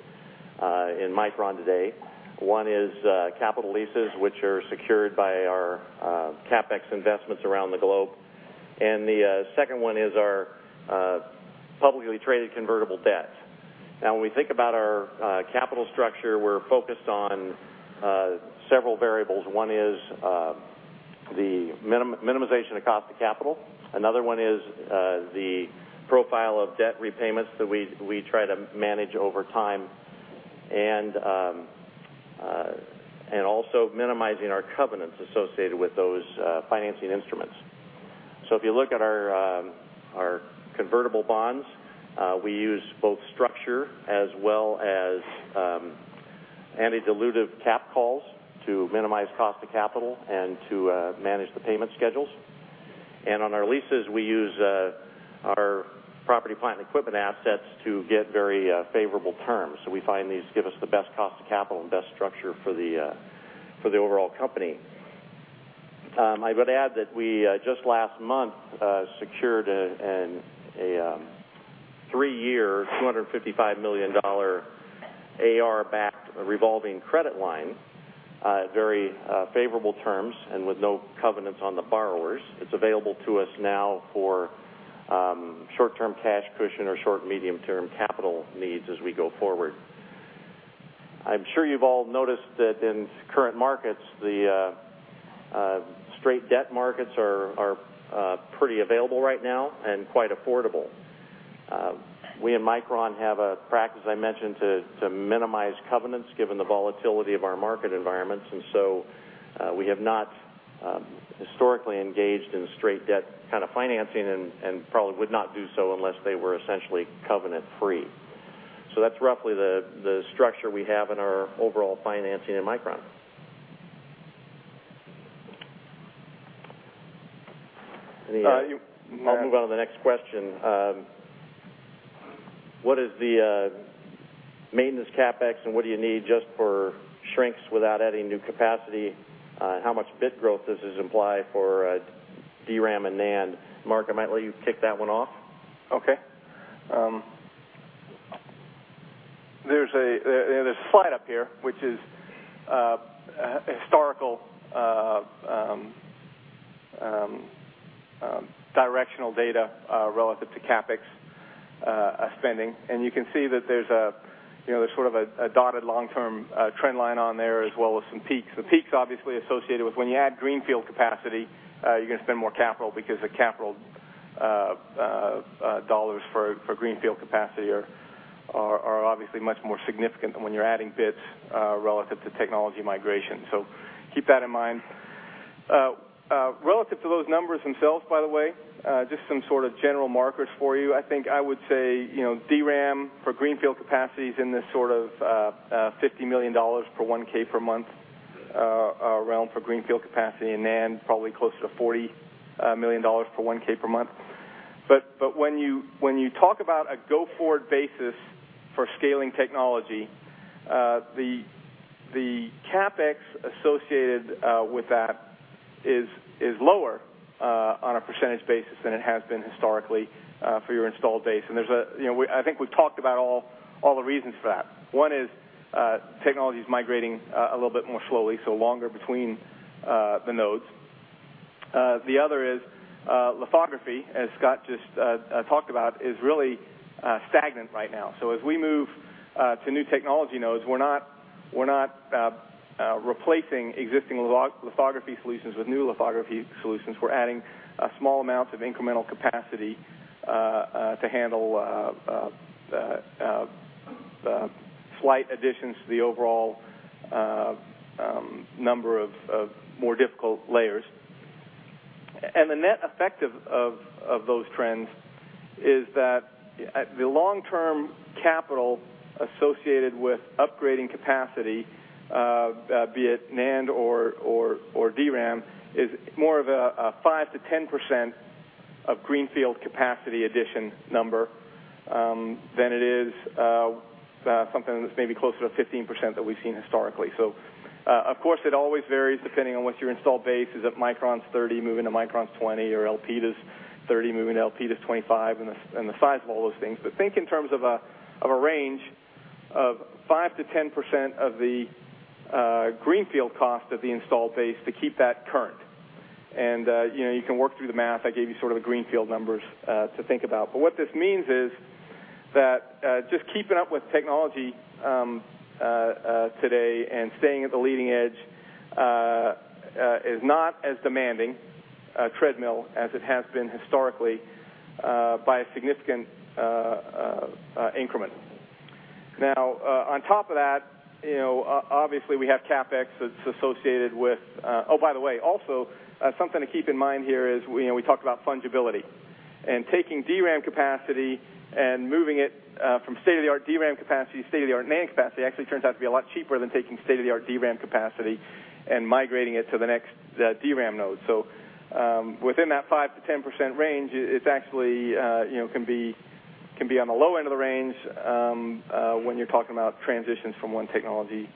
in Micron today. One is capital leases, which are secured by our CapEx investments around the globe, and the second one is our publicly traded convertible debt. When we think about our capital structure, we're focused on several variables. One is the minimization of cost of capital. Another one is the profile of debt repayments that we try to manage over time, and also minimizing our covenants associated with those financing instruments. If you look at our convertible bonds, we use both structure as well as anti-dilutive capped calls to minimize cost of capital and to manage the payment schedules. On our leases, we use our property, plant, and equipment assets to get very favorable terms. We find these give us the best cost of capital and best structure for the overall company. I would add that we just last month secured a three-year, $255 million AR-backed revolving credit line at very favorable terms and with no covenants on the borrowers. It's available to us now for short-term cash cushion or short, medium-term capital needs as we go forward. I'm sure you've all noticed that in current markets, the straight debt markets are pretty available right now and quite affordable. We at Micron have a practice, I mentioned, to minimize covenants given the volatility of our market environments, we have not historically engaged in straight debt kind of financing and probably would not do so unless they were essentially covenant-free. That's roughly the structure we have in our overall financing at Micron. I'll move on to the next question. What is the maintenance CapEx, and what do you need just for shrinks without adding new capacity? How much bit growth does this imply for DRAM and NAND? Mark, I might let you kick that one off. Okay. There's a slide up here, which is historical directional data relative to CapEx spending. You can see that there's sort of a dotted long-term trend line on there, as well as some peaks. The peaks, obviously, associated with when you add greenfield capacity, you're going to spend more capital because the capital dollars for greenfield capacity are obviously much more significant than when you're adding bits relative to technology migration. Keep that in mind. Relative to those numbers themselves, by the way, just some sort of general markers for you. I think I would say DRAM for greenfield capacity is in this sort of $50 million for 1K per month around for greenfield capacity, and NAND probably closer to $40 million for 1K per month. When you talk about a go-forward basis for scaling technology, the CapEx associated with that is lower on a percentage basis than it has been historically for your installed base. I think we've talked about all the reasons for that. One is technology's migrating a little bit more slowly, longer between the nodes. The other is lithography, as Scott just talked about, is really stagnant right now. As we move to new technology nodes, we're not replacing existing lithography solutions with new lithography solutions. We're adding small amounts of incremental capacity to handle slight additions to the overall number of more difficult layers. The net effect of those trends is that the long-term capital associated with upgrading capacity, be it NAND or DRAM, is more of a 5%-10% of greenfield capacity addition number than it is something that's maybe closer to 15% that we've seen historically. Of course, it always varies depending on what your install base is at Micron's 30, moving to Micron's 20 or Elpida's 30, moving to Elpida's 25, and the size of all those things. Think in terms of a range of 5%-10% of the greenfield cost of the installed base to keep that current. You can work through the math. I gave you sort of the greenfield numbers to think about. What this means is that just keeping up with technology today and staying at the leading edge is not as demanding a treadmill as it has been historically by a significant increment. On top of that, obviously, we have CapEx that's associated with. Something to keep in mind here is, we talked about fungibility. Taking DRAM capacity and moving it from state-of-the-art DRAM capacity to state-of-the-art NAND capacity actually turns out to be a lot cheaper than taking state-of-the-art DRAM capacity and migrating it to the next DRAM node. Within that 5%-10% range, it actually can be on the low end of the range when you're talking about transitions from one technology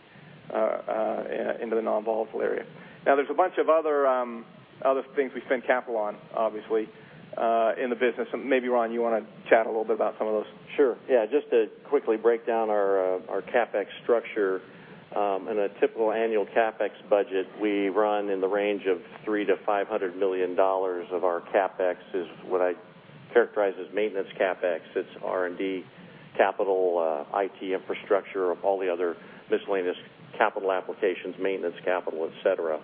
into the non-volatile area. There's a bunch of other things we spend capital on, obviously, in the business. Maybe, Ron, you want to chat a little bit about some of those? Sure. Just to quickly break down our CapEx structure. In a typical annual CapEx budget, we run in the range of $300 million-$500 million of our CapEx is what I characterize as maintenance CapEx. It's R&D capital, IT infrastructure, all the other miscellaneous capital applications, maintenance capital, et cetera.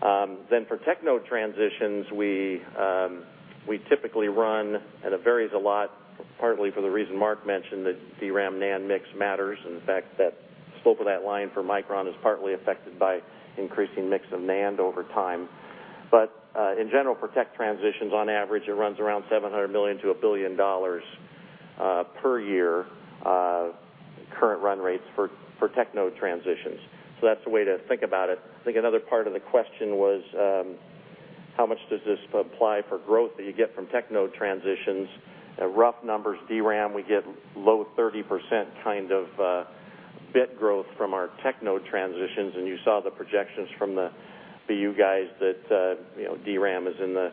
For tech node transitions, we typically run, and it varies a lot, partly for the reason Mark mentioned, that DRAM NAND mix matters, and in fact, that slope of that line for Micron is partly affected by increasing mix of NAND over time. In general, for tech transitions, on average, it runs around $700 million-$1 billion per year, current run rates for tech node transitions. That's the way to think about it. I think another part of the question was, how much does this apply for growth that you get from tech node transitions? Rough numbers, DRAM, we get low 30% kind of bit growth from our tech node transitions, and you saw the projections from the BU guys that DRAM is in the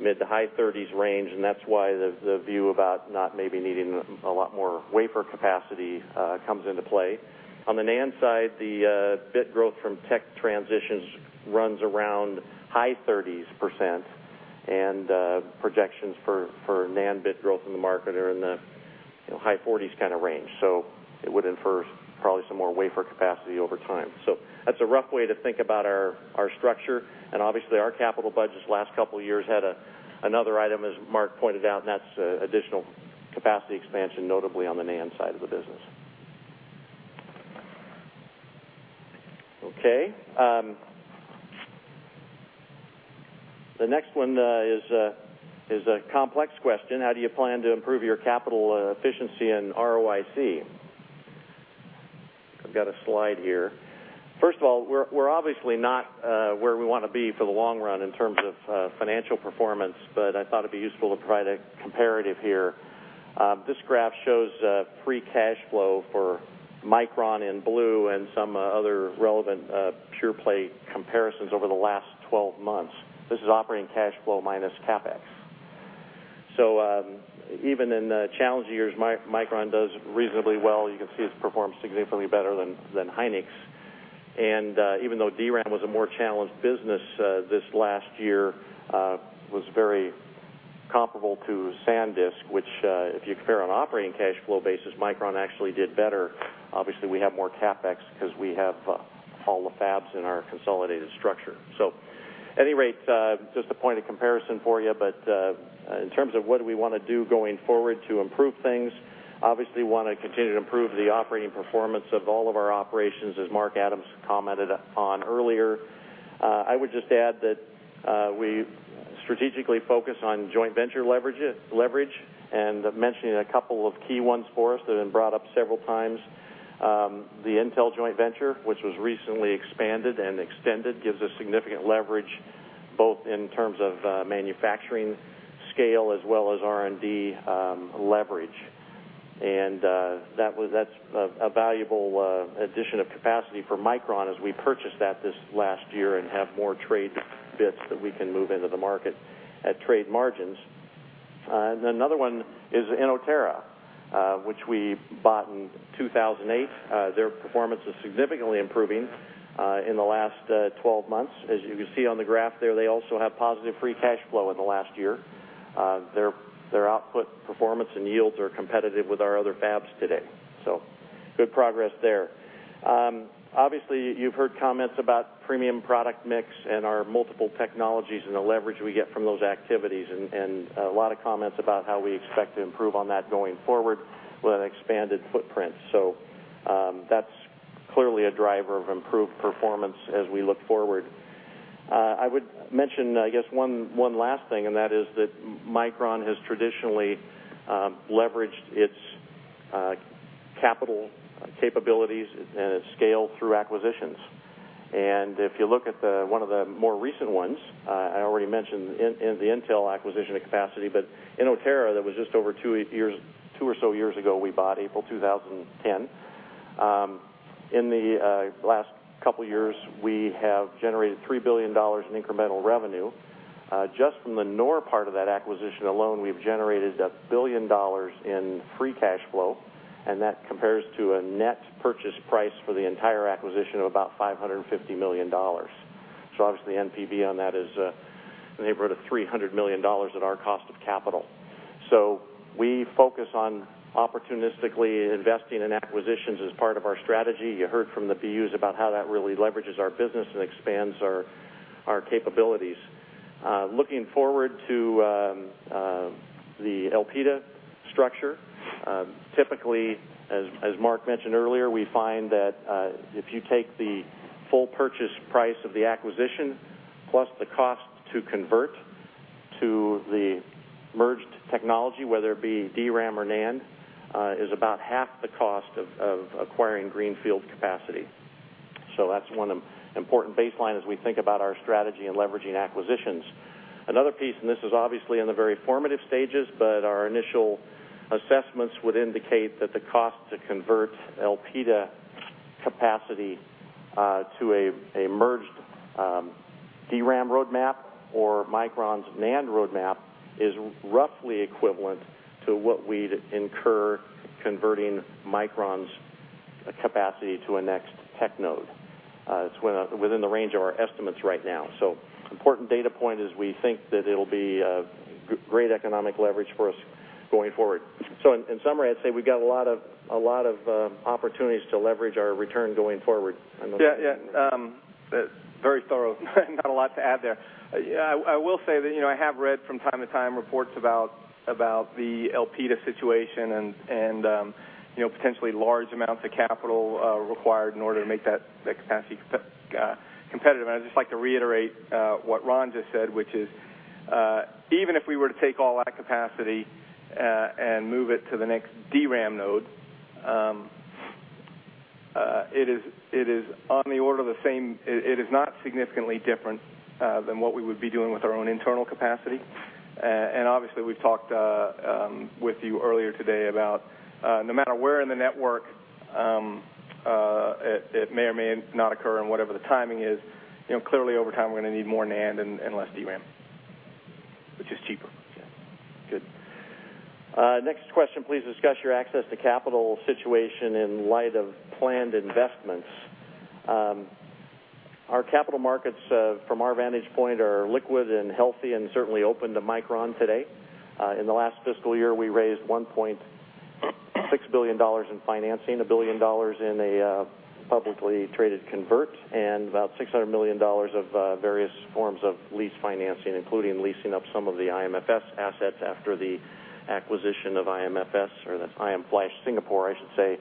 mid to high 30s range, and that's why the view about not maybe needing a lot more wafer capacity comes into play. On the NAND side, the bit growth from tech transitions runs around high 30s%, and projections for NAND bit growth in the market are in the high 40s kind of range. It would infer probably some more wafer capacity over time. That's a rough way to think about our structure. Obviously, our capital budgets the last couple of years had another item, as Mark pointed out, and that's additional capacity expansion, notably on the NAND side of the business. Okay. The next one is a complex question. How do you plan to improve your capital efficiency and ROIC? I've got a slide here. First of all, we're obviously not where we want to be for the long run in terms of financial performance. I thought it'd be useful to provide a comparative here. This graph shows free cash flow for Micron in blue and some other relevant pure play comparisons over the last 12 months. This is operating cash flow minus CapEx. Even in the challenge years, Micron does reasonably well. You can see it's performed significantly better than Hynix. Even though DRAM was a more challenged business, this last year was very comparable to SanDisk, which, if you compare on operating cash flow basis, Micron actually did better. Obviously, we have more CapEx because we have all the fabs in our consolidated structure. At any rate, just a point of comparison for you. In terms of what we want to do going forward to improve things, obviously, want to continue to improve the operating performance of all of our operations, as Mark Adams commented on earlier. I would just add that we strategically focus on joint venture leverage and mentioning a couple of key ones for us that have been brought up several times. The Intel joint venture, which was recently expanded and extended, gives us significant leverage both in terms of manufacturing scale as well as R&D leverage. That's a valuable addition of capacity for Micron as we purchased that this last year and have more trade bits that we can move into the market at trade margins. Another one is in Inotera, which we bought in 2008. Their performance is significantly improving in the last 12 months. As you can see on the graph there, they also have positive free cash flow in the last year. Their output performance and yields are competitive with our other fabs today. Good progress there. Obviously, you've heard comments about premium product mix and our multiple technologies and the leverage we get from those activities, and a lot of comments about how we expect to improve on that going forward with an expanded footprint. That's clearly a driver of improved performance as we look forward. I would mention, I guess one last thing, that is that Micron has traditionally leveraged its capital capabilities and its scale through acquisitions. If you look at one of the more recent ones, I already mentioned in the Intel acquisition of capacity, but Inotera, that was just over two or so years ago, we bought April 2010. In the last couple of years, we have generated $3 billion in incremental revenue. Just from the NOR part of that acquisition alone, we've generated $1 billion in free cash flow, and that compares to a net purchase price for the entire acquisition of about $550 million. Obviously, NPV on that is in the neighborhood of $300 million at our cost of capital. We focus on opportunistically investing in acquisitions as part of our strategy. You heard from the BUs about how that really leverages our business and expands our capabilities. Looking forward to the Elpida structure, typically, as Mark mentioned earlier, we find that if you take the full purchase price of the acquisition, plus the cost to convert to the merged technology, whether it be DRAM or NAND, is about half the cost of acquiring greenfield capacity. That's one important baseline as we think about our strategy and leveraging acquisitions. Another piece, and this is obviously in the very formative stages, but our initial assessments would indicate that the cost to convert Elpida capacity to a merged DRAM roadmap or Micron's NAND roadmap is roughly equivalent to what we'd incur converting Micron's capacity to a next tech node. It's within the range of our estimates right now. Important data point is we think that it'll be great economic leverage for us going forward. In summary, I'd say we've got a lot of opportunities to leverage our return going forward. Yeah. Very thorough. Not a lot to add there. I will say that, I have read from time to time reports about the Elpida situation and potentially large amounts of capital required in order to make that capacity competitive. I'd just like to reiterate what Ron just said, which is, even if we were to take all that capacity and move it to the next DRAM node, it is not significantly different than what we would be doing with our own internal capacity. Obviously, we've talked with you earlier today about no matter where in the network, it may or may not occur and whatever the timing is, clearly over time, we're going to need more NAND and less DRAM, which is cheaper. Yeah. Good. Next question, please discuss your access to capital situation in light of planned investments. Our capital markets, from our vantage point, are liquid and healthy and certainly open to Micron today. In the last fiscal year, we raised $1.6 billion in financing, $1 billion in a publicly traded convert, and about $600 million of various forms of lease financing, including leasing up some of the IMFS assets after the acquisition of IMFS, or that's IM Flash Singapore, I should say,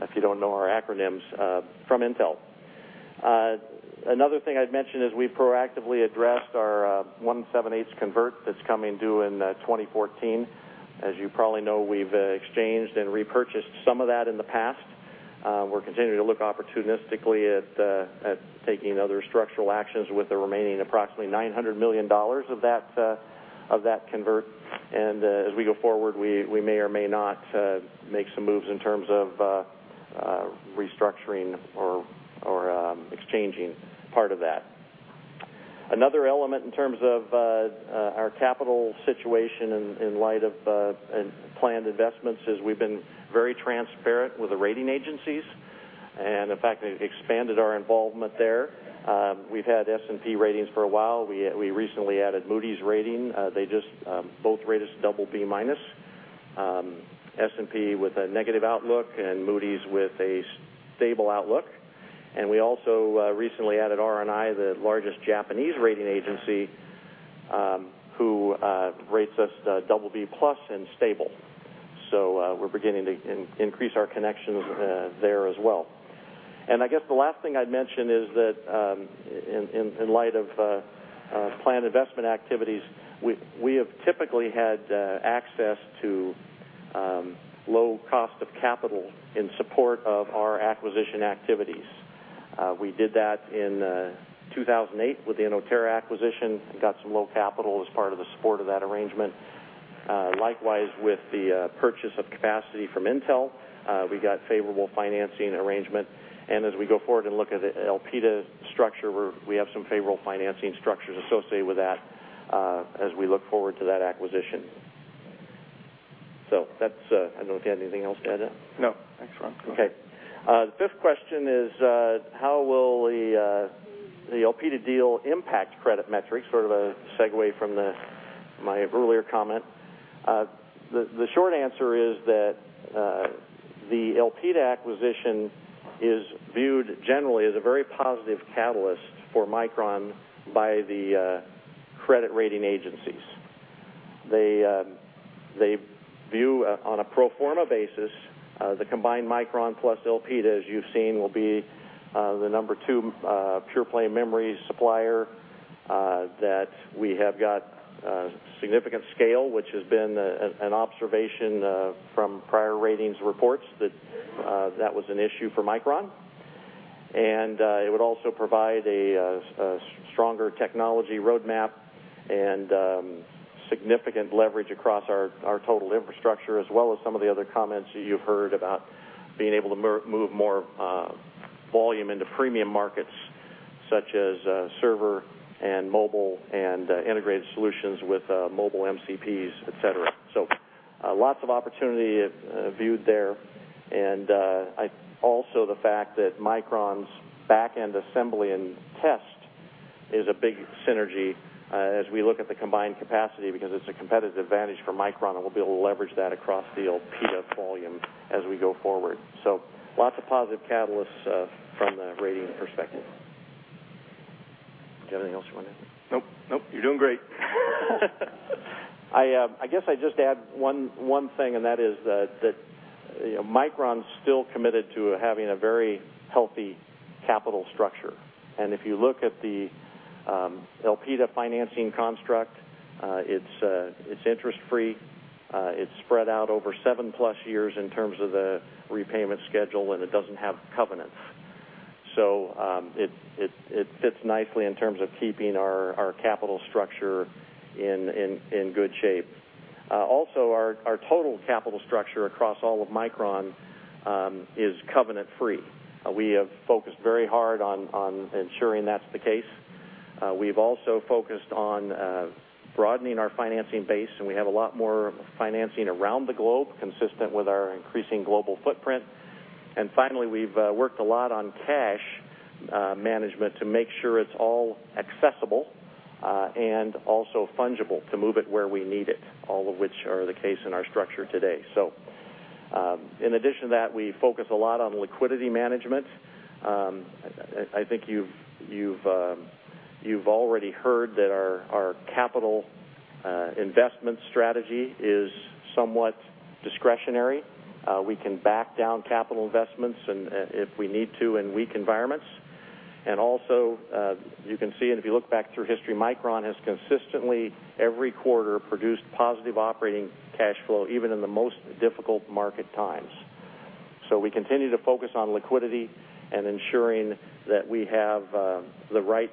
if you don't know our acronyms, from Intel. Another thing I'd mention is we proactively addressed our 1.875% convert that's coming due in 2014. As you probably know, we've exchanged and repurchased some of that in the past. We're continuing to look opportunistically at taking other structural actions with the remaining approximately $900 million of that convert. As we go forward, we may or may not make some moves in terms of restructuring or exchanging part of that. Another element in terms of our capital situation in light of planned investments is we've been very transparent with the rating agencies, and in fact, they've expanded our involvement there. We've had S&P ratings for a while. We recently added Moody's rating. They both rate us BB-, S&P with a negative outlook and Moody's with a stable outlook. We also recently added R&I, the largest Japanese rating agency, who rates us BB+ and stable. We're beginning to increase our connections there as well. I guess the last thing I'd mention is that, in light of planned investment activities, we have typically had access to low cost of capital in support of our acquisition activities. We did that in 2008 with the Inotera acquisition and got some low capital as part of the support of that arrangement. Likewise, with the purchase of capacity from Intel, we got favorable financing arrangement. As we go forward and look at Elpida structure, we have some favorable financing structures associated with that as we look forward to that acquisition. I don't know if you had anything else to add to that. No. Thanks, Ron. Go ahead. Okay. The fifth question is, how will the Elpida deal impact credit metrics? Sort of a segue from my earlier comment. The short answer is that the Elpida acquisition is viewed generally as a very positive catalyst for Micron by the credit rating agencies. They view, on a pro forma basis, the combined Micron plus Elpida, as you've seen, will be the number two pure play memory supplier, that we have got significant scale, which has been an observation from prior ratings reports, that was an issue for Micron. It would also provide a stronger technology roadmap and significant leverage across our total infrastructure, as well as some of the other comments you've heard about being able to move more volume into premium markets such as server and mobile and integrated solutions with mobile MCPs, et cetera. Lots of opportunity viewed there. Also the fact that Micron's back-end assembly and test is a big synergy as we look at the combined capacity, because it's a competitive advantage for Micron, and we'll be able to leverage that across the Elpida volume as we go forward. Lots of positive catalysts from the rating perspective. Do you have anything else you want to add? Nope. You're doing great. I guess I'd just add one thing, that is that Micron's still committed to having a very healthy capital structure. If you look at the Elpida financing construct, it's interest free, it's spread out over 7+ years in terms of the repayment schedule, and it doesn't have covenants. It fits nicely in terms of keeping our capital structure in good shape. Also, our total capital structure across all of Micron is covenant-free. We have focused very hard on ensuring that's the case. We've also focused on broadening our financing base, we have a lot more financing around the globe, consistent with our increasing global footprint. Finally, we've worked a lot on cash management to make sure it's all accessible and also fungible to move it where we need it, all of which are the case in our structure today. In addition to that, we focus a lot on liquidity management. I think you've already heard that our capital investment strategy is somewhat discretionary. We can back down capital investments if we need to in weak environments. Also, you can see, if you look back through history, Micron has consistently, every quarter, produced positive operating cash flow, even in the most difficult market times. We continue to focus on liquidity and ensuring that we have the right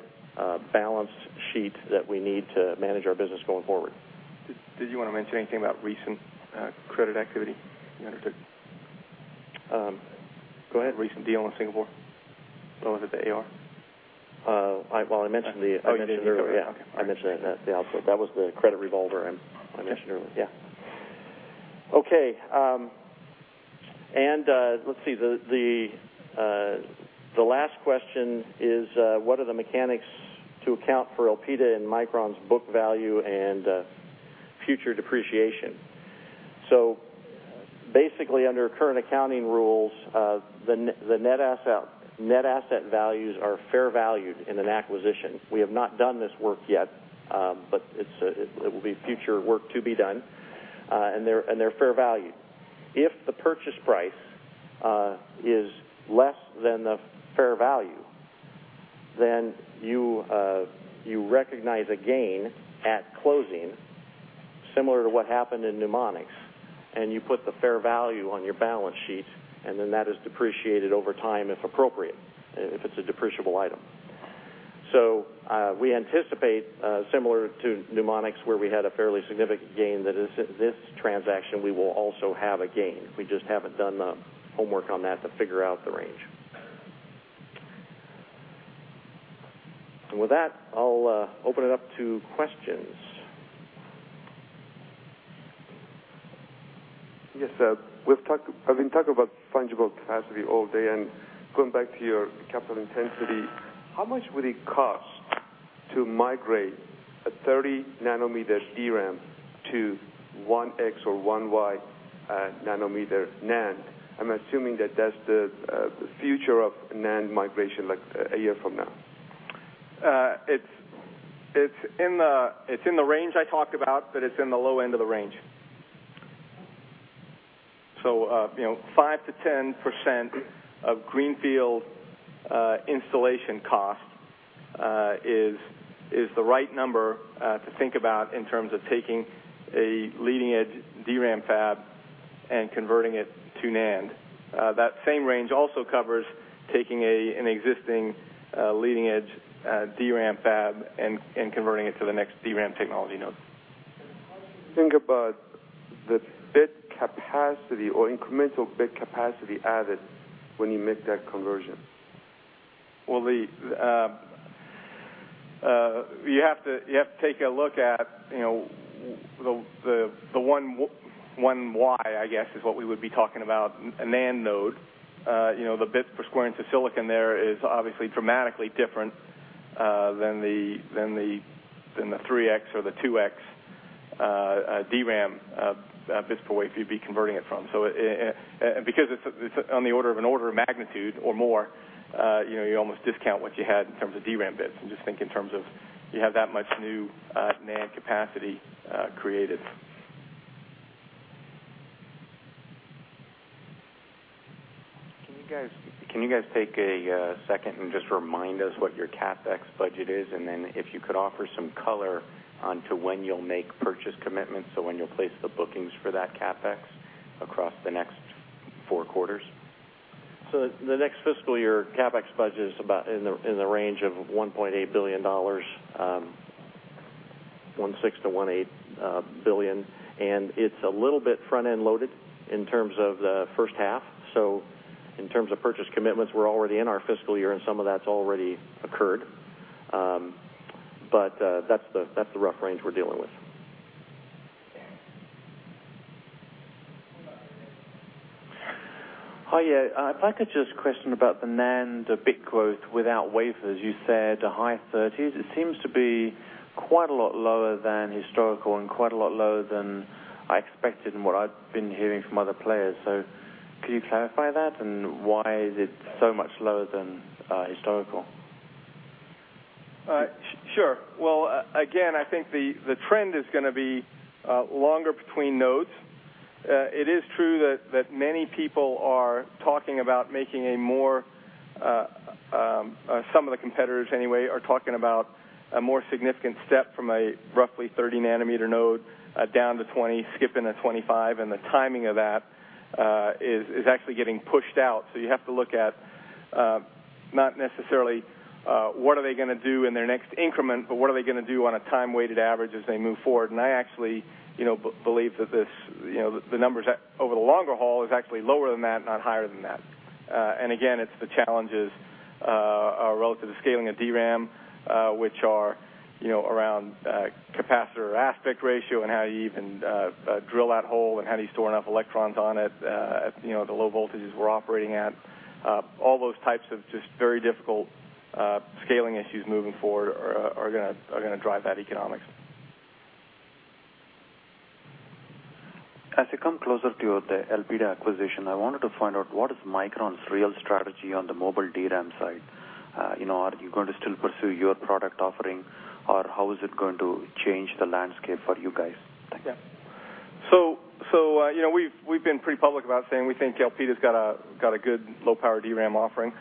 balance sheet that we need to manage our business going forward. Did you want to mention anything about recent credit activity you undertook? Go ahead. Recent deal in Singapore. What was it, the AR? Well, I mentioned. Oh, you did earlier. Okay. I mentioned that in the outlook. That was the credit revolver I mentioned earlier. Yeah. Okay. Let's see. The last question is, what are the mechanics to account for Elpida and Micron's book value and future depreciation? Basically, under current accounting rules, the net asset values are fair valued in an acquisition. We have not done this work yet, but it will be future work to be done. They're fair valued. If the purchase price is less than the fair value, then you recognize a gain at closing, similar to what happened in Numonyx, and you put the fair value on your balance sheet, and then that is depreciated over time if appropriate, if it's a depreciable item. We anticipate, similar to Numonyx, where we had a fairly significant gain, that this transaction, we will also have a gain. We just haven't done the homework on that to figure out the range. With that, I'll open it up to questions. Yes, sir. I've been talking about fungible capacity all day, going back to your capital intensity, how much would it cost to migrate a 30 nanometers DRAM to 1x or 1y nanometer NAND? I'm assuming that that's the future of NAND migration a year from now. It's in the range I talked about, it's in the low end of the range. 5%-10% of Greenfield installation cost is the right number to think about in terms of taking a leading-edge DRAM fab and converting it to NAND. That same range also covers taking an existing leading-edge DRAM fab and converting it to the next DRAM technology node. Think about the bit capacity or incremental bit capacity added when you make that conversion. You have to take a look at the 1y, I guess, is what we would be talking about, a NAND node. The bit per square inch of silicon there is obviously dramatically different than the 3X or the 2X DRAM, bits per wafer you'd be converting it from. Because it's on the order of an order of magnitude or more, you almost discount what you had in terms of DRAM bits and just think in terms of you have that much new NAND capacity created. Can you guys take a second and just remind us what your CapEx budget is, and then if you could offer some color onto when you'll make purchase commitments or when you'll place the bookings for that CapEx across the next four quarters? The next fiscal year CapEx budget is about in the range of $1.8 billion, $1.6 billion-$1.8 billion, and it's a little bit front-end loaded in terms of the first half. In terms of purchase commitments, we're already in our fiscal year, and some of that's already occurred. That's the rough range we're dealing with. Okay. Hi. If I could just question about the NAND, the bit growth without wafers, you said the high 30s. It seems to be quite a lot lower than historical and quite a lot lower than I expected and what I've been hearing from other players. Can you clarify that and why is it so much lower than historical? Sure. Well, again, I think the trend is going to be longer between nodes. It is true that many people are talking about making a more significant step from a roughly 30-nanometer node down to 20, skipping a 25, and the timing of that is actually getting pushed out. You have to look at not necessarily what are they going to do in their next increment, but what are they going to do on a time-weighted average as they move forward. I actually believe that the numbers over the longer haul is actually lower than that, not higher than that. Again, it's the challenges are relative to scaling of DRAM, which are around capacitor aspect ratio and how you even drill that hole and how do you store enough electrons on it at the low voltages we're operating at. All those types of just very difficult scaling issues moving forward are going to drive that economics. As you come closer to the Elpida acquisition, I wanted to find out what is Micron's real strategy on the mobile DRAM side? Are you going to still pursue your product offering, or how is it going to change the landscape for you guys? Thank you. We've been pretty public about saying we think Elpida's got a good low-power DRAM offering.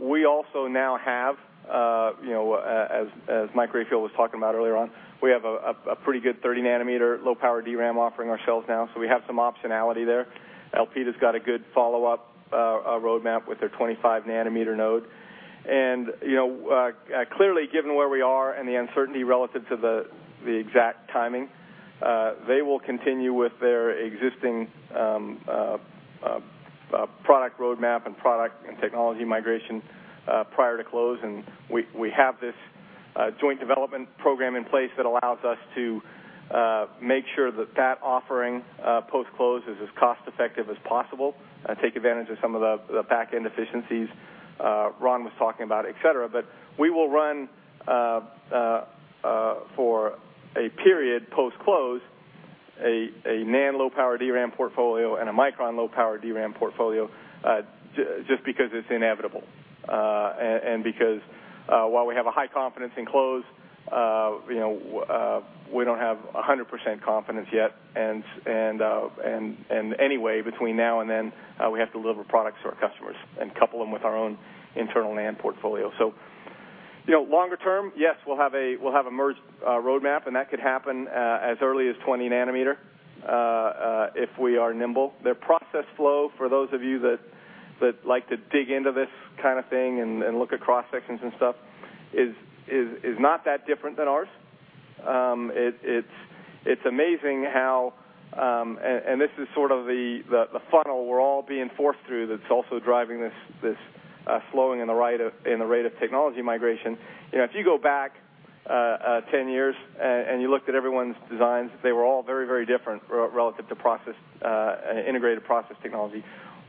We also now have, as Mike Rayfield was talking about earlier on, we have a pretty good 30-nanometer low-power DRAM offering ourselves now, so we have some optionality there. Elpida's got a good follow-up roadmap with their 25-nanometer node. Clearly, given where we are and the uncertainty relative to the exact timing, they will continue with their existing product roadmap and product and technology migration prior to close, and we have this joint development program in place that allows us to make sure that that offering post-close is as cost-effective as possible and take advantage of some of the back-end efficiencies Ron was talking about, et cetera. We will run, for a period post-close, a non-low-power DRAM portfolio and a Micron low-power DRAM portfolio, just because it's inevitable. Because while we have a high confidence in close, we don't have 100% confidence yet. Anyway, between now and then, we have to deliver products to our customers and couple them with our own internal NAND portfolio. Longer term, yes, we'll have a merged roadmap, and that could happen as early as 20 nanometer, if we are nimble. Their process flow, for those of you that like to dig into this kind of thing and look at cross-sections and stuff, is not that different than ours. It's amazing how, and this is sort of the funnel we're all being forced through that's also driving this slowing and the rate of technology migration. If you go back 10 years and you looked at everyone's designs, they were all very different relative to integrated process technology.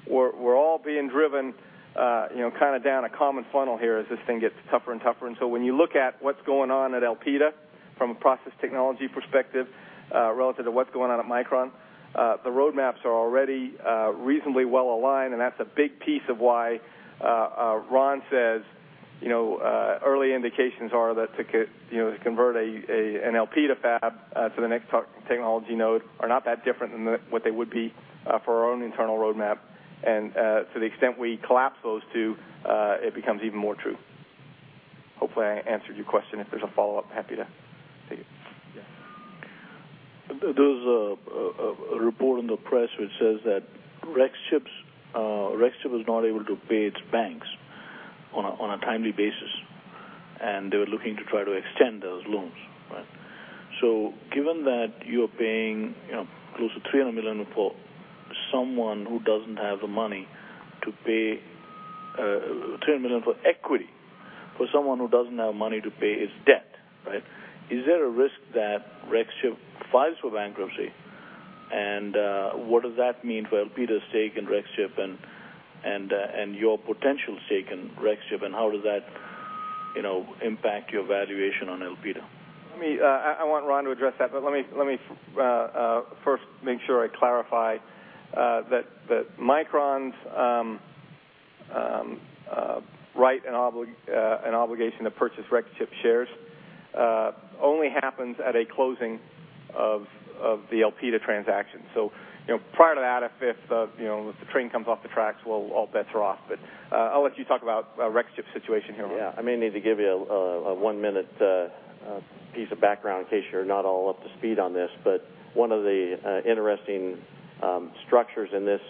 We're all being driven down a common funnel here as this thing gets tougher and tougher. When you look at what's going on at Elpida from a process technology perspective relative to what's going on at Micron, the roadmaps are already reasonably well-aligned, and that's a big piece of why Ron says early indications are that to convert an Elpida fab to the next technology node are not that different than what they would be for our own internal roadmap. To the extent we collapse those two, it becomes even more true. Hopefully, I answered your question. If there's a follow-up, happy to take it. Yeah. There's a report in the press which says that Rexchip was not able to pay its banks on a timely basis, and they were looking to try to extend those loans, right? Given that you're paying close to $300 million for equity for someone who doesn't have money to pay his debt, is there a risk that Rexchip files for bankruptcy? What does that mean for Elpida's stake in Rexchip and your potential stake in Rexchip, and how does that impact your valuation on Elpida? Let me first make sure I clarify that Micron's right and obligation to purchase Rexchip shares only happens at a closing of the Elpida transaction. Prior to that, if the train comes off the tracks, well, all bets are off. I'll let you talk about Rexchip's situation here, Ron. Yeah. I may need to give you a one-minute piece of background in case you're not all up to speed on this. One of the interesting structures in this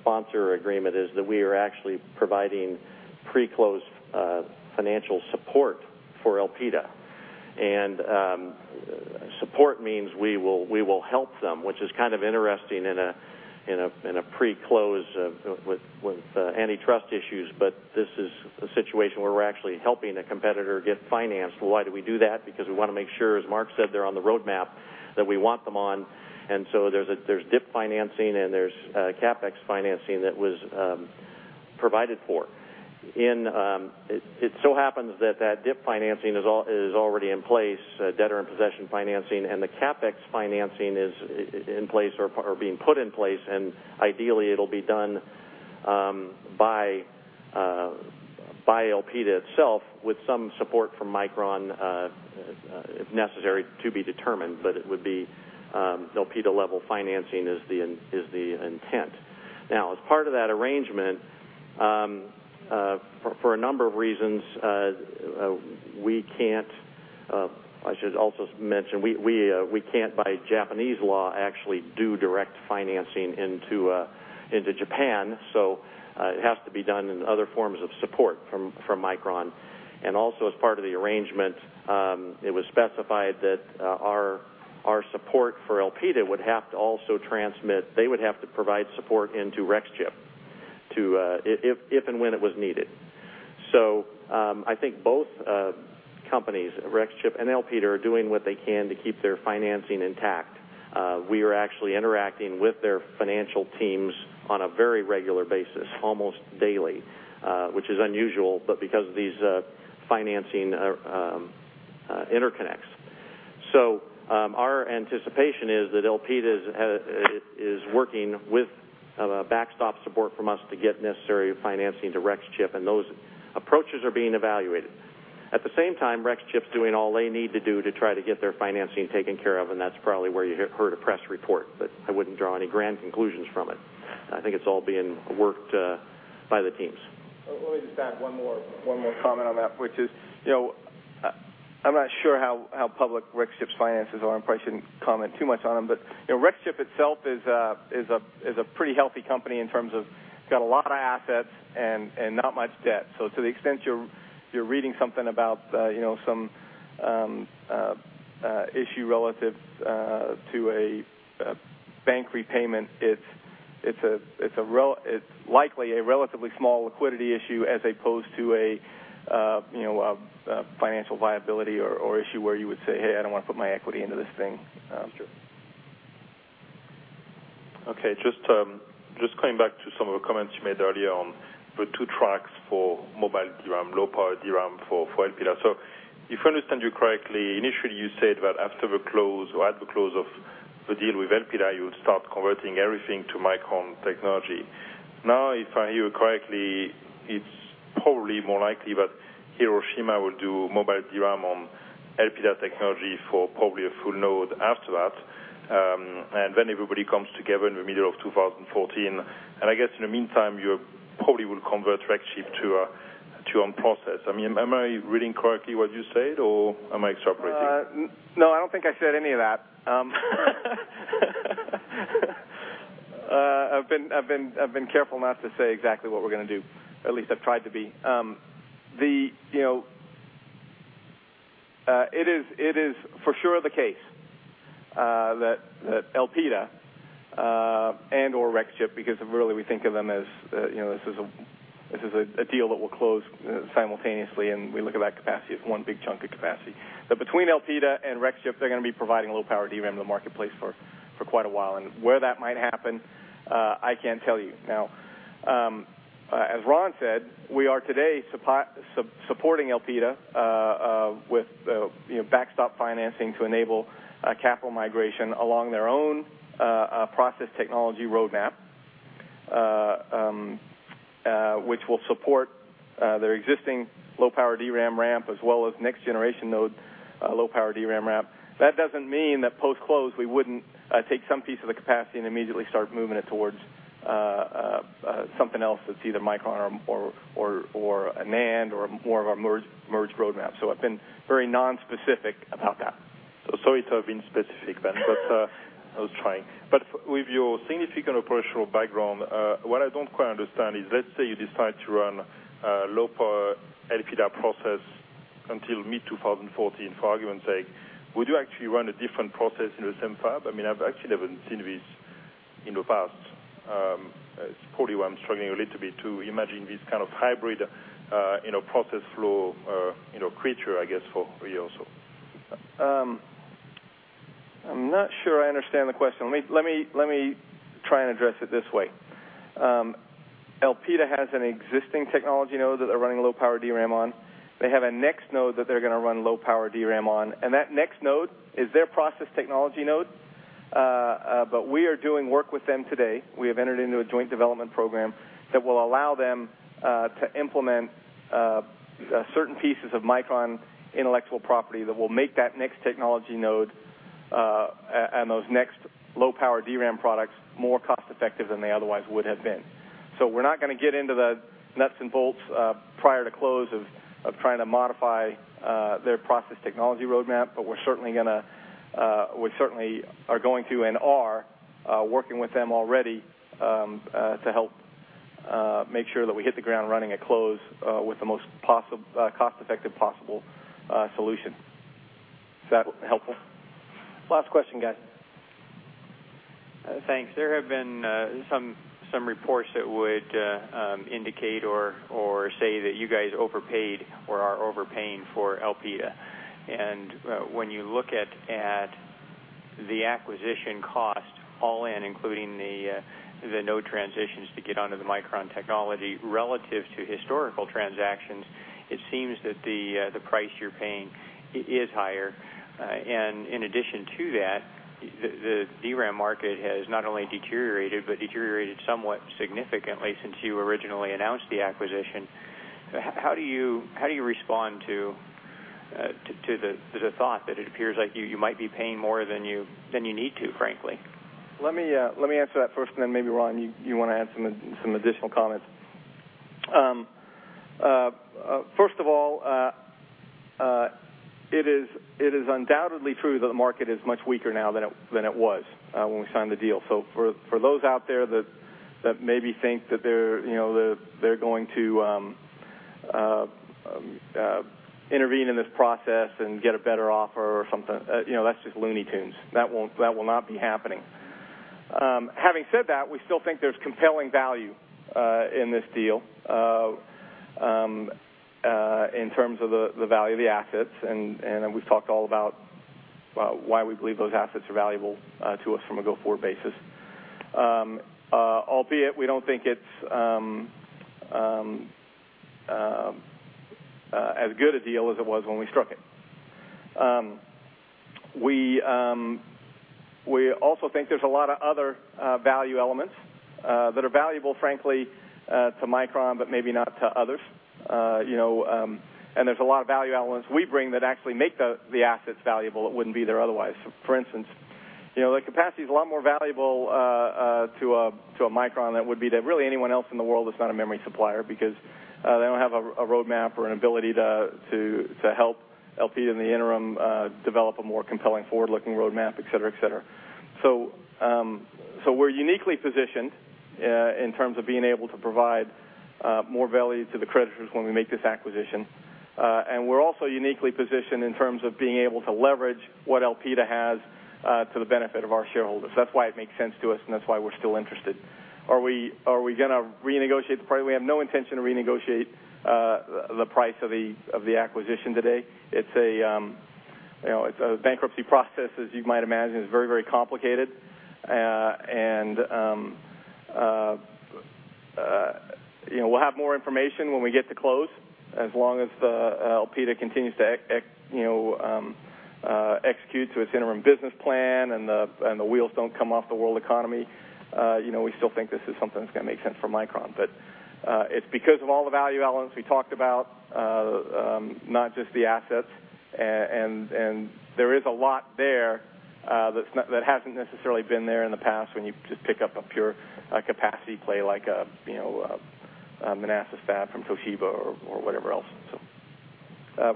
sponsor agreement is that we are actually providing pre-closed financial support for Elpida. Support means we will help them, which is kind of interesting in a pre-close with antitrust issues, but this is a situation where we're actually helping a competitor get financed. Why do we do that? Because we want to make sure, as Mark said, they're on the roadmap that we want them on. There's DIP financing and there's CapEx financing that was provided for. It so happens that that DIP financing is already in place, debtor-in-possession financing, and the CapEx financing is in place or being put in place, and ideally, it'll be done by Elpida itself with some support from Micron, if necessary, to be determined, but it would be Elpida-level financing is the intent. As part of that arrangement, for a number of reasons, I should also mention, we can't by Japanese law, actually do direct financing into Japan, it has to be done in other forms of support from Micron. Also as part of the arrangement, it was specified that our support for Elpida would have to also transmit, they would have to provide support into Rexchip if and when it was needed. I think both companies, Rexchip and Elpida, are doing what they can to keep their financing intact. We are actually interacting with their financial teams on a very regular basis, almost daily, which is unusual, but because of these financing interconnects. Our anticipation is that Elpida is working with backstop support from us to get necessary financing to Rexchip, and those approaches are being evaluated. Rexchip's doing all they need to do to try to get their financing taken care of, and that's probably where you heard a press report, but I wouldn't draw any grand conclusions from it. I think it's all being worked by the teams. Let me just add one more comment on that, which is, I'm not sure how public Rexchip's finances are and probably shouldn't comment too much on them. Rexchip itself is a pretty healthy company in terms of got a lot of assets and not much debt. To the extent you're reading something about some issue relative to a bank repayment, it's likely a relatively small liquidity issue as opposed to a financial viability or issue where you would say, "Hey, I don't want to put my equity into this thing. Sure. Okay. Just coming back to some of the comments you made earlier on the two tracks for mobile DRAM, low-power DRAM for Elpida. If I understand you correctly, initially, you said that after the close or at the close of the deal with Elpida, you would start converting everything to Micron Technology. If I hear you correctly, it's probably more likely that Hiroshima will do mobile DRAM on Elpida technology for probably a full node after that, then everybody comes together in the middle of 2014. I guess in the meantime, you probably will convert Rexchip to your own process. Am I reading correctly what you said, or am I extrapolating? No, I don't think I said any of that. I've been careful not to say exactly what we're going to do, or at least I've tried to be. It is for sure the case that Elpida and/or Rexchip, because really we think of them as this is a deal that will close simultaneously, and we look at that capacity as one big chunk of capacity. Between Elpida and Rexchip, they're going to be providing low-power DRAM in the marketplace for quite a while, and where that might happen, I can't tell you. As Ron said, we are today supporting Elpida, with backstop financing to enable capital migration along their own process technology roadmap, which will support their existing low-power DRAM ramp, as well as next-generation node low-power DRAM ramp. That doesn't mean that post-close, we wouldn't take some piece of the capacity and immediately start moving it towards something else that's either Micron or a NAND or more of our merged roadmap. I've been very non-specific about that. Sorry to have been specific then, I was trying. With your significant operational background, what I don't quite understand is, let's say you decide to run a low-power Elpida process until mid-2014, for argument's sake, would you actually run a different process in the same fab? I've actually never seen this in the past. It's probably why I'm struggling a little bit to imagine this kind of hybrid process flow creature, I guess, for you also. I'm not sure I understand the question. Let me try and address it this way. Elpida has an existing technology node that they're running low-power DRAM on. They have a next node that they're going to run low-power DRAM on, and that next node is their process technology node. We are doing work with them today. We have entered into a joint development program that will allow them to implement certain pieces of Micron intellectual property that will make that next technology node, and those next low-power DRAM products, more cost-effective than they otherwise would have been. We're not going to get into the nuts and bolts prior to close of trying to modify their process technology roadmap, but we certainly are going to and are working with them already to help make sure that we hit the ground running at close with the most cost-effective possible solution. Is that helpful? Last question, guys. Thanks. There have been some reports that would indicate or say that you guys overpaid or are overpaying for Elpida. When you look at the acquisition cost, all in, including the node transitions to get onto the Micron technology, relative to historical transactions, it seems that the price you're paying is higher. In addition to that, the DRAM market has not only deteriorated but deteriorated somewhat significantly since you originally announced the acquisition. How do you respond to the thought that it appears like you might be paying more than you need to, frankly? Let me answer that first, and then maybe, Ron, you want to add some additional comments. First of all, it is undoubtedly true that the market is much weaker now than it was when we signed the deal. For those out there that maybe think that they're going to intervene in this process and get a better offer or something, that's just Looney Tunes. That will not be happening. Having said that, we still think there's compelling value in this deal, in terms of the value of the assets, and we've talked all about why we believe those assets are valuable to us from a go-forward basis. Albeit, we don't think it's as good a deal as it was when we struck it. We also think there's a lot of other value elements that are valuable, frankly, to Micron, but maybe not to others. There's a lot of value elements we bring that actually make the assets valuable that wouldn't be there otherwise. For instance, the capacity is a lot more valuable to a Micron than it would be to, really, anyone else in the world that's not a memory supplier, because they don't have a roadmap or an ability to help Elpida in the interim develop a more compelling forward-looking roadmap, et cetera. We're uniquely positioned in terms of being able to provide more value to the creditors when we make this acquisition. We're also uniquely positioned in terms of being able to leverage what Elpida has to the benefit of our shareholders. That's why it makes sense to us, and that's why we're still interested. Are we going to renegotiate the price? We have no intention to renegotiate the price of the acquisition today. It's a bankruptcy process, as you might imagine. It's very complicated. We'll have more information when we get to close. As long as Elpida continues to execute to its interim business plan and the wheels don't come off the world economy, we still think this is something that's going to make sense for Micron. It's because of all the value elements we talked about, not just the assets. There is a lot there that hasn't necessarily been there in the past when you just pick up a pure capacity play, like a Manassas fab from Toshiba or whatever else.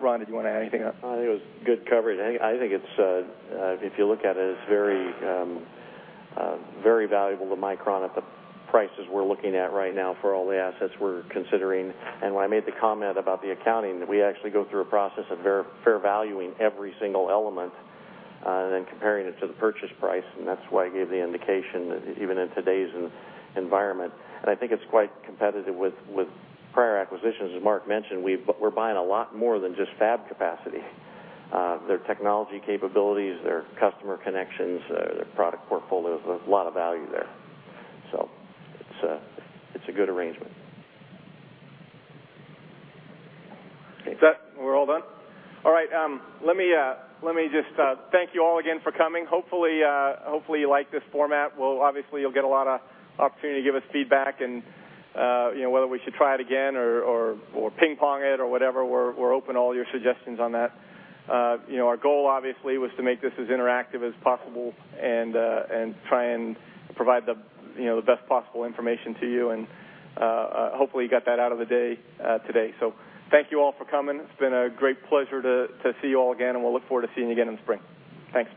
Ron, did you want to add anything? I think it was good coverage. I think if you look at it's very valuable to Micron at the prices we're looking at right now for all the assets we're considering. When I made the comment about the accounting, that we actually go through a process of fair valuing every single element and then comparing it to the purchase price, and that's why I gave the indication that even in today's environment. I think it's quite competitive with prior acquisitions. As Mark mentioned, we're buying a lot more than just fab capacity. Their technology capabilities, their customer connections, their product portfolio, there's a lot of value there. It's a good arrangement. Is that we're all done? All right. Let me just thank you all again for coming. Hopefully, you like this format. Obviously, you'll get a lot of opportunity to give us feedback and whether we should try it again or ping-pong it or whatever, we're open to all your suggestions on that. Our goal, obviously, was to make this as interactive as possible and try and provide the best possible information to you, and hopefully, you got that out of the day today. Thank you all for coming. It's been a great pleasure to see you all again, and we'll look forward to seeing you again in the spring. Thanks.